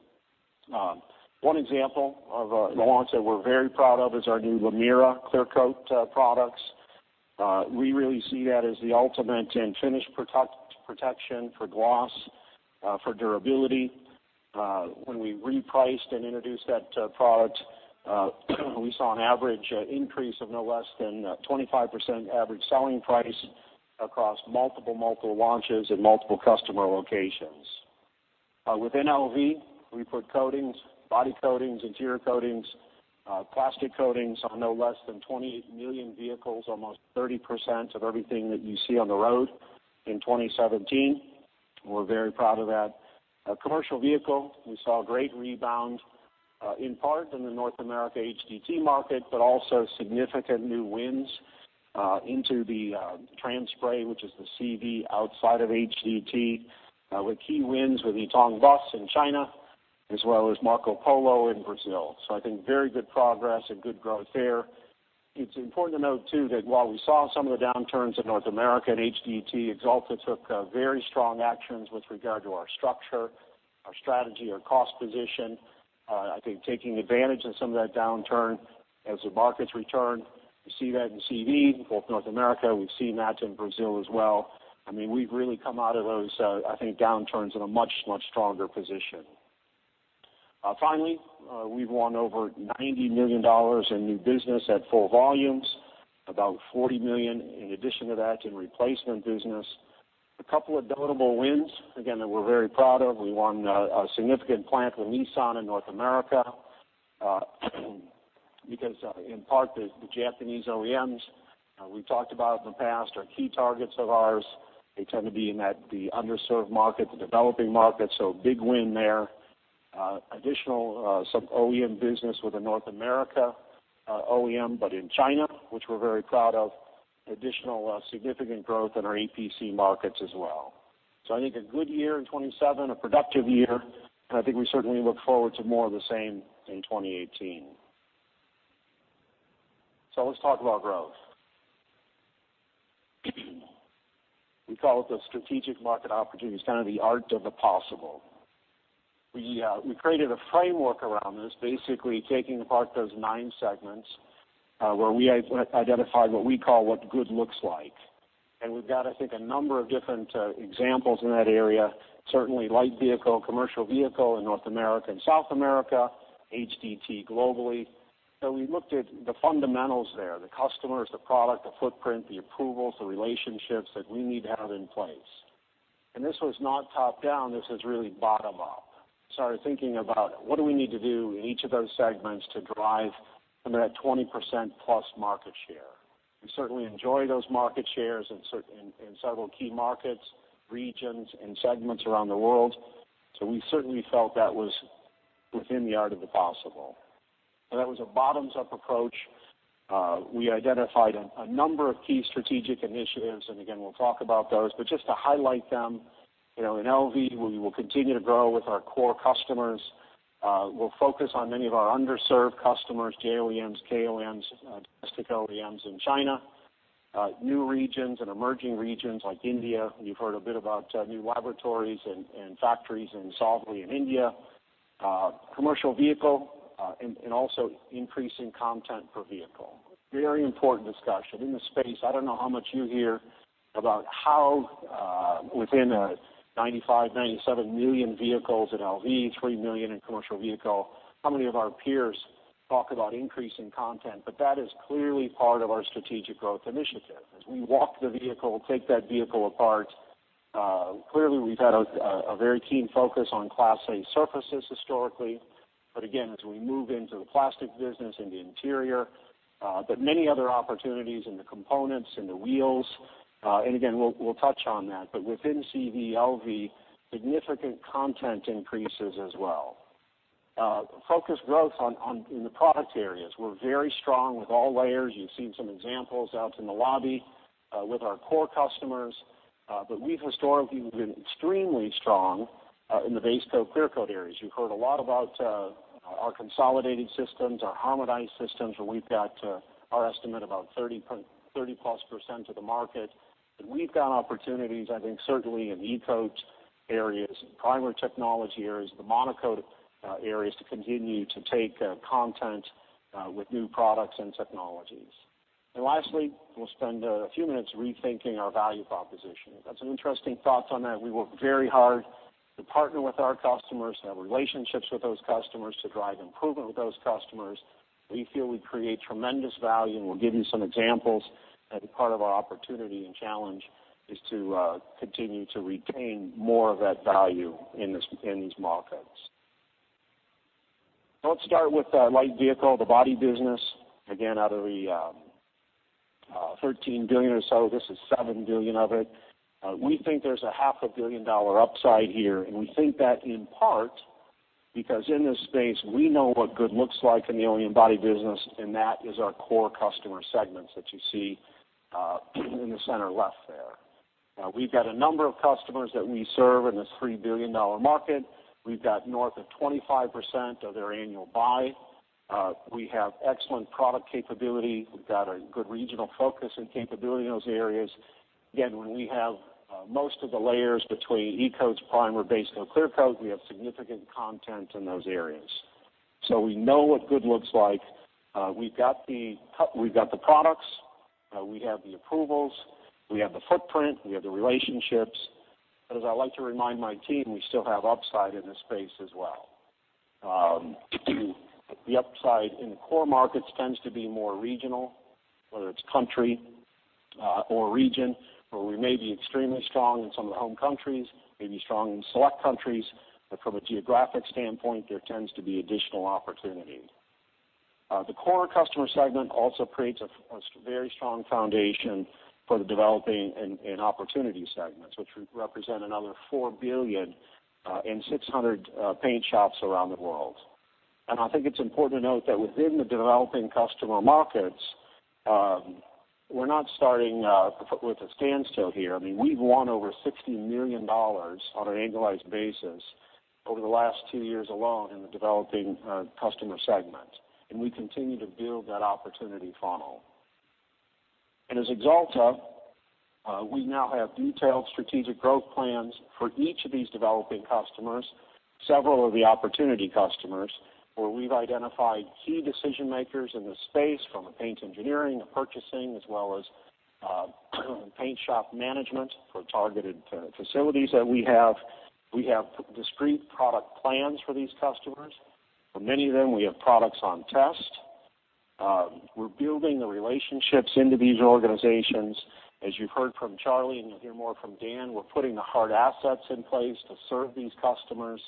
One example of a launch that we're very proud of is our new Lumeera clear coat products. We really see that as the ultimate in finish protection for gloss, for durability. When we repriced and introduced that product, we saw an average increase of no less than 25% average selling price across multiple launches and multiple customer locations. Within LV, we put coatings, body coatings, interior coatings, plastic coatings, on no less than 20 million vehicles, almost 30% of everything that you see on the road in 2017. We're very proud of that. Commercial vehicle, we saw great rebound in part in the North America HDT market, but also significant new wins into the trans spray, which is the CV outside of HDT, with key wins with Yutong Bus in China, as well as Marcopolo in Brazil. I think very good progress and good growth there. It's important to note too that while we saw some of the downturns in North America and HDT, Axalta took very strong actions with regard to our structure, our strategy, our cost position. I think taking advantage of some of that downturn as the markets return. We see that in CV, both North America. We've seen that in Brazil as well. We've really come out of those, I think, downturns in a much, much stronger position. Finally, we've won over $90 million in new business at full volumes. About $40 million in addition to that in replacement business. A couple of notable wins, again, that we're very proud of. We won a significant plant with Nissan in North America, because in part, the Japanese OEMs, we've talked about in the past, are key targets of ours. They tend to be in the underserved market, the developing market, big win there. Additional OEM business with a North America OEM, but in China, which we're very proud of. Additional significant growth in our APC markets as well. I think a good year in 2017, a productive year, and I think we certainly look forward to more of the same in 2018. Let's talk about growth. We call it the strategic market opportunities, kind of the art of the possible. We created a framework around this, basically taking apart those nine segments, where we identified what we call what good looks like. We've got, I think, a number of different examples in that area. Certainly light vehicle, commercial vehicle in North America and South America, HDT globally. We looked at the fundamentals there, the customers, the product, the footprint, the approvals, the relationships that we need to have in place. This was not top-down, this was really bottom-up. Started thinking about what do we need to do in each of those segments to drive from that 20% plus market share. We certainly enjoy those market shares in several key markets, regions, and segments around the world. We certainly felt that was within the art of the possible. That was a bottoms-up approach. We identified a number of key strategic initiatives, again, we'll talk about those, but just to highlight them, in LV, we will continue to grow with our core customers. We'll focus on many of our underserved customers, GEOMs, KOMs, domestic OEMs in China, new regions and emerging regions like India. You've heard a bit about new laboratories and factories in Savli in India. Commercial vehicle, also increasing content per vehicle. Very important discussion. In the space, I don't know how much you hear about how within 95 million, 97 million vehicles in LV, 3 million in commercial vehicle, how many of our peers talk about increasing content? That is clearly part of our strategic growth initiative. As we walk the vehicle, take that vehicle apart. Clearly, we've had a very keen focus on Class A surfaces historically, but again, as we move into the plastic business and the interior, but many other opportunities in the components and the wheels, and again, we'll touch on that, but within CV, LV, significant content increases as well. Focused growth in the product areas. We're very strong with all layers. You've seen some examples out in the lobby with our core customers. We've historically been extremely strong in the base coat, clear coat areas. You've heard a lot about our consolidated systems, our homogenized systems, where we've got our estimate about 30-plus percent of the market. We've got opportunities, I think, certainly in e-coat areas and primer technology areas, the monocoat areas, to continue to take content with new products and technologies. Lastly, we'll spend a few minutes rethinking our value proposition. We've got some interesting thoughts on that. We work very hard to partner with our customers, have relationships with those customers to drive improvement with those customers. We feel we create tremendous value, and we'll give you some examples. I think part of our opportunity and challenge is to continue to retain more of that value in these markets. Now let's start with light vehicle, the body business. Again, out of the $13 billion or so, this is $7 billion of it. We think there's a half a billion dollar upside here, and we think that in part because in this space, we know what good looks like in the OEM body business, and that is our core customer segments that you see in the center left there. We've got a number of customers that we serve in this $3 billion market. We've got north of 25% of their annual buy. We have excellent product capability. We've got a good regional focus and capability in those areas. Again, when we have most of the layers between e-coats, primer, base coat, clear coat, we have significant content in those areas. We know what good looks like. We've got the products. We have the approvals. We have the footprint. We have the relationships. As I like to remind my team, we still have upside in this space as well. The upside in the core markets tends to be more regional, whether it's country or region, where we may be extremely strong in some of the home countries, maybe strong in select countries. From a geographic standpoint, there tends to be additional opportunity. The core customer segment also creates a very strong foundation for the developing and opportunity segments, which represent another $4 billion in 600 paint shops around the world. I think it's important to note that within the developing customer markets, we're not starting with a standstill here. We've won over $60 million on an annualized basis over the last two years alone in the developing customer segment, and we continue to build that opportunity funnel. As Axalta, we now have detailed strategic growth plans for each of these developing customers, several of the opportunity customers, where we've identified key decision-makers in the space from a paint engineering, a purchasing, as well as paint shop management for targeted facilities that we have. We have discrete product plans for these customers. For many of them, we have products on test. We're building the relationships into these organizations. As you've heard from Charlie, you'll hear more from Dan, we're putting the hard assets in place to serve these customers.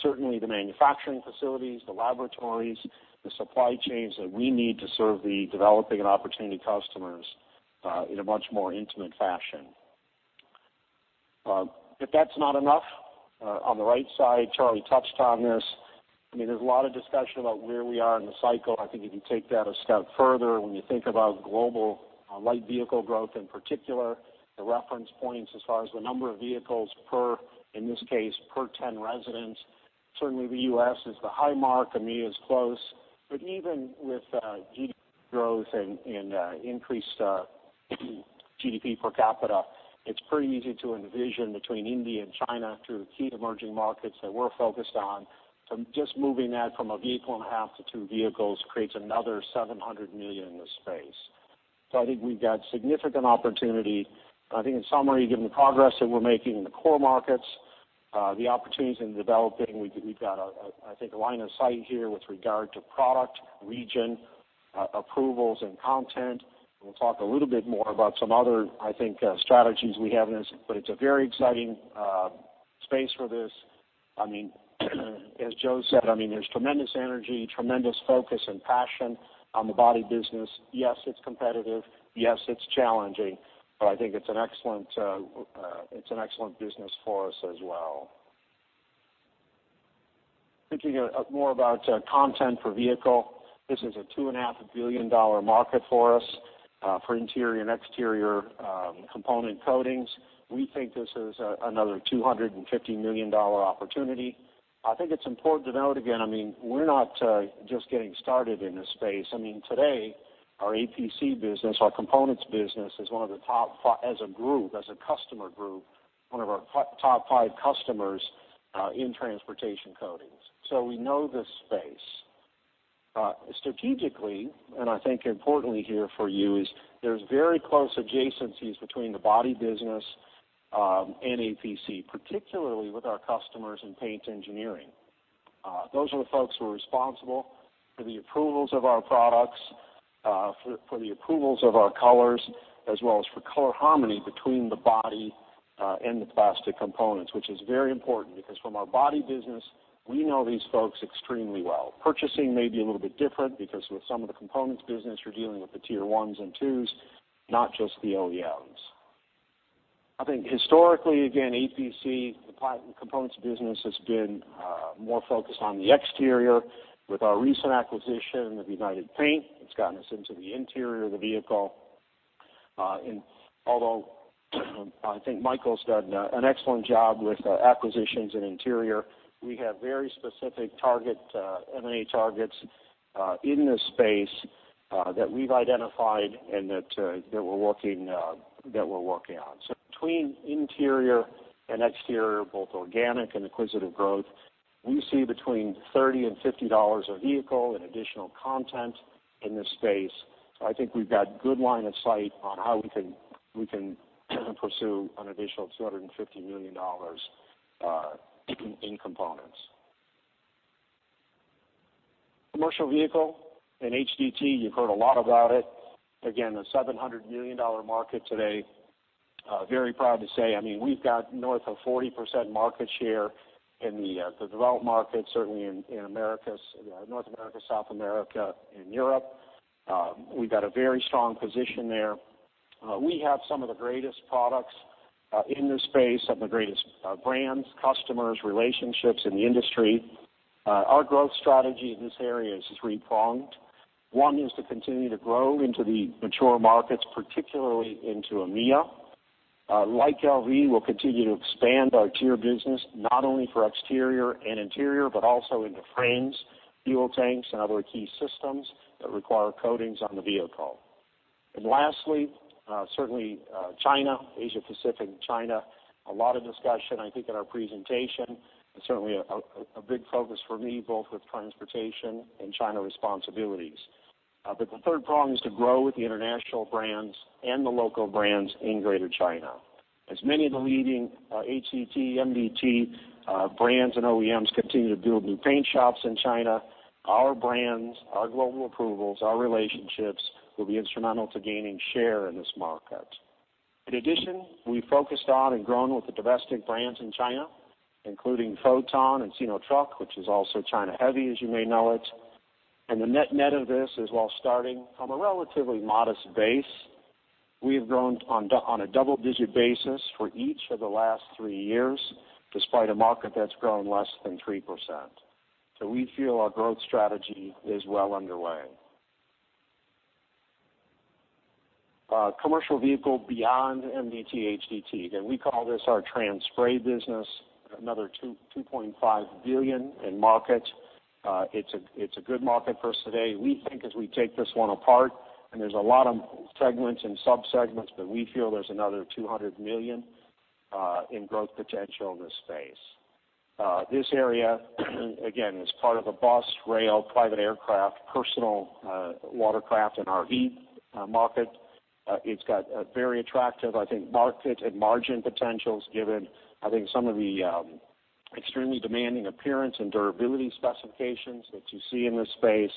Certainly, the manufacturing facilities, the laboratories, the supply chains that we need to serve the developing and opportunity customers in a much more intimate fashion. If that's not enough, on the right side, Charlie touched on this. There's a lot of discussion about where we are in the cycle. I think if you take that a step further, when you think about global light vehicle growth, in particular, the reference points as far as the number of vehicles per, in this case, per 10 residents. Certainly, the U.S. is the high mark. EMEA is close. Even with GDP growth and increased GDP per capita, it's pretty easy to envision between India and China, two key emerging markets that we're focused on, from just moving that from a vehicle and a half to two vehicles creates another $700 million in this space. I think we've got significant opportunity. I think in summary, given the progress that we're making in the core markets, the opportunities in developing, we've got, I think, a line of sight here with regard to product, region, approvals, and content. We'll talk a little bit more about some other, I think, strategies we have in this, but it's a very exciting space for this. As Joe said, there's tremendous energy, tremendous focus, and passion on the body business. Yes, it's competitive. Yes, it's challenging, but I think it's an excellent business for us as well. Thinking more about content per vehicle. This is a $2.5 billion market for us for interior and exterior component coatings. We think this is another $250 million opportunity. I think it's important to note, again, we're not just getting started in this space. Today, our APC business, our components business is one of the top, as a group, as a customer group, one of our top 5 customers in transportation coatings. We know this space. Strategically, and I think importantly here for you is there's very close adjacencies between the body business and APC, particularly with our customers in paint engineering. Those are the folks who are responsible for the approvals of our products, for the approvals of our colors, as well as for color harmony between the body and the plastic components, which is very important because from our body business, we know these folks extremely well. Purchasing may be a little bit different because with some of the components business, you're dealing with the tier 1s and 2s, not just the OEMs. I think historically, again, APC, the components business, has been more focused on the exterior. With our recent acquisition of United Paint, it's gotten us into the interior of the vehicle. Although I think Mike's done an excellent job with acquisitions and interior. We have very specific M&A targets in this space that we've identified and that we're working on. Between interior and exterior, both organic and acquisitive growth, we see between $30 and $50 a vehicle in additional content in this space. I think we've got good line of sight on how we can pursue an additional $250 million in components. Commercial vehicle and HDT, you've heard a lot about it. Again, a $700 million market today. Very proud to say, we've got north of 40% market share in the developed markets, certainly in North America, South America, and Europe. We've got a very strong position there. We have some of the greatest products in this space, some of the greatest brands, customers, relationships in the industry. Our growth strategy in this area is three-pronged. One is to continue to grow into the mature markets, particularly into EMEA. Like LV, we'll continue to expand our tier business, not only for exterior and interior, but also into frames, fuel tanks, and other key systems that require coatings on the vehicle. Lastly, certainly China, Asia Pacific, China, a lot of discussion, I think, in our presentation, and certainly a big focus for me, both with transportation and China responsibilities. The third prong is to grow with the international brands and the local brands in Greater China. As many of the leading HDT, MDT brands and OEMs continue to build new paint shops in China, our brands, our global approvals, our relationships will be instrumental to gaining share in this market. In addition, we've focused on and grown with the domestic brands in China, including Foton and Sinotruk, which is also China Heavy, as you may know it. The net-net of this is, while starting from a relatively modest base, we have grown on a double-digit basis for each of the last three years, despite a market that's grown less than 3%. We feel our growth strategy is well underway. Commercial vehicle beyond MDT, HDT. Again, we call this our trans spray business, another $2.5 billion in market. It's a good market for us today. We think as we take this one apart, there's a lot of segments and sub-segments, but we feel there's another $200 million in growth potential in this space. This area, again, is part of a bus, rail, private aircraft, personal watercraft, and RV market. It's got a very attractive, I think, market and margin potentials given, I think, some of the extremely demanding appearance and durability specifications that you see in this space.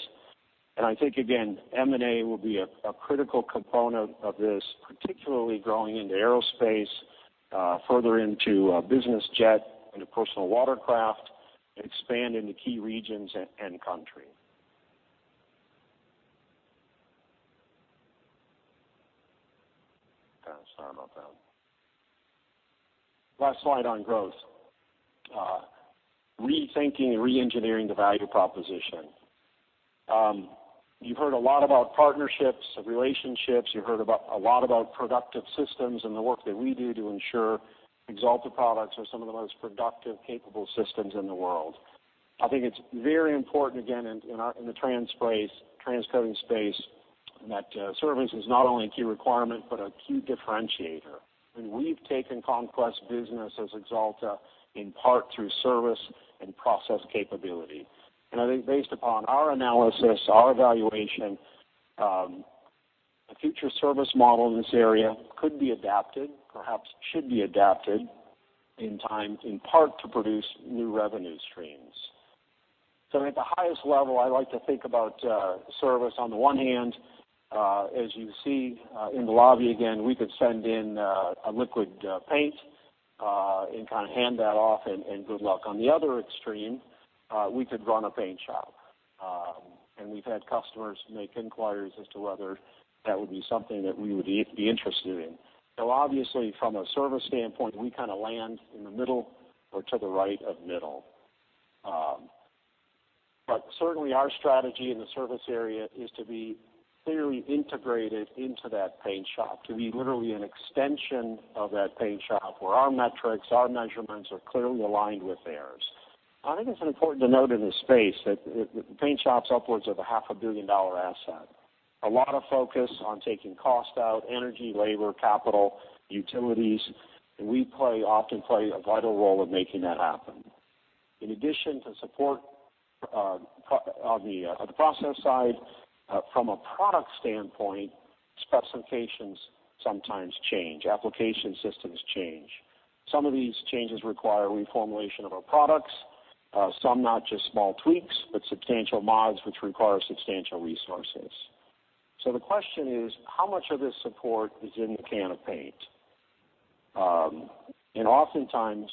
I think, again, M&A will be a critical component of this, particularly growing into aerospace, further into business jet, into personal watercraft, and expand into key regions and country. Sorry about that. Last slide on growth. Rethinking and re-engineering the value proposition. You've heard a lot about partnerships and relationships. You heard a lot about productive systems and the work that we do to ensure Axalta products are some of the most productive, capable systems in the world. I think it's very important, again, in the trans coating space, that service is not only a key requirement but a key differentiator. We've taken conquest business as Axalta in part through service and process capability. I think based upon our analysis, our evaluation, a future service model in this area could be adapted, perhaps should be adapted in part to produce new revenue streams. At the highest level, I like to think about service on the one hand. As you see in the lobby, again, we could send in a liquid paint and kind of hand that off and good luck. On the other extreme, we could run a paint shop. We've had customers make inquiries as to whether that would be something that we would be interested in. Obviously, from a service standpoint, we kind of land in the middle or to the right of middle. Certainly, our strategy in the service area is to be clearly integrated into that paint shop, to be literally an extension of that paint shop where our metrics, our measurements are clearly aligned with theirs. I think it's important to note in this space that the paint shop's upwards of a half a billion dollar asset. A lot of focus on taking cost out, energy, labor, capital, utilities, and we often play a vital role in making that happen. In addition to support on the process side, from a product standpoint, specifications sometimes change. Application systems change. Some of these changes require reformulation of our products. Some not just small tweaks, but substantial mods, which require substantial resources. The question is, how much of this support is in the can of paint? Oftentimes,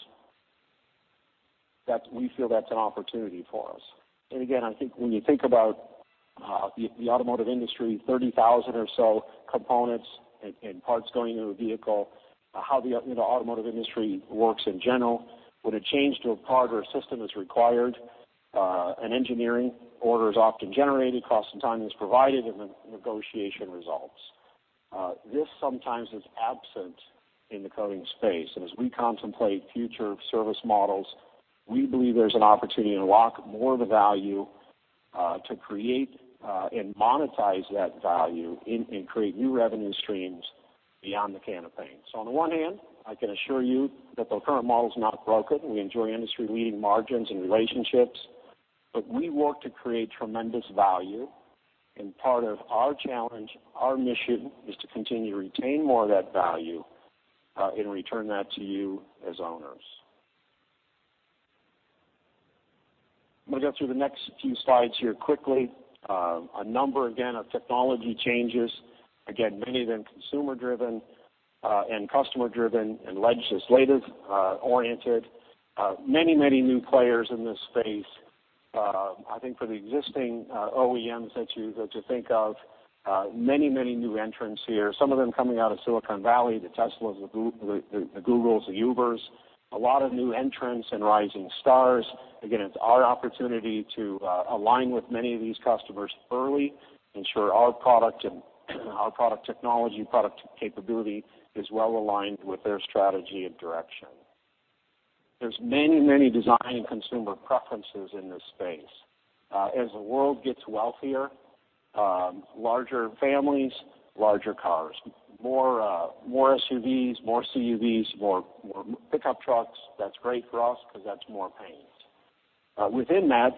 we feel that's an opportunity for us. Again, I think when you think about the automotive industry, 30,000 or so components and parts going into a vehicle, how the automotive industry works in general. When a change to a part or a system is required an engineering order is often generated, cost and time is provided, and the negotiation results. This sometimes is absent in the coating space. As we contemplate future service models, we believe there's an opportunity to unlock more of the value to create and monetize that value and create new revenue streams beyond the can of paint. On the one hand, I can assure you that the current model is not broken. We enjoy industry-leading margins and relationships, but we work to create tremendous value. Part of our challenge, our mission, is to continue to retain more of that value, and return that to you as owners. I'm going to go through the next few slides here quickly. A number, again, of technology changes, again, many of them consumer-driven, and customer-driven, and legislative-oriented. Many new players in this space. I think for the existing OEMs that you think of, many new entrants here, some of them coming out of Silicon Valley, the Teslas, the Googles, the Ubers. A lot of new entrants and rising stars. Again, it's our opportunity to align with many of these customers early, ensure our product and our product technology, product capability is well-aligned with their strategy and direction. There's many design and consumer preferences in this space. As the world gets wealthier, larger families, larger cars. More SUVs, more CUVs, more pickup trucks. That's great for us because that's more paint. Within that,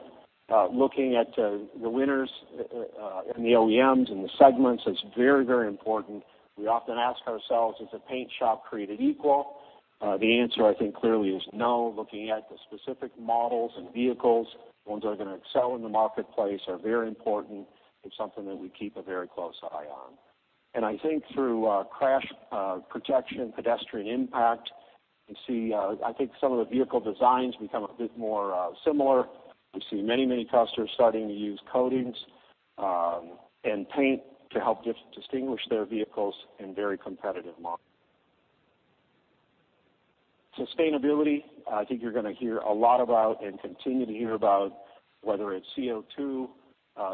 looking at the winners in the OEMs and the segments is very important. We often ask ourselves, is a paint shop created equal? The answer, I think, clearly is no. Looking at the specific models and vehicles, ones that are going to excel in the marketplace are very important. It's something that we keep a very close eye on. I think through crash protection, pedestrian impact, we see some of the vehicle designs become a bit more similar. We see many customers starting to use coatings and paint to help distinguish their vehicles in very competitive markets. Sustainability, I think you're going to hear a lot about and continue to hear about, whether it's CO2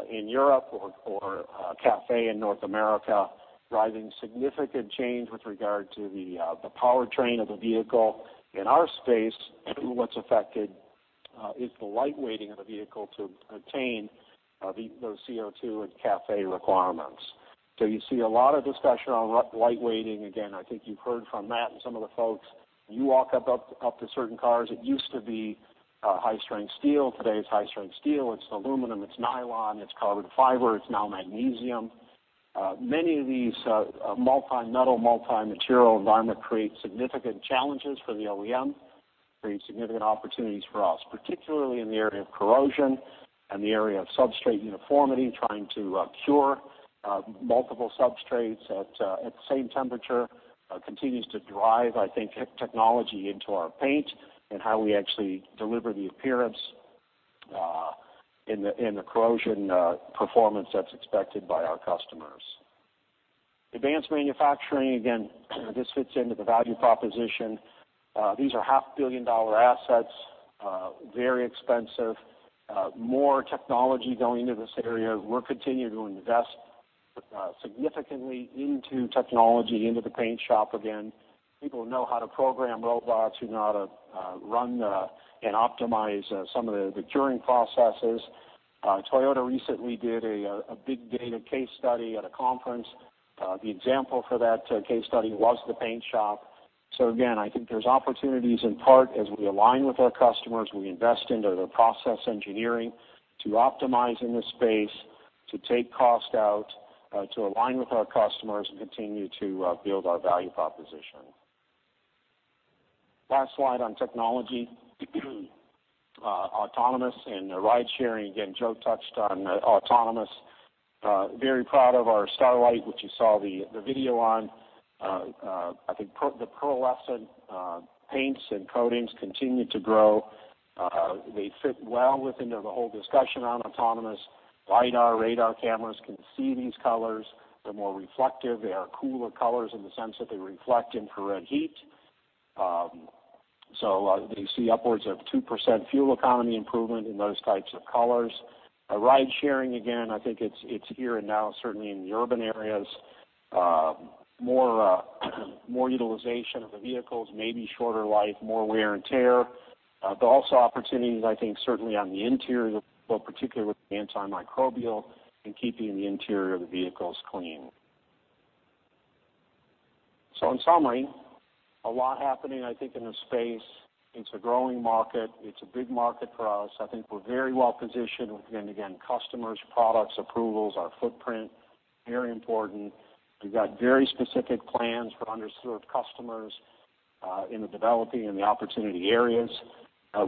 in Europe or CAFE in North America, driving significant change with regard to the powertrain of the vehicle. In our space, what's affected is the lightweighting of the vehicle to attain those CO2 and CAFE requirements. You see a lot of discussion on lightweighting. Again, I think you've heard from Matt and some of the folks. You walk up to certain cars, it used to be high-strength steel. Today, it's high-strength steel, it's aluminum, it's nylon, it's carbon fiber, it's now magnesium. Many of these multi metal, multi material environment create significant challenges for the OEM, create significant opportunities for us, particularly in the area of corrosion and the area of substrate uniformity. Trying to cure multiple substrates at the same temperature continues to drive, I think, technology into our paint and how we actually deliver the appearance and the corrosion performance that's expected by our customers. Advanced manufacturing, again, this fits into the value proposition. These are half-billion-dollar assets, very expensive. More technology going into this area. We'll continue to invest significantly into technology into the paint shop again. People know how to program robots, who know how to run and optimize some of the curing processes. Toyota recently did a big data case study at a conference. The example for that case study was the paint shop. Again, I think there's opportunities in part as we align with our customers, we invest into their process engineering to optimize in this space, to take cost out, to align with our customers, and continue to build our value proposition. Last slide on technology. Autonomous and ridesharing. Again, Joe touched on autonomous. Very proud of our StarLite, which you saw the video on. I think the pearlescent paints and coatings continue to grow. They fit well within the whole discussion on autonomous. LiDAR radar cameras can see these colors. They're more reflective. They are cooler colors in the sense that they reflect infrared heat. You see upwards of 2% fuel economy improvement in those types of colors. Ridesharing, again, I think it's here and now, certainly in the urban areas. More utilization of the vehicles, maybe shorter life, more wear and tear. Also opportunities, I think, certainly on the interior, but particularly with the antimicrobial and keeping the interior of the vehicles clean. In summary, a lot happening, I think, in the space. It's a growing market. It's a big market for us. I think we're very well positioned with, again, customers, products, approvals, our footprint, very important. We've got very specific plans for underserved customers in the developing and the opportunity areas.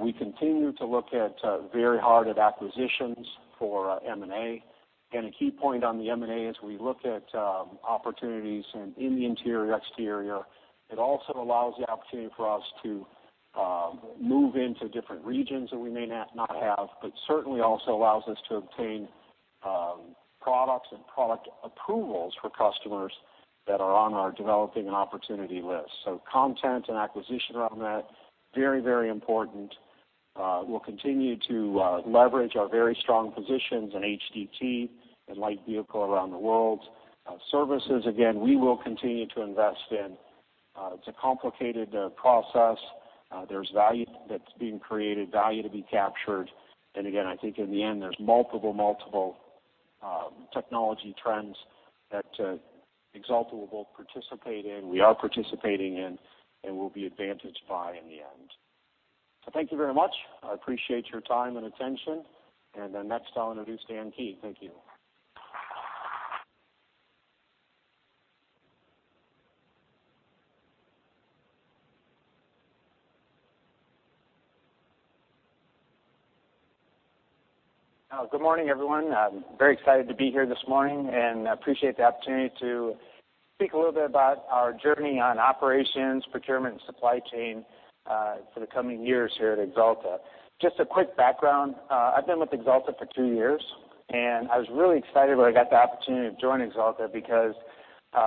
We continue to look very hard at acquisitions for M&A. A key point on the M&A is we look at opportunities in the interior, exterior. It also allows the opportunity for us to move into different regions that we may not have, but certainly also allows us to obtain products and product approvals for customers that are on our developing and opportunity list. Content and acquisition around that, very, very important. We'll continue to leverage our very strong positions in HDT and light vehicle around the world. Services, again, we will continue to invest in. It's a complicated process. There's value that's being created, value to be captured. I think in the end, there's multiple technology trends that Axalta will both participate in, we are participating in, and we'll be advantaged by in the end. Thank you very much. I appreciate your time and attention. Next, I'll introduce Dan Key. Thank you. Good morning, everyone. I'm very excited to be here this morning and appreciate the opportunity to speak a little bit about our journey on operations, procurement, and supply chain for the coming years here at Axalta. Just a quick background. I've been with Axalta for two years, and I was really excited when I got the opportunity to join Axalta because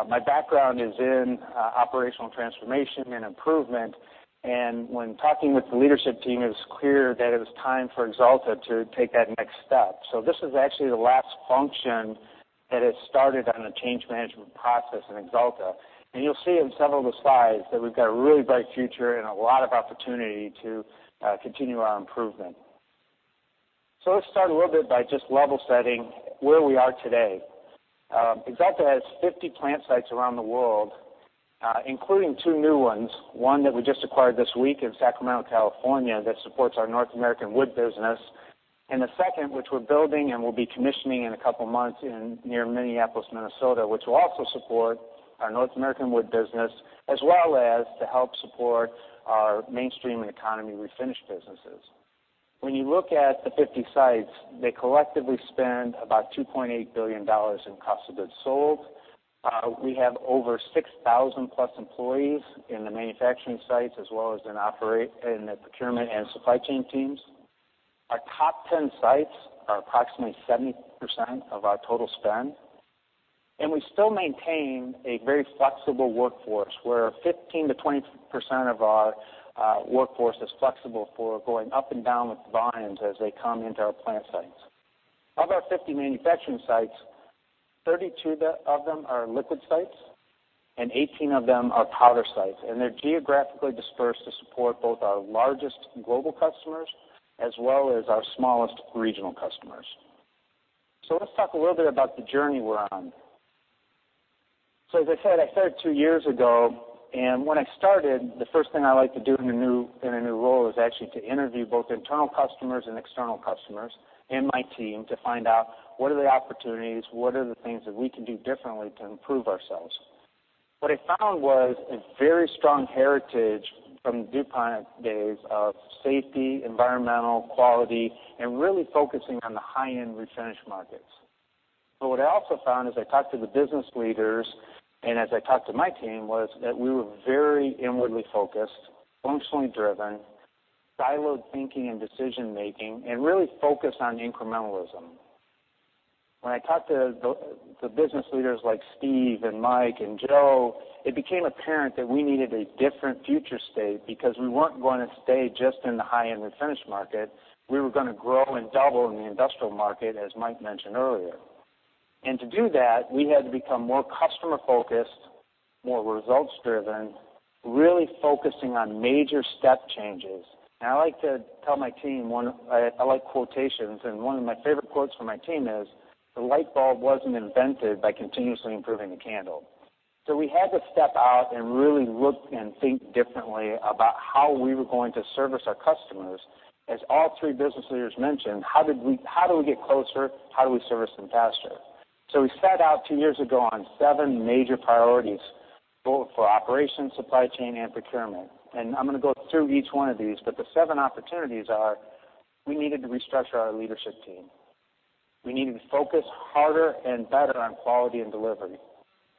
my background is in operational transformation and improvement. When talking with the leadership team, it was clear that it was time for Axalta to take that next step. This is actually the last function that has started on a change management process in Axalta. You'll see in several of the slides that we've got a really bright future and a lot of opportunity to continue our improvement. Let's start a little bit by just level setting where we are today. Axalta has 50 plant sites around the world, including two new ones, one that we just acquired this week in Sacramento, California, that supports our North American wood business, and the second, which we're building and will be commissioning in a couple of months near Minneapolis, Minnesota, which will also support our North American wood business, as well as to help support our mainstream and economy refinish businesses. When you look at the 50 sites, they collectively spend about $2.8 billion in cost of goods sold. We have over 6,000 plus employees in the manufacturing sites, as well as in the procurement and supply chain teams. Our top 10 sites are approximately 70% of our total spend. We still maintain a very flexible workforce, where 15%-20% of our workforce is flexible for going up and down with volumes as they come into our plant sites. Of our 50 manufacturing sites, 32 of them are liquid sites, and 18 of them are powder sites, and they're geographically dispersed to support both our largest global customers as well as our smallest regional customers. Let's talk a little bit about the journey we're on. As I said, I started two years ago, when I started, the first thing I like to do in a new role is actually to interview both internal customers and external customers and my team to find out what are the opportunities, what are the things that we can do differently to improve ourselves. What I found was a very strong heritage from DuPont days of safety, environmental, quality, and really focusing on the high-end refinish markets. What I also found as I talked to the business leaders and as I talked to my team was that we were very inwardly focused, functionally driven, siloed thinking and decision-making, and really focused on incrementalism. When I talked to the business leaders like Steve and Mike and Joe, it became apparent that we needed a different future state because we weren't going to stay just in the high-end refinish market. We were going to grow and double in the industrial market, as Mike mentioned earlier. To do that, we had to become more customer-focused, more results-driven, really focusing on major step changes. I like to tell my team I like quotations, and one of my favorite quotes for my team is, "The light bulb wasn't invented by continuously improving the candle." We had to step out and really look and think differently about how we were going to service our customers. As all three business leaders mentioned, how do we get closer? How do we service them faster? We set out 2 years ago on 7 major priorities, both for operations, supply chain, and procurement. I'm going to go through each one of these. The 7 opportunities are: We needed to restructure our leadership team. We needed to focus harder and better on quality and delivery.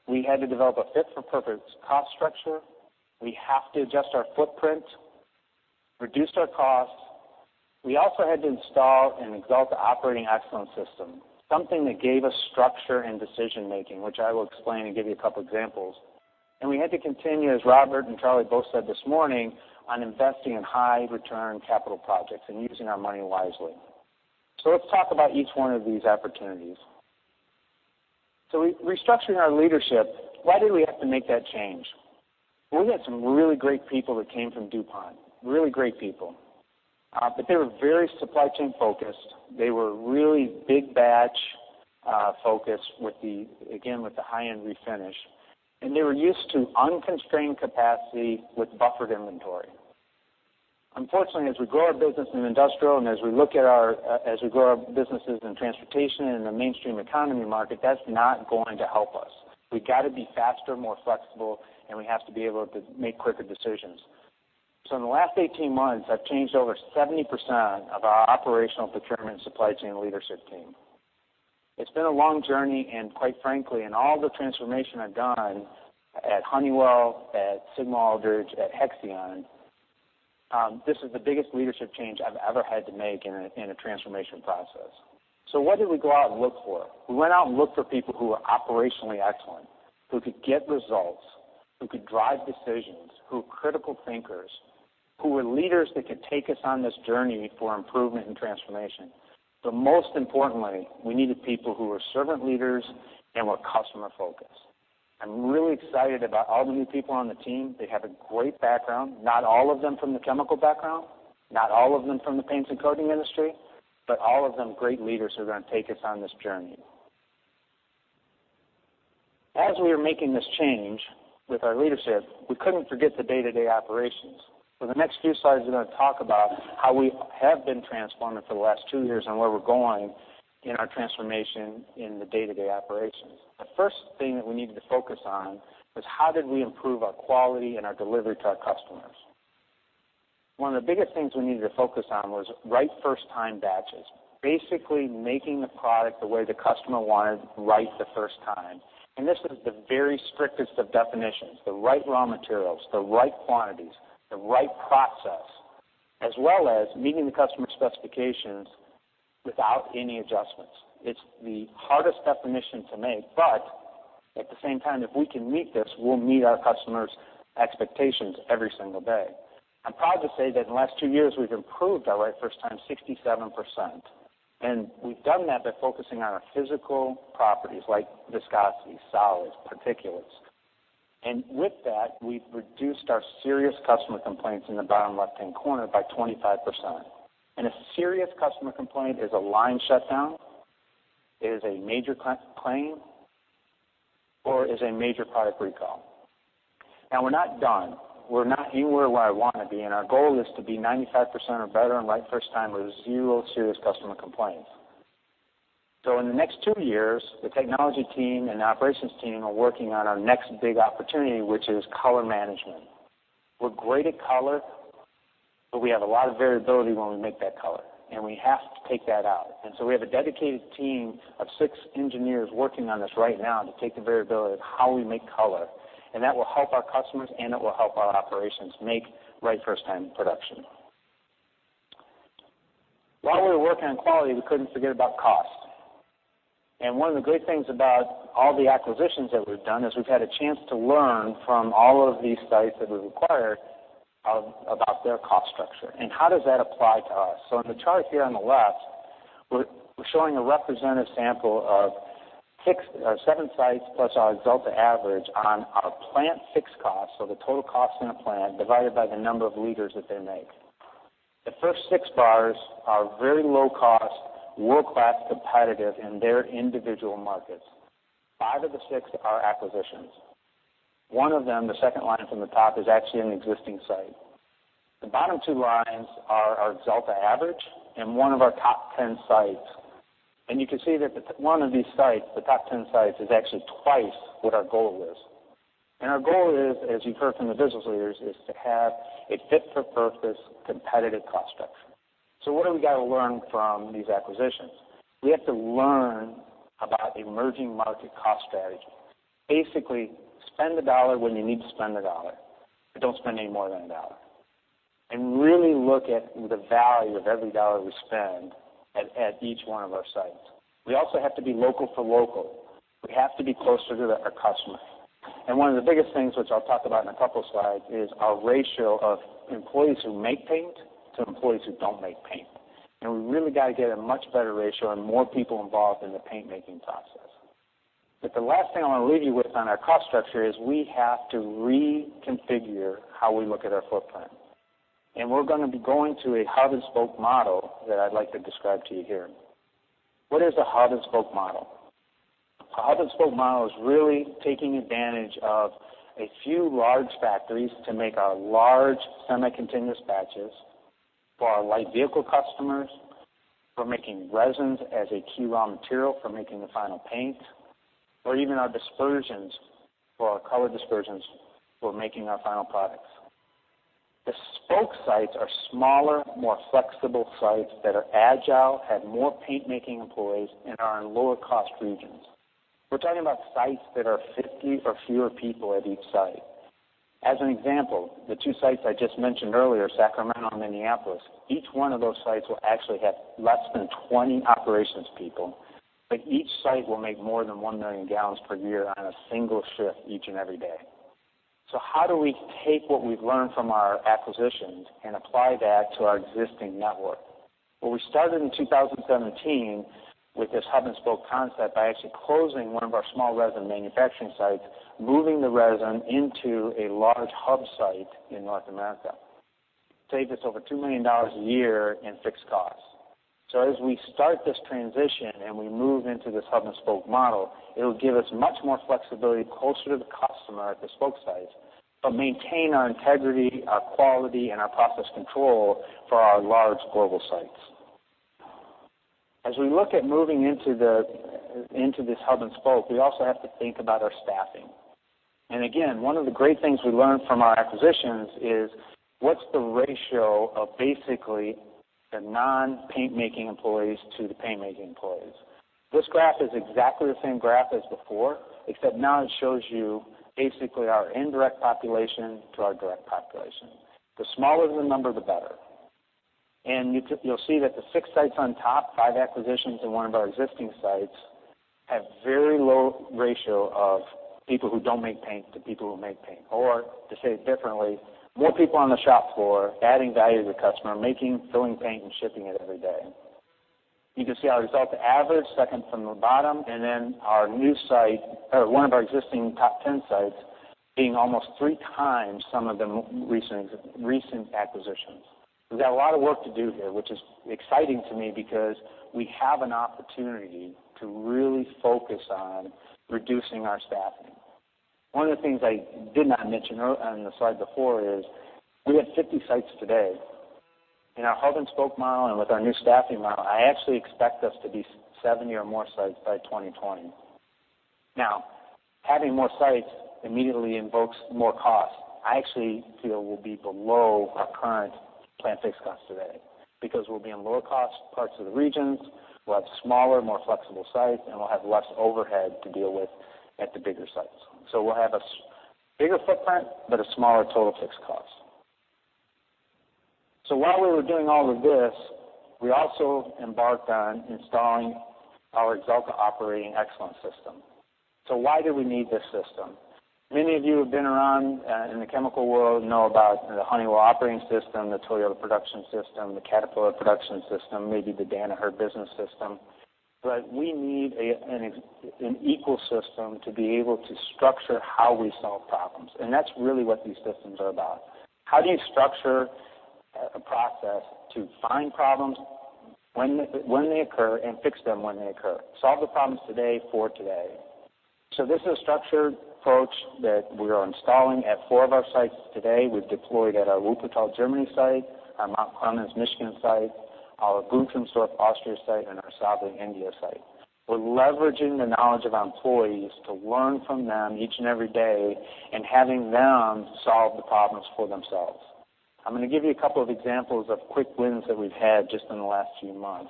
We had to develop a fit-for-purpose cost structure. We have to adjust our footprint, reduce our costs. We also had to install an Axalta Operating Excellence System, something that gave us structure and decision-making, which I will explain and give you a couple examples. We had to continue, as Robert and Charlie both said this morning, on investing in high return capital projects and using our money wisely. Let's talk about each one of these opportunities. Restructuring our leadership, why did we have to make that change? We had some really great people that came from DuPont, really great people. They were very supply chain focused. They were really big batch focused, again, with the high-end refinish, and they were used to unconstrained capacity with buffered inventory. Unfortunately, as we grow our business in industrial and as we grow our businesses in transportation and in the mainstream economy market, that's not going to help us. We've got to be faster, more flexible, and we have to be able to make quicker decisions. In the last 18 months, I've changed over 70% of our operational procurement supply chain leadership team. It's been a long journey, and quite frankly, in all the transformation I've done at Honeywell, at Sigma-Aldrich, at Hexion. This is the biggest leadership change I've ever had to make in a transformation process. What did we go out and look for? We went out and looked for people who were operationally excellent, who could get results, who could drive decisions, who were critical thinkers, who were leaders that could take us on this journey for improvement and transformation. Most importantly, we needed people who were servant leaders and were customer-focused. I'm really excited about all the new people on the team. They have a great background, not all of them from the chemical background, not all of them from the paints and coating industry, but all of them great leaders who are going to take us on this journey. As we were making this change with our leadership, we couldn't forget the day-to-day operations. For the next few slides, we're going to talk about how we have been transforming for the last two years and where we're going in our transformation in the day-to-day operations. The first thing that we needed to focus on was how did we improve our quality and our delivery to our customers. One of the biggest things we needed to focus on was Right First Time batches, basically making the product the way the customer wanted Right First Time. This is the very strictest of definitions, the right raw materials, the right quantities, the right process, as well as meeting the customer specifications without any adjustments. It's the hardest definition to make, but at the same time, if we can meet this, we'll meet our customers' expectations every single day. I'm proud to say that in the last two years, we've improved our Right First Time 67%, and we've done that by focusing on our physical properties like viscosity, solids, particulates. With that, we've reduced our serious customer complaints in the bottom left-hand corner by 25%. A serious customer complaint is a line shutdown, it is a major claim, or is a major product recall. Now we're not done. We're not anywhere where I want to be, and our goal is to be 95% or better on Right First Time with zero serious customer complaints. In the next two years, the technology team and the operations team are working on our next big opportunity, which is color management. We're great at color, but we have a lot of variability when we make that color, and we have to take that out. We have a dedicated team of six engineers working on this right now to take the variability of how we make color, and that will help our customers, and it will help our operations make Right First Time production. While we were working on quality, we couldn't forget about cost. One of the great things about all the acquisitions that we've done is we've had a chance to learn from all of these sites that we've acquired about their cost structure and how does that apply to us. In the chart here on the left, we're showing a representative sample of seven sites plus our Axalta average on our plant fixed costs, so the total cost in a plant divided by the number of liters that they make. The first six bars are very low cost, world-class competitive in their individual markets. Five of the six are acquisitions. One of them, the second line from the top, is actually an existing site. The bottom two lines are our Axalta average and one of our top 10 sites. You can see that one of these sites, the top 10 sites, is actually twice what our goal is. Our goal is, as you've heard from the business leaders, is to have a fit for purpose competitive cost structure. What do we got to learn from these acquisitions? We have to learn about emerging market cost strategy. spend the dollar when you need to spend the dollar, don't spend any more than a dollar. Really look at the value of every dollar we spend at each one of our sites. We also have to be local for local. We have to be closer to our customer. One of the biggest things, which I'll talk about in a couple slides, is our ratio of employees who make paint to employees who don't make paint. We really got to get a much better ratio and more people involved in the paint-making process. The last thing I want to leave you with on our cost structure is we have to reconfigure how we look at our footprint. We're going to be going to a hub and spoke model that I'd like to describe to you here. What is a hub and spoke model? A hub and spoke model is really taking advantage of a few large factories to make our large semi-continuous batches for our light vehicle customers, for making resins as a key raw material for making the final paint, or even our dispersions for our color dispersions for making our final products. The spoke sites are smaller, more flexible sites that are agile, have more paint-making employees, and are in lower cost regions. We're talking about sites that are 50 or fewer people at each site. As an example, the two sites I just mentioned earlier, Sacramento and Minneapolis, each one of those sites will actually have less than 20 operations people, but each site will make more than one million gallons per year on a single shift each and every day. How do we take what we've learned from our acquisitions and apply that to our existing network? Well, we started in 2017 with this hub and spoke concept by actually closing one of our small resin manufacturing sites, moving the resin into a large hub site in North America. Saved us over $2 million a year in fixed costs. As we start this transition and we move into this hub and spoke model, it'll give us much more flexibility closer to the customer at the spoke sites, but maintain our integrity, our quality, and our process control for our large global sites. As we look at moving into this hub and spoke, we also have to think about our staffing. Again, one of the great things we learned from our acquisitions is what's the ratio of basically the non-paint making employees to the paint making employees. This graph is exactly the same graph as before, except now it shows you basically our indirect population to our direct population. The smaller the number, the better. You'll see that the six sites on top, five acquisitions and one of our existing sites, have very low ratio of people who don't make paint to people who make paint. Or to say it differently, more people on the shop floor adding value to the customer, making, filling paint, and shipping it every day. You can see our results average, second from the bottom, and then our new site, or one of our existing top 10 sites, being almost three times some of the recent acquisitions. We've got a lot of work to do here, which is exciting to me because we have an opportunity to really focus on reducing our staffing. One of the things I did not mention on the slide before is we have 50 sites today. In our hub-and-spoke model and with our new staffing model, I actually expect us to be 70 or more sites by 2020. Having more sites immediately invokes more costs. I actually feel we'll be below our current plant fixed costs today, because we'll be in lower cost parts of the regions, we'll have smaller, more flexible sites, and we'll have less overhead to deal with at the bigger sites. We'll have a bigger footprint, but a smaller total fixed cost. While we were doing all of this, we also embarked on installing our Axalta Operational Excellence system. Why do we need this system? Many of you who have been around in the chemical world know about the Honeywell operating system, the Toyota Production System, the Caterpillar Production System, maybe the Danaher Business System. We need an equal system to be able to structure how we solve problems. That's really what these systems are about. How do you structure a process to find problems when they occur and fix them when they occur? Solve the problems today for today. This is a structured approach that we are installing at four of our sites today. We've deployed at our Wuppertal, Germany site, our Mount Clemens, Michigan site, our Guntramsdorf, Austria site, and our Jiading, China site site. We're leveraging the knowledge of our employees to learn from them each and every day and having them solve the problems for themselves. I'm going to give you a couple of examples of quick wins that we've had just in the last few months.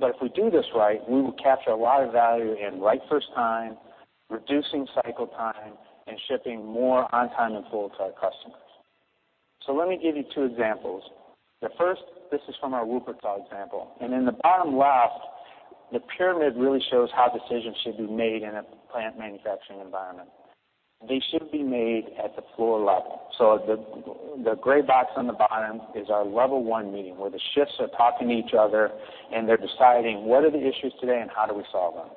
If we do this right, we will capture a lot of value in Right First Time, reducing cycle time, and shipping more on-time and full to our customers. Let me give you two examples. The first, this is from our Wuppertal example. In the bottom left, the pyramid really shows how decisions should be made in a plant manufacturing environment. They should be made at the floor level. The gray box on the bottom is our level 1 meeting, where the shifts are talking to each other and they're deciding what are the issues today and how do we solve them.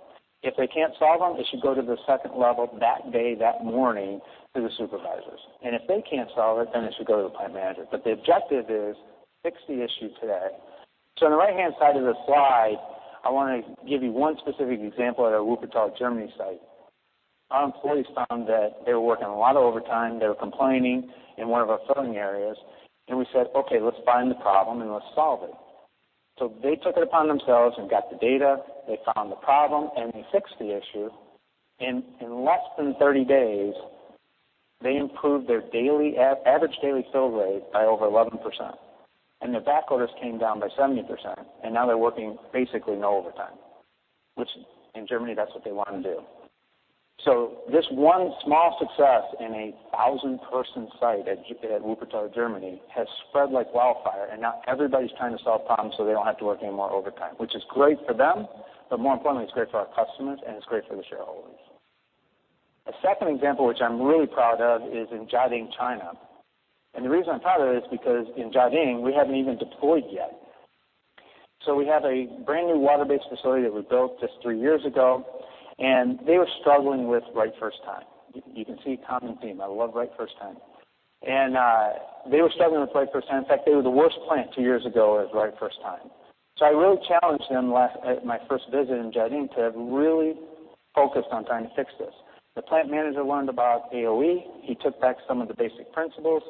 If they can't solve them, it should go to the level 2 that day, that morning, to the supervisors. If they can't solve it should go to the plant manager. The objective is fix the issue today. On the right-hand side of the slide, I want to give you one specific example at our Wuppertal, Germany site. Our employees found that they were working a lot of overtime. They were complaining in one of our filling areas. We said, "Okay, let's find the problem and let's solve it." They took it upon themselves and got the data, they found the problem, and they fixed the issue. In less than 30 days, they improved their average daily fill rate by over 11%. The back orders came down by 70%, now they're working basically no overtime, which in Germany, that's what they want to do. This one small success in a 1,000-person site at Wuppertal, Germany, has spread like wildfire, and now everybody's trying to solve problems so they don't have to work any more overtime. Which is great for them, but more importantly, it is great for our customers and it is great for the shareholders. A second example, which I'm really proud of, is in Jiading, China. The reason I'm proud of it is because in Jiading, we haven't even deployed yet. We have a brand-new water-based facility that was built just three years ago. They were struggling with Right First Time. You can see a common theme. I love Right First Time. They were struggling with Right First Time. In fact, they were the worst plant two years ago at Right First Time. I really challenged them at my first visit in Jiading to really focus on trying to fix this. The plant manager learned about AOE. He took back some of the basic principles.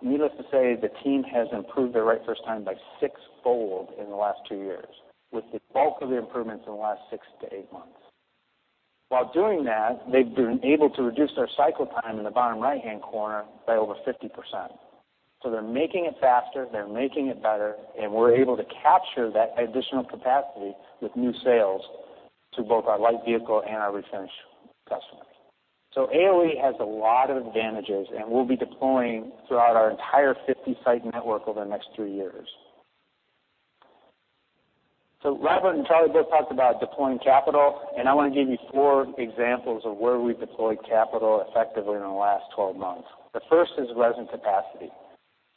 Needless to say, the team has improved their Right First Time by sixfold in the last two years, with the bulk of the improvements in the last six to eight months. While doing that, they've been able to reduce their cycle time in the bottom right-hand corner by over 50%. They're making it faster, they're making it better, and we're able to capture that additional capacity with new sales to both our light vehicle and our refinish customers. AOE has a lot of advantages, and we'll be deploying throughout our entire 50-site network over the next three years. Robert and Charlie both talked about deploying capital, and I want to give you four examples of where we've deployed capital effectively in the last 12 months. The first is resin capacity.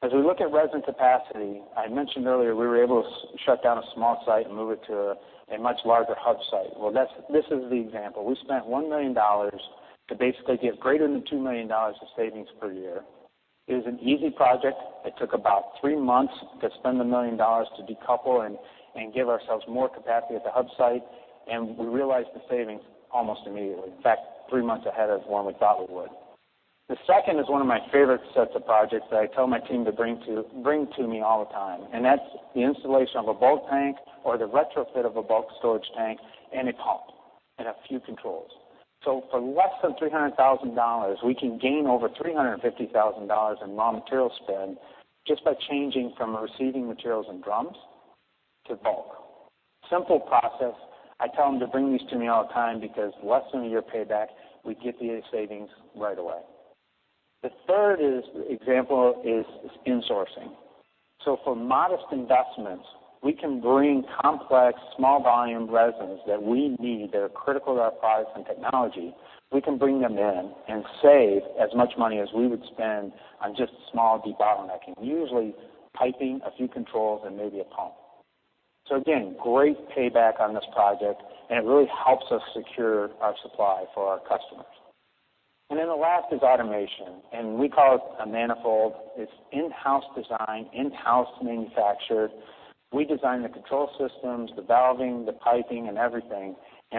As we look at resin capacity, I mentioned earlier we were able to shut down a small site and move it to a much larger hub site. This is the example. We spent $1 million to basically get greater than $2 million of savings per year. It was an easy project. It took about three months to spend the $1 million to decouple and give ourselves more capacity at the hub site. We realized the savings almost immediately. In fact, three months ahead of when we thought we would. The second is one of my favorite sets of projects that I tell my team to bring to me all the time, that's the installation of a bulk tank or the retrofit of a bulk storage tank and a pump. A few controls. For less than $300,000, we can gain over $350,000 in raw material spend just by changing from receiving materials in drums to bulk. Simple process. I tell them to bring these to me all the time because less than a year payback, we get the savings right away. The third example is insourcing. For modest investments, we can bring complex small volume resins that we need that are critical to our products and technology, we can bring them in and save as much money as we would spend on just a small debottlenecking. Usually piping, a few controls, and maybe a pump. Again, great payback on this project, it really helps us secure our supply for our customers. The last is automation, we call it a manifold. It's in-house designed, in-house manufactured. We design the control systems, the valving, the piping, and everything.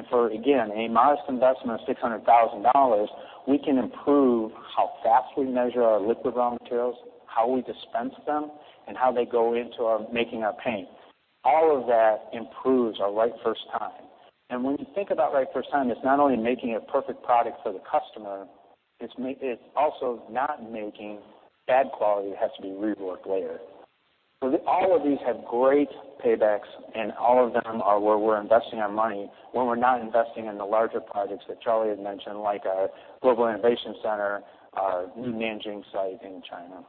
For, again, a modest investment of $600,000, we can improve how fast we measure our liquid raw materials, how we dispense them, and how they go into making our paint. All of that improves our Right First Time. When you think about Right First Time, it's not only making a perfect product for the customer, it's also not making bad quality that has to be reworked later. All of these have great paybacks, all of them are where we're investing our money when we're not investing in the larger projects that Charlie had mentioned, like our Global Innovation Center, our new Nanjing site in China.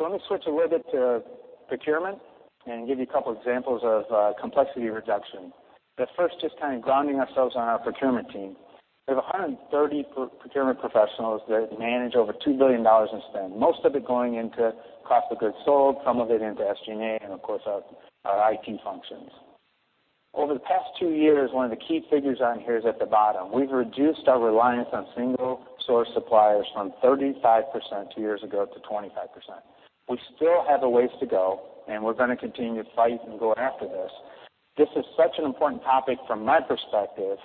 Let me switch a little bit to procurement and give you a couple examples of complexity reduction. First, just kind of grounding ourselves on our procurement team. We have 130 procurement professionals that manage over $2 billion in spend, most of it going into cost of goods sold, some of it into SG&A, and of course, our IT functions. Over the past two years, one of the key figures on here is at the bottom. We've reduced our reliance on single-source suppliers from 35% two years ago to 25%. We still have a ways to go, we're going to continue to fight and go after this. This is such an important topic from my perspective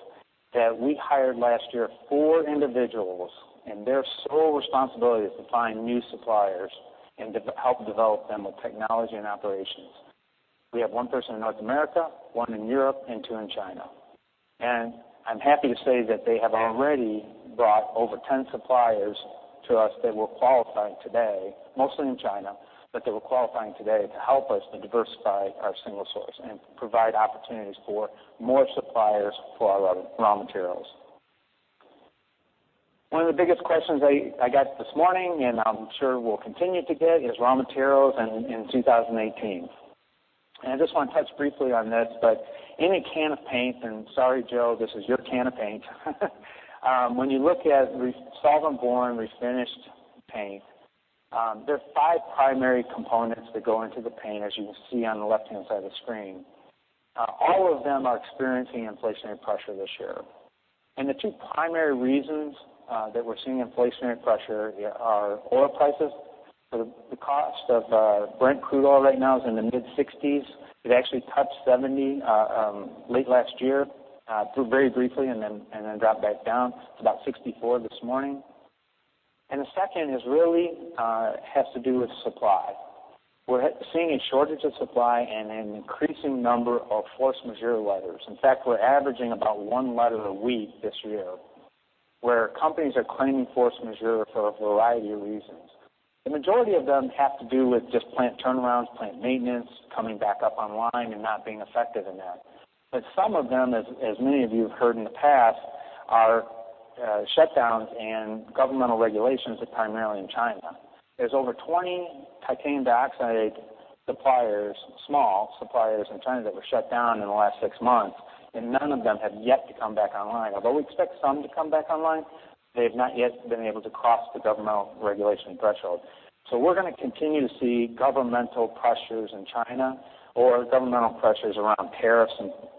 that we hired last year four individuals, their sole responsibility is to find new suppliers and to help develop them with technology and operations. We have one person in North America, one in Europe, and two in China. I'm happy to say that they have already brought over 10 suppliers to us that we're qualifying today, mostly in China, but that we're qualifying today to help us to diversify our single source and provide opportunities for more suppliers for our raw materials. One of the biggest questions I got this morning, I'm sure we'll continue to get, is raw materials in 2018. I just want to touch briefly on this, but in a can of paint, sorry, Joe, this is your can of paint. When you look at solventborne, refinished paint, there are five primary components that go into the paint, as you can see on the left-hand side of the screen. All of them are experiencing inflationary pressure this year. The two primary reasons that we're seeing inflationary pressure are oil prices. The cost of Brent crude oil right now is in the mid-60s. It actually touched 70 late last year, very briefly, then dropped back down to about 64 this morning. The second really has to do with supply. We're seeing a shortage of supply and an increasing number of force majeure letters. In fact, we're averaging about one letter a week this year, where companies are claiming force majeure for a variety of reasons. The majority of them have to do with just plant turnarounds, plant maintenance, coming back up online, not being effective in that. Some of them, as many of you have heard in the past, are shutdowns and governmental regulations, primarily in China. There's over 20 TiO2 suppliers, small suppliers in China that were shut down in the last six months, and none of them have yet to come back online. Although we expect some to come back online, they've not yet been able to cross the governmental regulation threshold. We're going to continue to see governmental pressures in China or governmental pressures around tariffs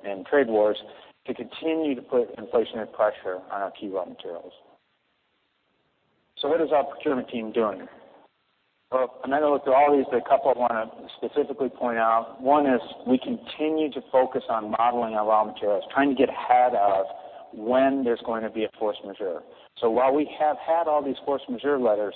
and trade wars to continue to put inflationary pressure on our key raw materials. What is our procurement team doing? Well, I'm not going to look through all these, but a couple I want to specifically point out. One is we continue to focus on modeling our raw materials, trying to get ahead of when there's going to be a force majeure. While we have had all these force majeure letters,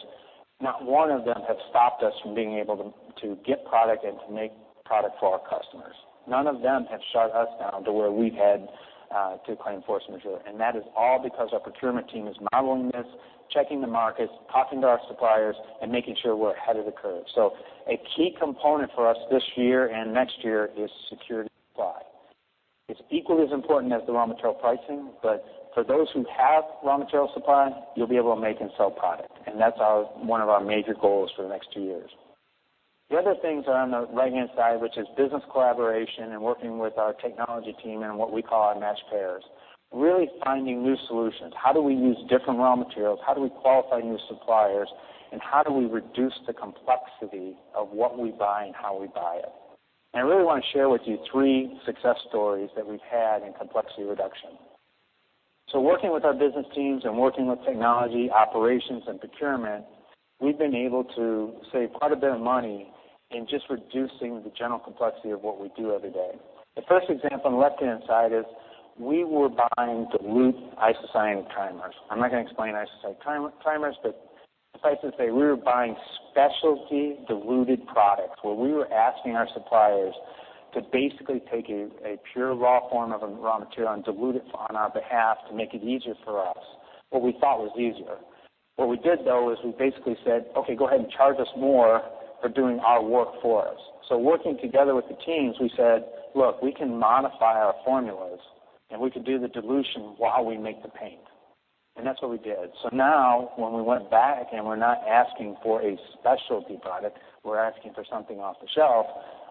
not one of them have stopped us from being able to get product and to make product for our customers. None of them have shut us down to where we've had to claim force majeure. That is all because our procurement team is modeling this, checking the markets, talking to our suppliers, and making sure we're ahead of the curve. A key component for us this year and next year is secure supply. It's equally as important as the raw material pricing, but for those who have raw material supply, you'll be able to make and sell product, and that's one of our major goals for the next two years. The other things are on the right-hand side, which is business collaboration and working with our technology team and what we call our match pairs. Really finding new solutions. How do we use different raw materials? How do we qualify new suppliers? How do we reduce the complexity of what we buy and how we buy it? I really want to share with you three success stories that we've had in complexity reduction. Working with our business teams and working with technology, operations, and procurement, we've been able to save quite a bit of money in just reducing the general complexity of what we do every day. The first example on the left-hand side is we were buying dilute isocyanate trimers. I'm not going to explain isocyanate trimers, but safe to say we were buying specialty diluted products where we were asking our suppliers to basically take a pure raw form of a raw material and dilute it on our behalf to make it easier for us, what we thought was easier. What we did, though, is we basically said, "Okay, go ahead and charge us more for doing our work for us." Working together with the teams, we said, "Look, we can modify our formulas, and we can do the dilution while we make the paint." That's what we did. Now when we went back and we're not asking for a specialty product, we're asking for something off the shelf,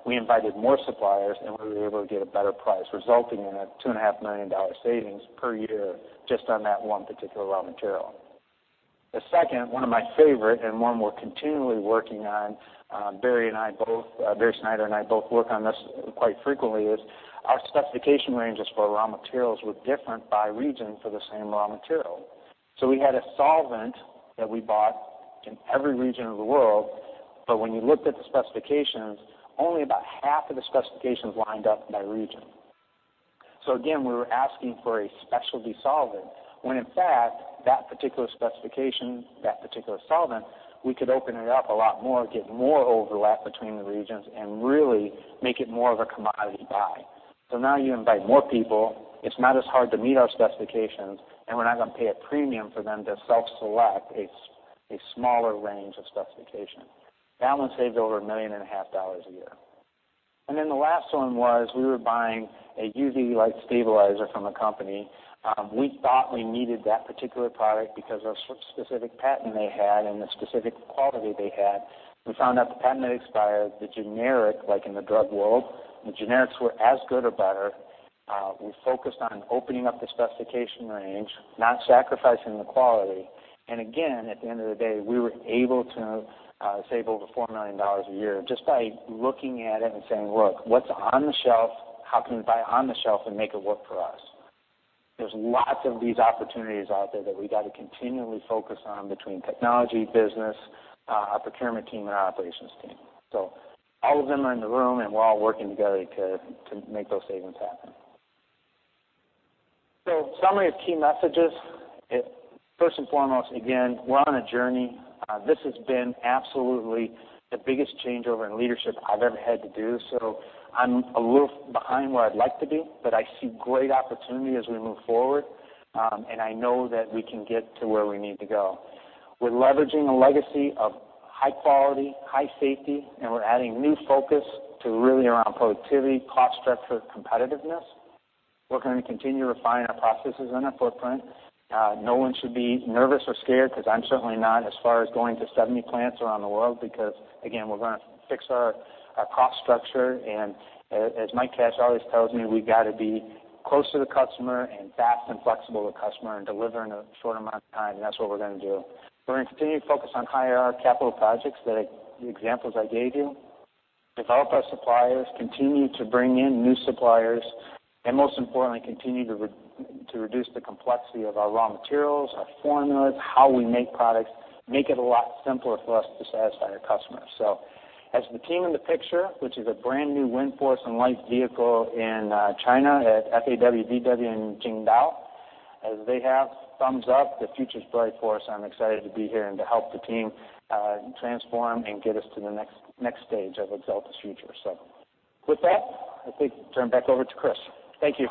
we invited more suppliers, and we were able to get a better price, resulting in a two and a half million dollar savings per year just on that one particular raw material. The second, one of my favorite, and one we're continually working on, Barry Snyder and I both work on this quite frequently, is our specification ranges for raw materials were different by region for the same raw material. We had a solvent that we bought in every region of the world, but when you looked at the specifications, only about half of the specifications lined up by region. Again, we were asking for a specialty solvent when in fact, that particular specification, that particular solvent, we could open it up a lot more, get more overlap between the regions, and really make it more of a commodity buy. Now you invite more people. It is not as hard to meet our specifications, and we are not going to pay a premium for them to self-select a smaller range of specifications. That one saved over $1.5 million a year. The last one was, we were buying a UV light stabilizer from a company. We thought we needed that particular product because of a specific patent they had and the specific quality they had. We found out the patent had expired. The generic, like in the drug world, the generics were as good or better. We focused on opening up the specification range, not sacrificing the quality. Again, at the end of the day, we were able to save over $4 million a year just by looking at it and saying, "Look, what's on the shelf? How can we buy on the shelf and make it work for us?" There's lots of these opportunities out there that we got to continually focus on between technology, business, our procurement team, and our operations team. All of them are in the room, and we're all working together to make those savings happen. Summary of key messages. First and foremost, again, we're on a journey. This has been absolutely the biggest changeover in leadership I've ever had to do, so I'm a little behind where I'd like to be, but I see great opportunity as we move forward. I know that we can get to where we need to go. We're leveraging a legacy of high quality, high safety, and we're adding new focus to really around productivity, cost structure, competitiveness. We're going to continue refining our processes and our footprint. No one should be nervous or scared because I'm certainly not as far as going to 70 plants around the world because, again, we're going to fix our cost structure. As Mike Cash always tells me, we got to be close to the customer and fast and flexible to the customer in delivering a short amount of time. That's what we're going to do. We're going to continue to focus on higher capital projects, the examples I gave you. Develop our suppliers, continue to bring in new suppliers, and most importantly, continue to reduce the complexity of our raw materials, our formulas, how we make products, make it a lot simpler for us to satisfy our customers. As the team in the picture, which is a brand new Windforce and light vehicle in China at FAW-VW in Qingdao, as they have thumbs up, the future's bright for us. I'm excited to be here and to help the team transform and get us to the next stage of Axalta's future. With that, I think turn back over to Chris. Thank you.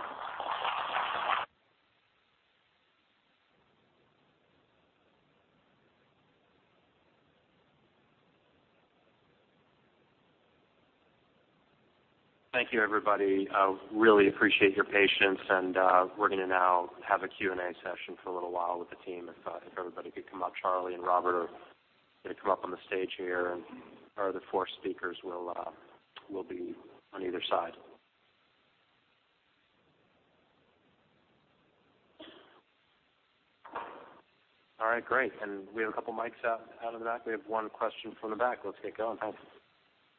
Thank you, everybody. Really appreciate your patience. We're going to now have a Q&A session for a little while with the team. If everybody could come up. Charlie and Robert are going to come up on the stage here, and our other four speakers will be on either side. All right, great. We have a couple mics out in the back. We have one question from the back. Let's get going. Thanks.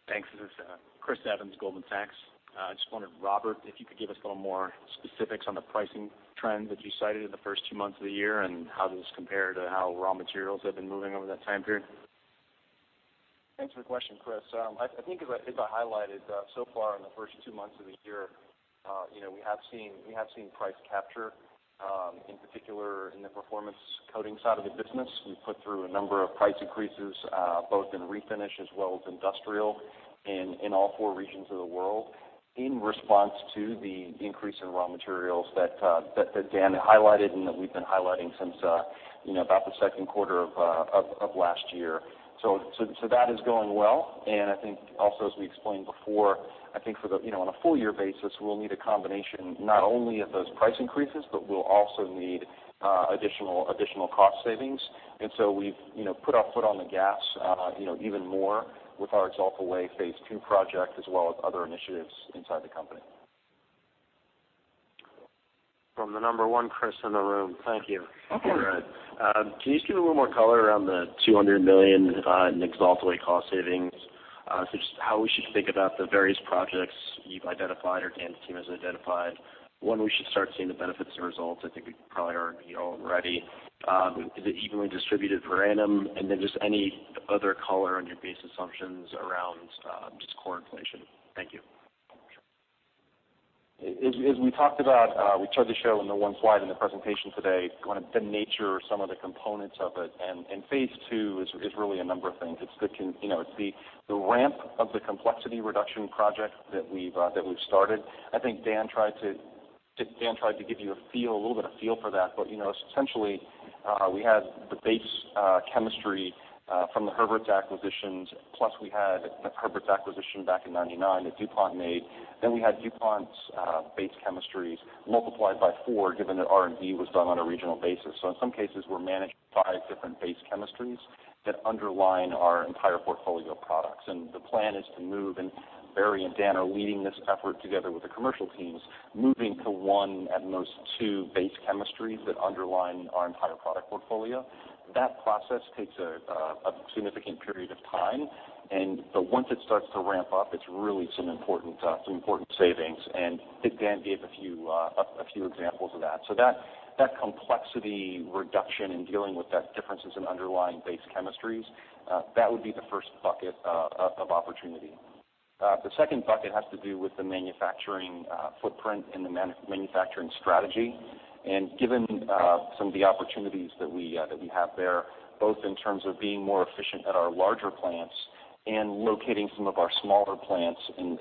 Thanks. This is Chris Evans, Goldman Sachs. I just wondered, Robert, if you could give us a little more specifics on the pricing trends that you cited in the first two months of the year, and how does this compare to how raw materials have been moving over that time period? Thanks for the question, Chris. As I highlighted so far in the first two months of the year, we have seen price capture, in particular in the performance coatings side of the business. We put through a number of price increases, both in refinish as well as industrial in all four regions of the world in response to the increase in raw materials that Dan highlighted and that we've been highlighting since about the second quarter of last year. That is going well. As we explained before, on a full year basis, we'll need a combination not only of those price increases, but we'll also need additional cost savings. We've put our foot on the gas even more with our Axalta Way Phase 2 project as well as other initiatives inside the company. From the number one Chris in the room. Thank you. Okay. All right. Can you just give a little more color around the $200 million in Axalta Way cost savings? How we should think about the various projects you've identified or Dan's team has identified. When we should start seeing the benefits or results. I think we probably are already. Is it evenly distributed per annum? Just any other color on your base assumptions around just core inflation. Thank you. As we talked about, we tried to show in the one slide in the presentation today the nature or some of the components of it. Phase 2 is really a number of things. It's the ramp of the complexity reduction project that we've started. I think Dan tried to give you a little bit of feel for that. Essentially, we had the base chemistry from the Herberts acquisitions, plus we had the Herberts acquisition back in 1999 that DuPont made. We had DuPont's base chemistries multiplied by four, given that R&D was done on a regional basis. In some cases, we're managed by different base chemistries that underline our entire portfolio of products. The plan is to move, and Barry and Dan are leading this effort together with the commercial teams, moving to one, at most two base chemistries that underline our entire product portfolio. That process takes a significant period of time. Once it starts to ramp up, it's really some important savings. I think Dan gave a few examples of that. That complexity reduction in dealing with that differences in underlying base chemistries, that would be the first bucket of opportunity. The second bucket has to do with the manufacturing footprint and the manufacturing strategy. Given some of the opportunities that we have there, both in terms of being more efficient at our larger plants and locating some of our smaller plants in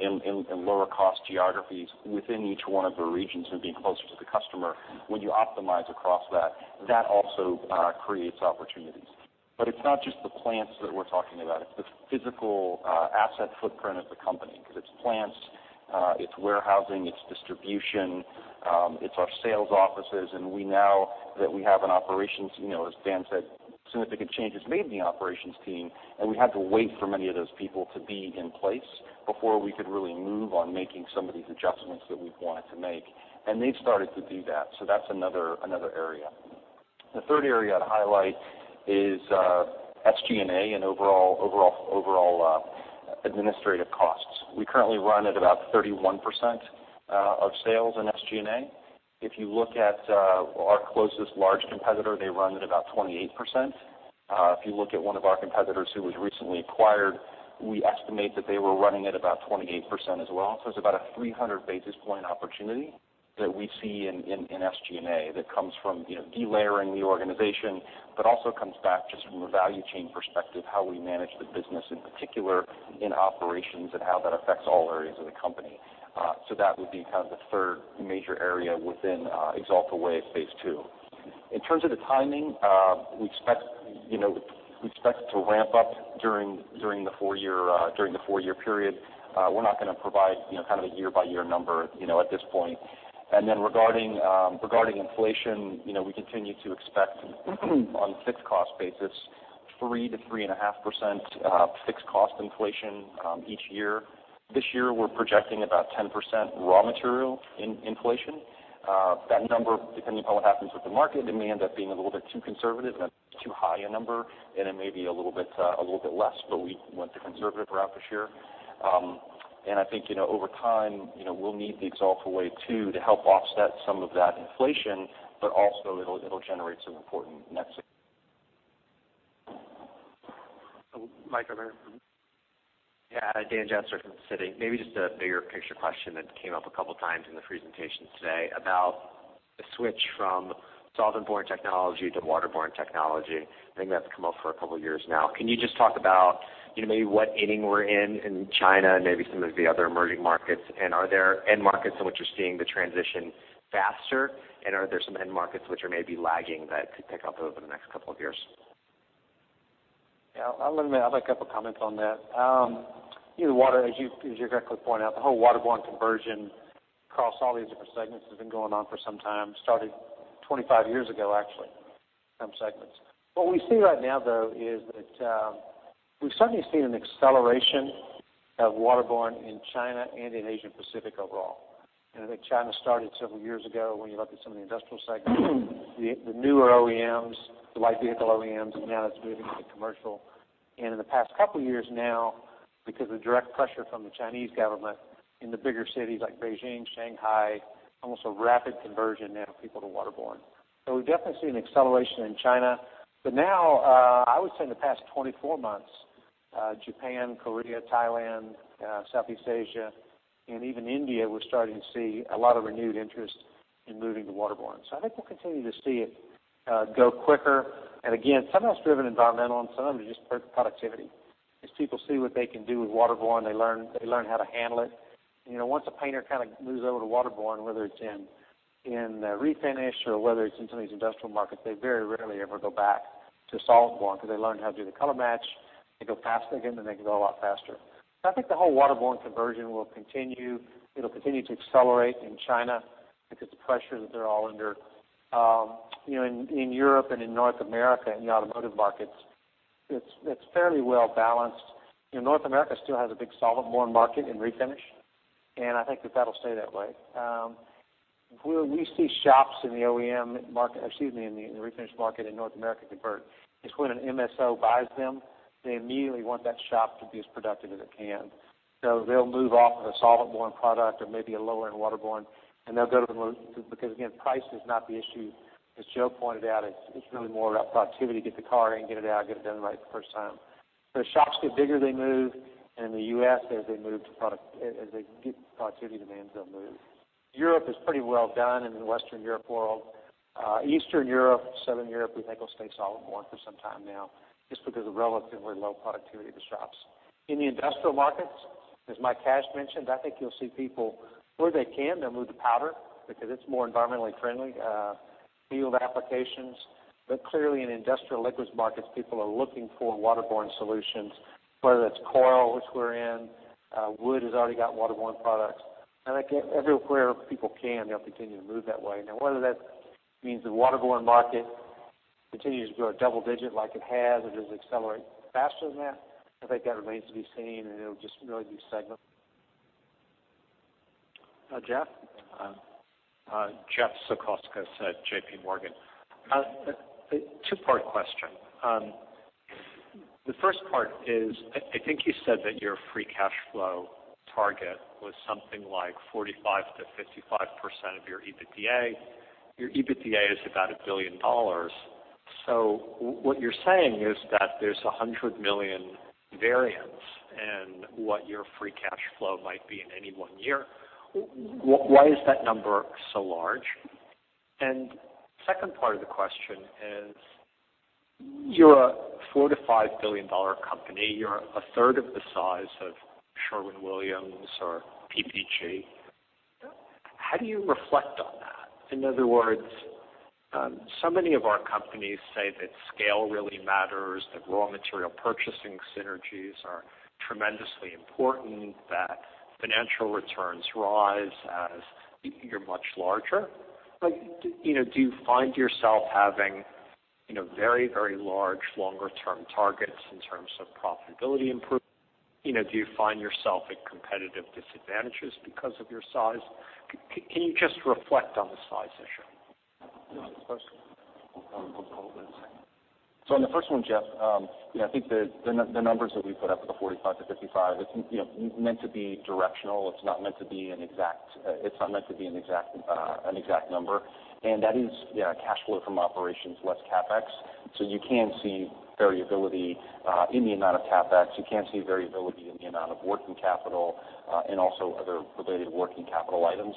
lower cost geographies within each one of the regions and being closer to the customer. When you optimize across that also creates opportunities. It's not just the plants that we're talking about. It's the physical asset footprint of the company, because it's plants, it's warehousing, it's distribution, it's our sales offices, and we now that we have an operations, as Dan said, significant changes made in the operations team, and we had to wait for many of those people to be in place before we could really move on making some of these adjustments that we've wanted to make. They've started to do that. That's another area. The third area I'd highlight is SG&A and overall administrative costs. We currently run at about 31% of sales in SG&A. If you look at our closest large competitor, they run at about 28%. If you look at one of our competitors who was recently acquired, we estimate that they were running at about 28% as well. It's about a 300 basis point opportunity that we see in SG&A that comes from delayering the organization, but also comes back just from a value chain perspective, how we manage the business, in particular in operations, and how that affects all areas of the company. That would be the third major area within Axalta Way Phase 2. In terms of the timing, we expect it to ramp up during the four-year period. We're not going to provide a year-by-year number at this point. Regarding inflation, we continue to expect on a fixed cost basis, 3%-3.5% fixed cost inflation each year. This year, we're projecting about 10% raw material inflation. That number, depending upon what happens with the market, it may end up being a little bit too conservative and a too high a number, and it may be a little bit less, but we went the conservative route this year. I think over time, we'll need the Axalta Way 2 to help offset some of that inflation, but also it'll generate some important net savings. Mike over there. Dan Jester from Citi. Maybe just a bigger picture question that came up a couple of times in the presentation today about the switch from solventborne technology to waterborne technology. I think that's come up for a couple of years now. Can you just talk about maybe what inning we're in China and maybe some of the other emerging markets? Are there end markets in which you're seeing the transition faster? Are there some end markets which are maybe lagging that could pick up over the next couple of years? Yeah. I'll make a couple comments on that. As you correctly point out, the whole waterborne conversion across all these different segments has been going on for some time. Started 25 years ago, actually, in some segments. What we see right now, though, is that we've certainly seen an acceleration of waterborne in China and in Asia Pacific overall. I think China started several years ago when you look at some of the industrial segments, the newer OEMs, the light vehicle OEMs, and now it's moving into commercial. In the past couple of years now, because of direct pressure from the Chinese government in the bigger cities like Beijing, Shanghai, almost a rapid conversion now of people to waterborne. We've definitely seen an acceleration in China. Now, I would say in the past 24 months, Japan, Korea, Thailand, Southeast Asia, and even India, we're starting to see a lot of renewed interest in moving to waterborne. I think we'll continue to see it go quicker. Again, some of that's driven environmental and some of it is just productivity. As people see what they can do with waterborne, they learn how to handle it. Once a painter moves over to waterborne, whether it's in refinish or whether it's into these industrial markets, they very rarely ever go back to solvent-borne because they learn how to do the color match. They go faster, again, then they can go a lot faster. I think the whole waterborne conversion will continue. It'll continue to accelerate in China because the pressure that they're all under. In Europe and in North America, in the automotive markets, it's fairly well balanced. North America still has a big solvent-borne market in refinish, I think that'll stay that way. Where we see shops in the OEM market, excuse me, in the refinish market in North America convert is when an MSO buys them, they immediately want that shop to be as productive as it can. They'll move off of a solvent-borne product or maybe a lower-end waterborne, and they'll go to the most, because again, price is not the issue. As Joe pointed out, it's really more about productivity, get the car in, get it out, get it done right the first time. As shops get bigger, they move in the U.S., as they get productivity demands, they'll move. Europe is pretty well done in the Western Europe world. Eastern Europe, Southern Europe, we think will stay solventborne for some time now, just because of relatively low productivity of the shops. In the industrial markets, as Mike Cash mentioned, I think you'll see people, where they can, they'll move to powder, because it's more environmentally friendly field applications. Clearly in industrial liquids markets, people are looking for waterborne solutions, whether that's coil, which we're in. Wood has already got waterborne products. I think everywhere people can, they'll continue to move that way. Now, whether that means the waterborne market continues to grow at double-digit like it has, or does it accelerate faster than that, I think that remains to be seen, and it'll just really be segment. Jeff? Jeff Zekauskas at JPMorgan. A two-part question. The first part is, I think you said that your free cash flow target was something like 45%-55% of your EBITDA. Your EBITDA is about $1 billion. What you're saying is that there's $100 million variance in what your free cash flow might be in any one year. Why is that number so large? Second part of the question is, you're a $4 billion-$5 billion company. You're a third of the size of Sherwin-Williams or PPG. How do you reflect on that? In other words, so many of our companies say that scale really matters, that raw material purchasing synergies are tremendously important, that financial returns rise as you're much larger. Do you find yourself having very large, longer term targets in terms of profitability improvement? Do you find yourself at competitive disadvantages because of your size? Can you just reflect on the size issue? You want the first one? I'll take both. On the first one, Jeff, I think the numbers that we put up of the 45%-55%, it's meant to be directional. It's not meant to be an exact number. That is cash flow from operations less CapEx. You can see variability in the amount of CapEx. You can see variability in the amount of working capital, and also other related working capital items.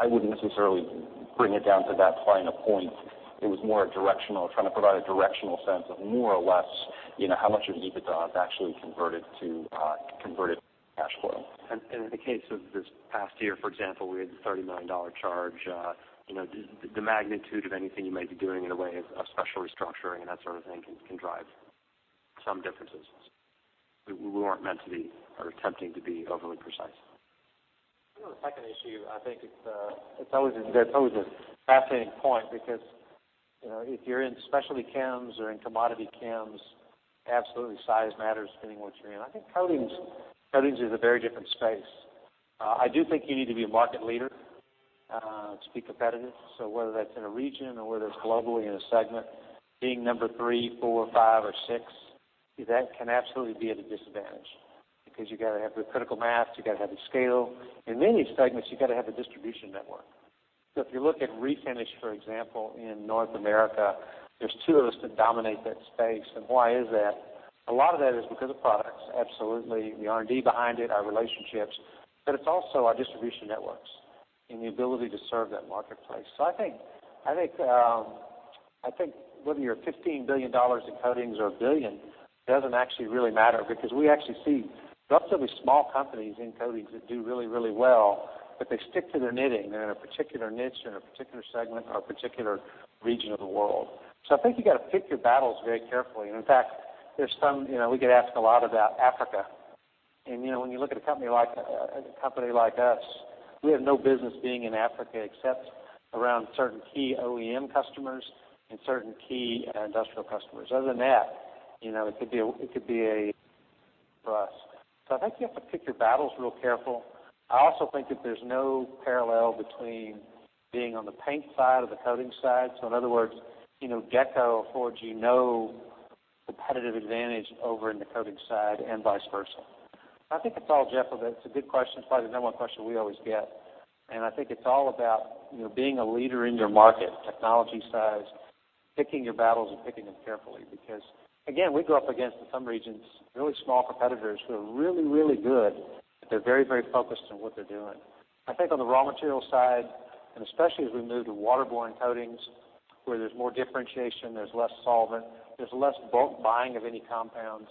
I wouldn't necessarily bring it down to that fine a point. It was more directional, trying to provide a directional sense of more or less, how much of EBITDA is actually converted to cash flow. In the case of this past year, for example, we had the $39 charge. The magnitude of anything you may be doing in a way of special restructuring and that sort of thing can drive some differences. We weren't meant to be, or attempting to be overly precise. On the second issue, I think that's always a fascinating point because, if you're in specialty chems or in commodity chems, absolutely size matters depending what you're in. I think coatings is a very different space. I do think you need to be a market leader to be competitive. Whether that's in a region or whether it's globally in a segment, being number three, four, five, or six, that can absolutely be at a disadvantage, because you got to have the critical mass, you got to have the scale. In many segments, you got to have a distribution network. If you look at refinish, for example, in North America, there's two of us that dominate that space, and why is that? A lot of that is because of products, absolutely. The R&D behind it, our relationships, but it's also our distribution networks, and the ability to serve that marketplace. I think whether you're $15 billion in coatings or a billion, doesn't actually really matter because we actually see relatively small companies in coatings that do really well, but they stick to their knitting. They're in a particular niche, in a particular segment, or a particular region of the world. I think you got to pick your battles very carefully. In fact, we get asked a lot about Africa. When you look at a company like us, we have no business being in Africa except around certain key OEM customers and certain key industrial customers. Other than that, it could be a bust. I think you have to pick your battles real careful. I also think that there's no parallel between being on the paint side or the coating side. In other words, [inaudible] affords you no competitive advantage over in the coating side and vice versa. I think it's all, Jeff, it's a good question. It's probably the number one question we always get, and I think it's all about being a leader in your market, technology size, picking your battles, and picking them carefully. Because, again, we go up against, in some regions, really small competitors who are really good, but they're very focused on what they're doing. I think on the raw material side, and especially as we move to waterborne coatings, where there's more differentiation, there's less solvent, there's less bulk buying of any compounds.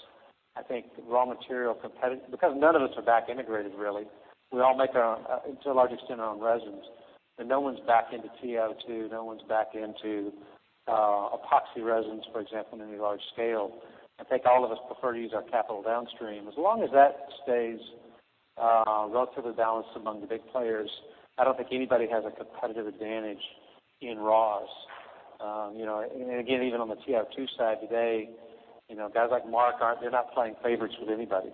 I think raw material competitive, because none of us are back integrated, really. We all make our own, to a large extent, our own resins. No one's back into TiO2, no one's back into epoxy resins, for example, in any large scale. I think all of us prefer to use our capital downstream. As long as that stays relatively balanced among the big players, I don't think anybody has a competitive advantage in raws. Again, even on the TiO2 side today, guys like Mark, they're not playing favorites with anybody.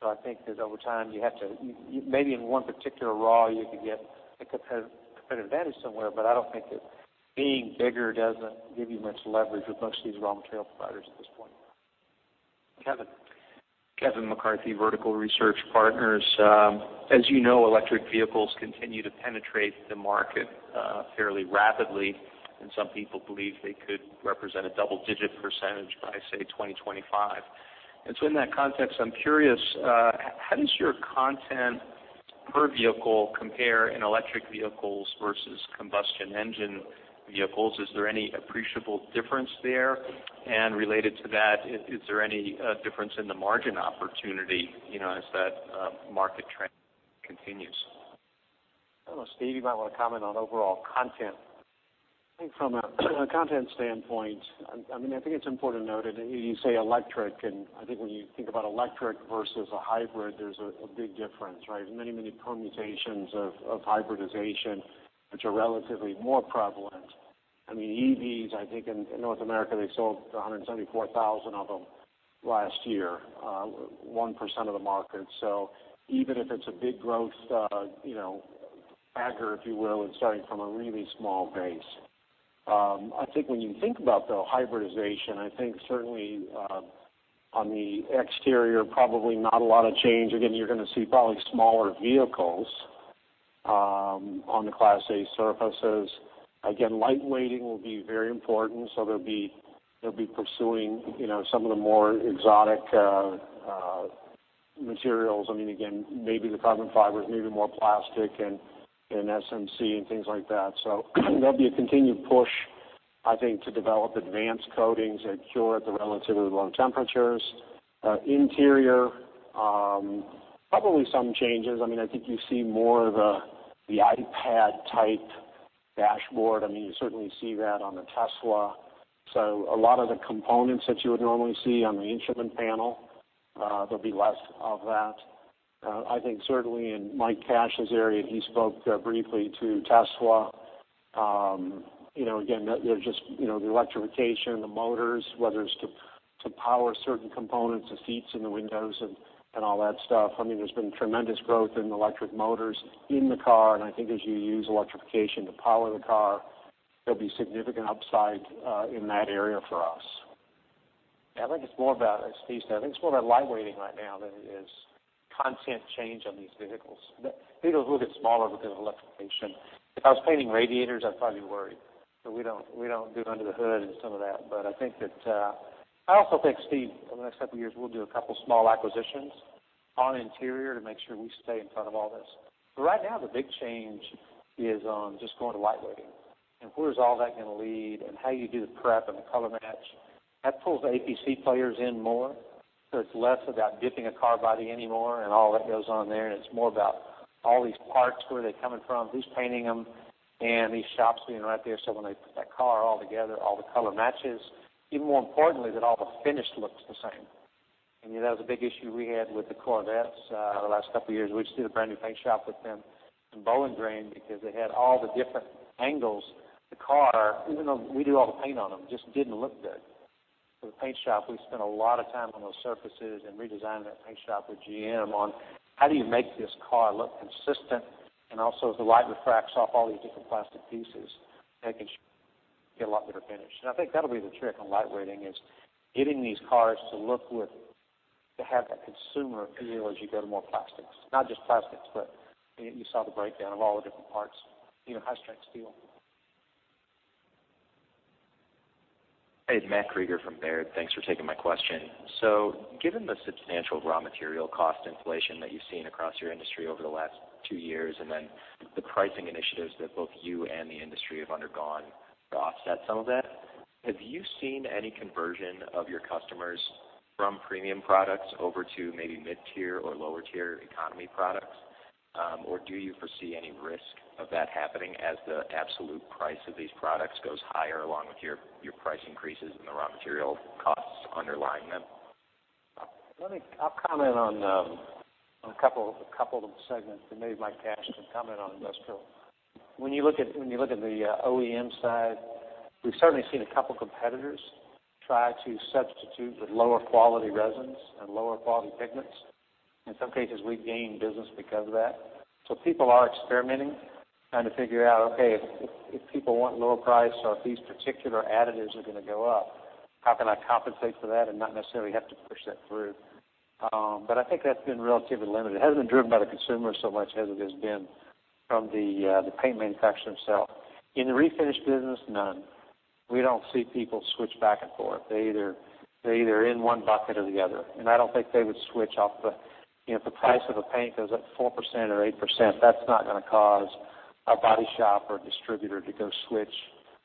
I think that over time, maybe in one particular raw you could get a competitive advantage somewhere, but I don't think that being bigger doesn't give you much leverage with most of these raw material providers at this point. Kevin. Kevin McCarthy, Vertical Research Partners. As you know, electric vehicles continue to penetrate the market fairly rapidly, some people believe they could represent a double-digit % by, say, 2025. In that context, I'm curious, how does your content per vehicle compare in electric vehicles versus combustion engine vehicles? Is there any appreciable difference there? Related to that, is there any difference in the margin opportunity, as that market trend continues? I don't know. Steve, you might want to comment on overall content. I think from a content standpoint, I think it's important to note, you say electric, when you think about electric versus a hybrid, there's a big difference, right? There's many permutations of hybridization which are relatively more prevalent. EVs, I think in North America, they sold 174,000 of them last year, 1% of the market. Even if it's a big growth bagger, if you will, it's starting from a really small base. I think when you think about, though, hybridization, I think certainly on the exterior, probably not a lot of change. Again, you're going to see probably smaller vehicles on the Class A surfaces. Again, lightweighting will be very important, so they'll be pursuing some of the more exotic materials. Again, maybe the carbon fibers, maybe more plastic and SMC, things like that. There'll be a continued push, I think, to develop advanced coatings that cure at the relatively low temperatures. Interior, probably some changes. I think you see more of the iPad-type dashboard. You certainly see that on the Tesla. A lot of the components that you would normally see on the instrument panel, there'll be less of that. I think certainly in Mike Cash's area, he spoke briefly to Tesla. Again, there's just the electrification, the motors, whether it's to power certain components, the seats and the windows, and all that stuff. There's been tremendous growth in electric motors in the car, and I think as you use electrification to power the car, there'll be significant upside in that area for us. Yeah, I think it's more about, as Steve said, I think it's more about lightweighting right now than it is content change on these vehicles. The vehicles will get smaller because of electrification. If I was painting radiators, I'd probably be worried. We don't do under the hood and some of that. I also think, Steve, over the next couple of years, we'll do a couple of small acquisitions on interior to make sure we stay in front of all this. Right now, the big change is on just going to lightweighting, and where is all that going to lead, and how you do the prep and the color match. That pulls APC players in more. It's less about dipping a car body anymore and all that goes on there, and it's more about all these parts, where are they coming from, who's painting them, and these shops being right there. When they put that car all together, all the color matches. Even more importantly, that all the finish looks the same. That was a big issue we had with the Corvettes the last couple of years. We just did a brand-new paint shop with them in Bowling Green because they had all the different angles. The car, even though we do all the paint on them, just didn't look good. For the paint shop, we spent a lot of time on those surfaces and redesigned that paint shop with GM on how do you make this car look consistent, and also as the light refracts off all these different plastic pieces, making sure you get a lot better finish. I think that'll be the trick on lightweighting, is getting these cars to have that consumer feel as you go to more plastics. Not just plastics, but you saw the breakdown of all the different parts, high-strength steel. Hey, Matt Krueger from Baird. Thanks for taking my question. Given the substantial raw material cost inflation that you've seen across your industry over the last two years, the pricing initiatives that both you and the industry have undergone to offset some of that, have you seen any conversion of your customers from premium products over to maybe mid-tier or lower-tier economy products? Do you foresee any risk of that happening as the absolute price of these products goes higher along with your price increases and the raw material costs underlying them? I'll comment on a couple of the segments, and maybe Mike Cash can comment on industrial. When you look at the OEM side, we've certainly seen a couple competitors try to substitute with lower quality resins and lower quality pigments. In some cases, we've gained business because of that. People are experimenting, trying to figure out, okay, if people want lower price or if these particular additives are going to go up, how can I compensate for that and not necessarily have to push that through? I think that's been relatively limited. It hasn't been driven by the consumer so much as it has been from the paint manufacturer himself. In the refinish business, none. We don't see people switch back and forth. They're either in one bucket or the other, I don't think they would switch. If the price of a paint goes up 4% or 8%, that's not going to cause a body shop or distributor to go switch.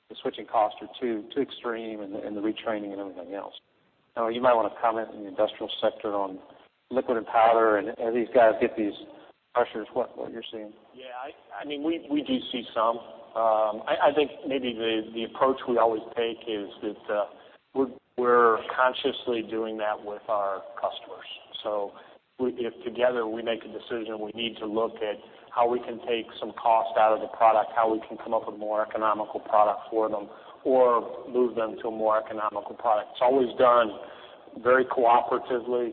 The switching costs are too extreme, the retraining, and everything else. You might want to comment on the industrial sector on liquid and powder, these guys get these pressures, what you're seeing. Yeah. We do see some. I think maybe the approach we always take is that we're consciously doing that with our customers. If together we make a decision, we need to look at how we can take some cost out of the product, how we can come up with a more economical product for them, or move them to a more economical product. It's always done very cooperatively.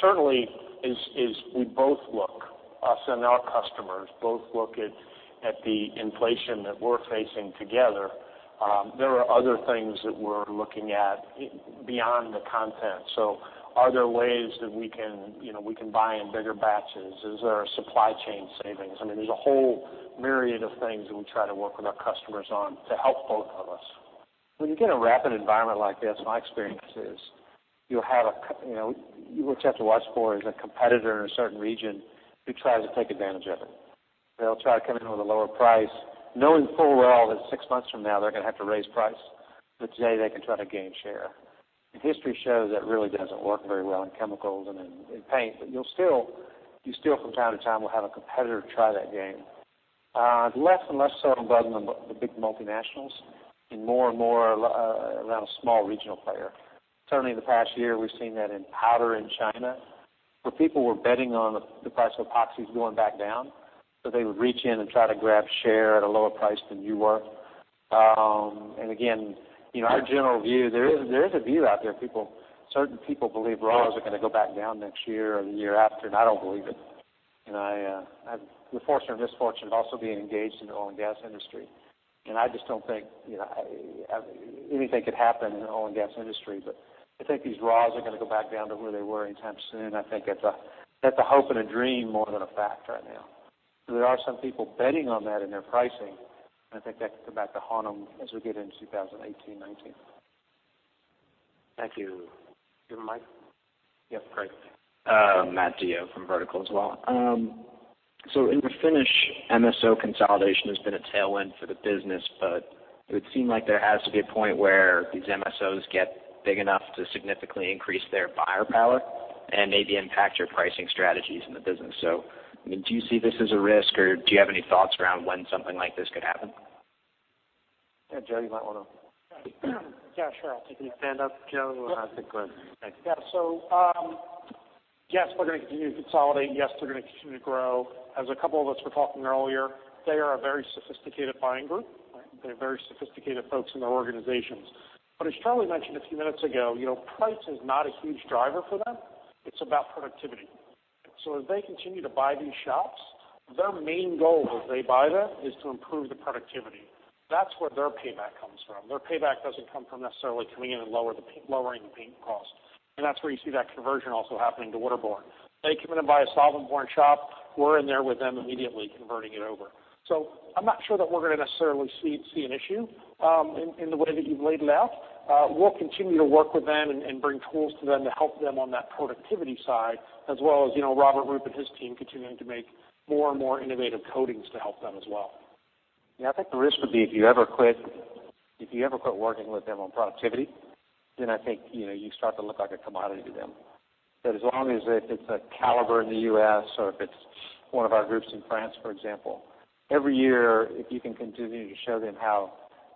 Certainly, is we both look Us and our customers both look at the inflation that we're facing together. There are other things that we're looking at beyond the content. Are there ways that we can buy in bigger batches? Is there supply chain savings? There's a whole myriad of things that we try to work with our customers on to help both of us. When you get a rapid environment like this, my experience is, what you have to watch for is a competitor in a certain region who tries to take advantage of it. They'll try to come in with a lower price, knowing full well that 6 months from now, they're going to have to raise price. Today, they can try to gain share. History shows that really doesn't work very well in chemicals and in paint. You still from time to time will have a competitor try that game. Less and less so about the big multinationals, and more and more around a small regional player. Certainly in the past year, we've seen that in powder in China, where people were betting on the price of epoxies going back down, so they would reach in and try to grab share at a lower price than you were. Again, our general view, there is a view out there, certain people believe raws are going to go back down next year or the year after, and I don't believe it. I have the fortune or misfortune of also being engaged in the oil and gas industry, and I just don't think anything could happen in the oil and gas industry. I think these raws are going to go back down to where they were anytime soon. I think that's a hope and a dream more than a fact right now. There are some people betting on that in their pricing, and I think that could come back to haunt them as we get into 2018, 2019. Thank you. Give him the mic. Yep, great. Matt Dio from Vertical as well. In Refinish, MSO consolidation has been a tailwind for the business, it would seem like there has to be a point where these MSOs get big enough to significantly increase their buyer power and maybe impact your pricing strategies in the business. Do you see this as a risk, or do you have any thoughts around when something like this could happen? Yeah, Joe, you might want to. Yeah, sure. I'll take it. Stand up, Joe. We'll take the question. Thank you. Yeah. Yes, we're going to continue to consolidate. Yes, they're going to continue to grow. As a couple of us were talking earlier, they are a very sophisticated buying group. They're very sophisticated folks in their organizations. As Charlie mentioned a few minutes ago, price is not a huge driver for them. It's about productivity. As they continue to buy these shops, their main goal as they buy them is to improve the productivity. That's where their payback comes from. Their payback doesn't come from necessarily coming in and lowering the paint cost. That's where you see that conversion also happening to waterborne. They come in and buy a solventborne shop. We're in there with them immediately converting it over. I'm not sure that we're going to necessarily see an issue in the way that you've laid it out. We'll continue to work with them and bring tools to them to help them on that productivity side, as well as Robert Roop and his team continuing to make more and more innovative coatings to help them as well. Yeah, I think the risk would be if you ever quit working with them on productivity, I think you start to look like a commodity to them. As long as it's a Caliber in the U.S. or if it's one of our groups in France, for example, every year, if you can continue to show them how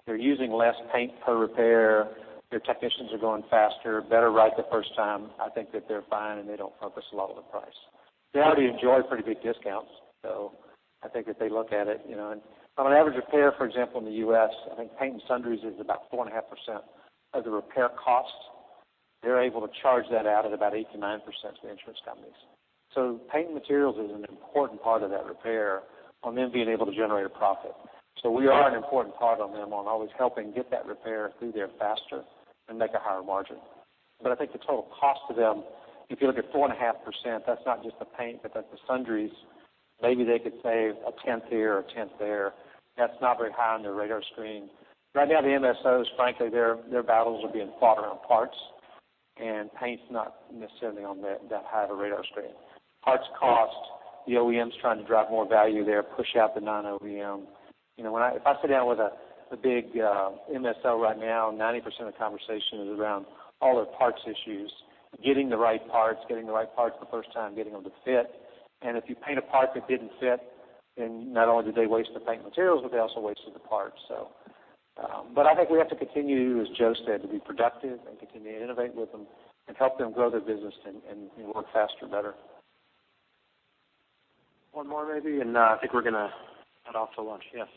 they're using less paint per repair, their technicians are going faster, better Right First Time, I think that they're fine, and they don't focus a lot on the price. They already enjoy pretty big discounts. I think that they look at it, on an average repair, for example, in the U.S., I think paint and sundries is about 4.5% of the repair costs. They're able to charge that out at about 8%-9% to the insurance companies. Paint materials is an important part of that repair on them being able to generate a profit. We are an important part on them on always helping get that repair through there faster and make a higher margin. I think the total cost to them, if you look at 4.5%, that's not just the paint, but that's the sundries. Maybe they could save a tenth here or a tenth there. That's not very high on their radar screen. Right now, the MSOs, frankly, their battles are being fought around parts, and paint's not necessarily on that high of a radar screen. Parts cost, the OEM's trying to drive more value there, push out the non-OEM. If I sit down with a big MSO right now, 90% of the conversation is around all their parts issues, getting the right parts, getting the right parts the first time, getting them to fit. If you paint a part that didn't fit, then not only did they waste the paint materials, but they also wasted the part. I think we have to continue, as Joe said, to be productive and continue to innovate with them and help them grow their business and work faster, better. One more maybe, I think we're going to head off to lunch. Yes.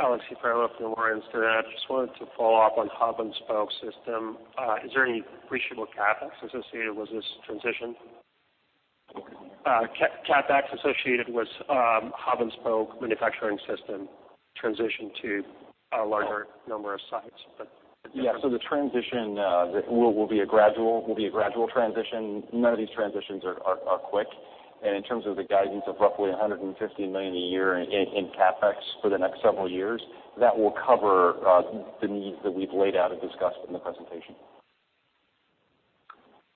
Alex from Instinet. I just wanted to follow up on hub and spoke system. Is there any appreciable CapEx associated with this transition? Sorry. CapEx associated with hub and spoke manufacturing system transition to a larger number of sites. Yeah. The transition will be a gradual transition. None of these transitions are quick. In terms of the guidance of roughly $150 million a year in CapEx for the next several years, that will cover the needs that we've laid out and discussed in the presentation.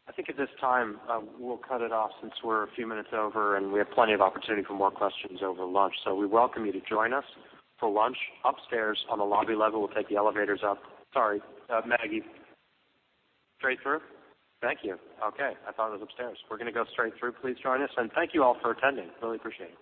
I think at this time, we'll cut it off since we're a few minutes over, and we have plenty of opportunity for more questions over lunch. We welcome you to join us for lunch upstairs on the lobby level. We'll take the elevators up. Sorry, Maggie. Straight through? Thank you. Okay. I thought it was upstairs. We're going to go straight through. Please join us, and thank you all for attending. Really appreciate it.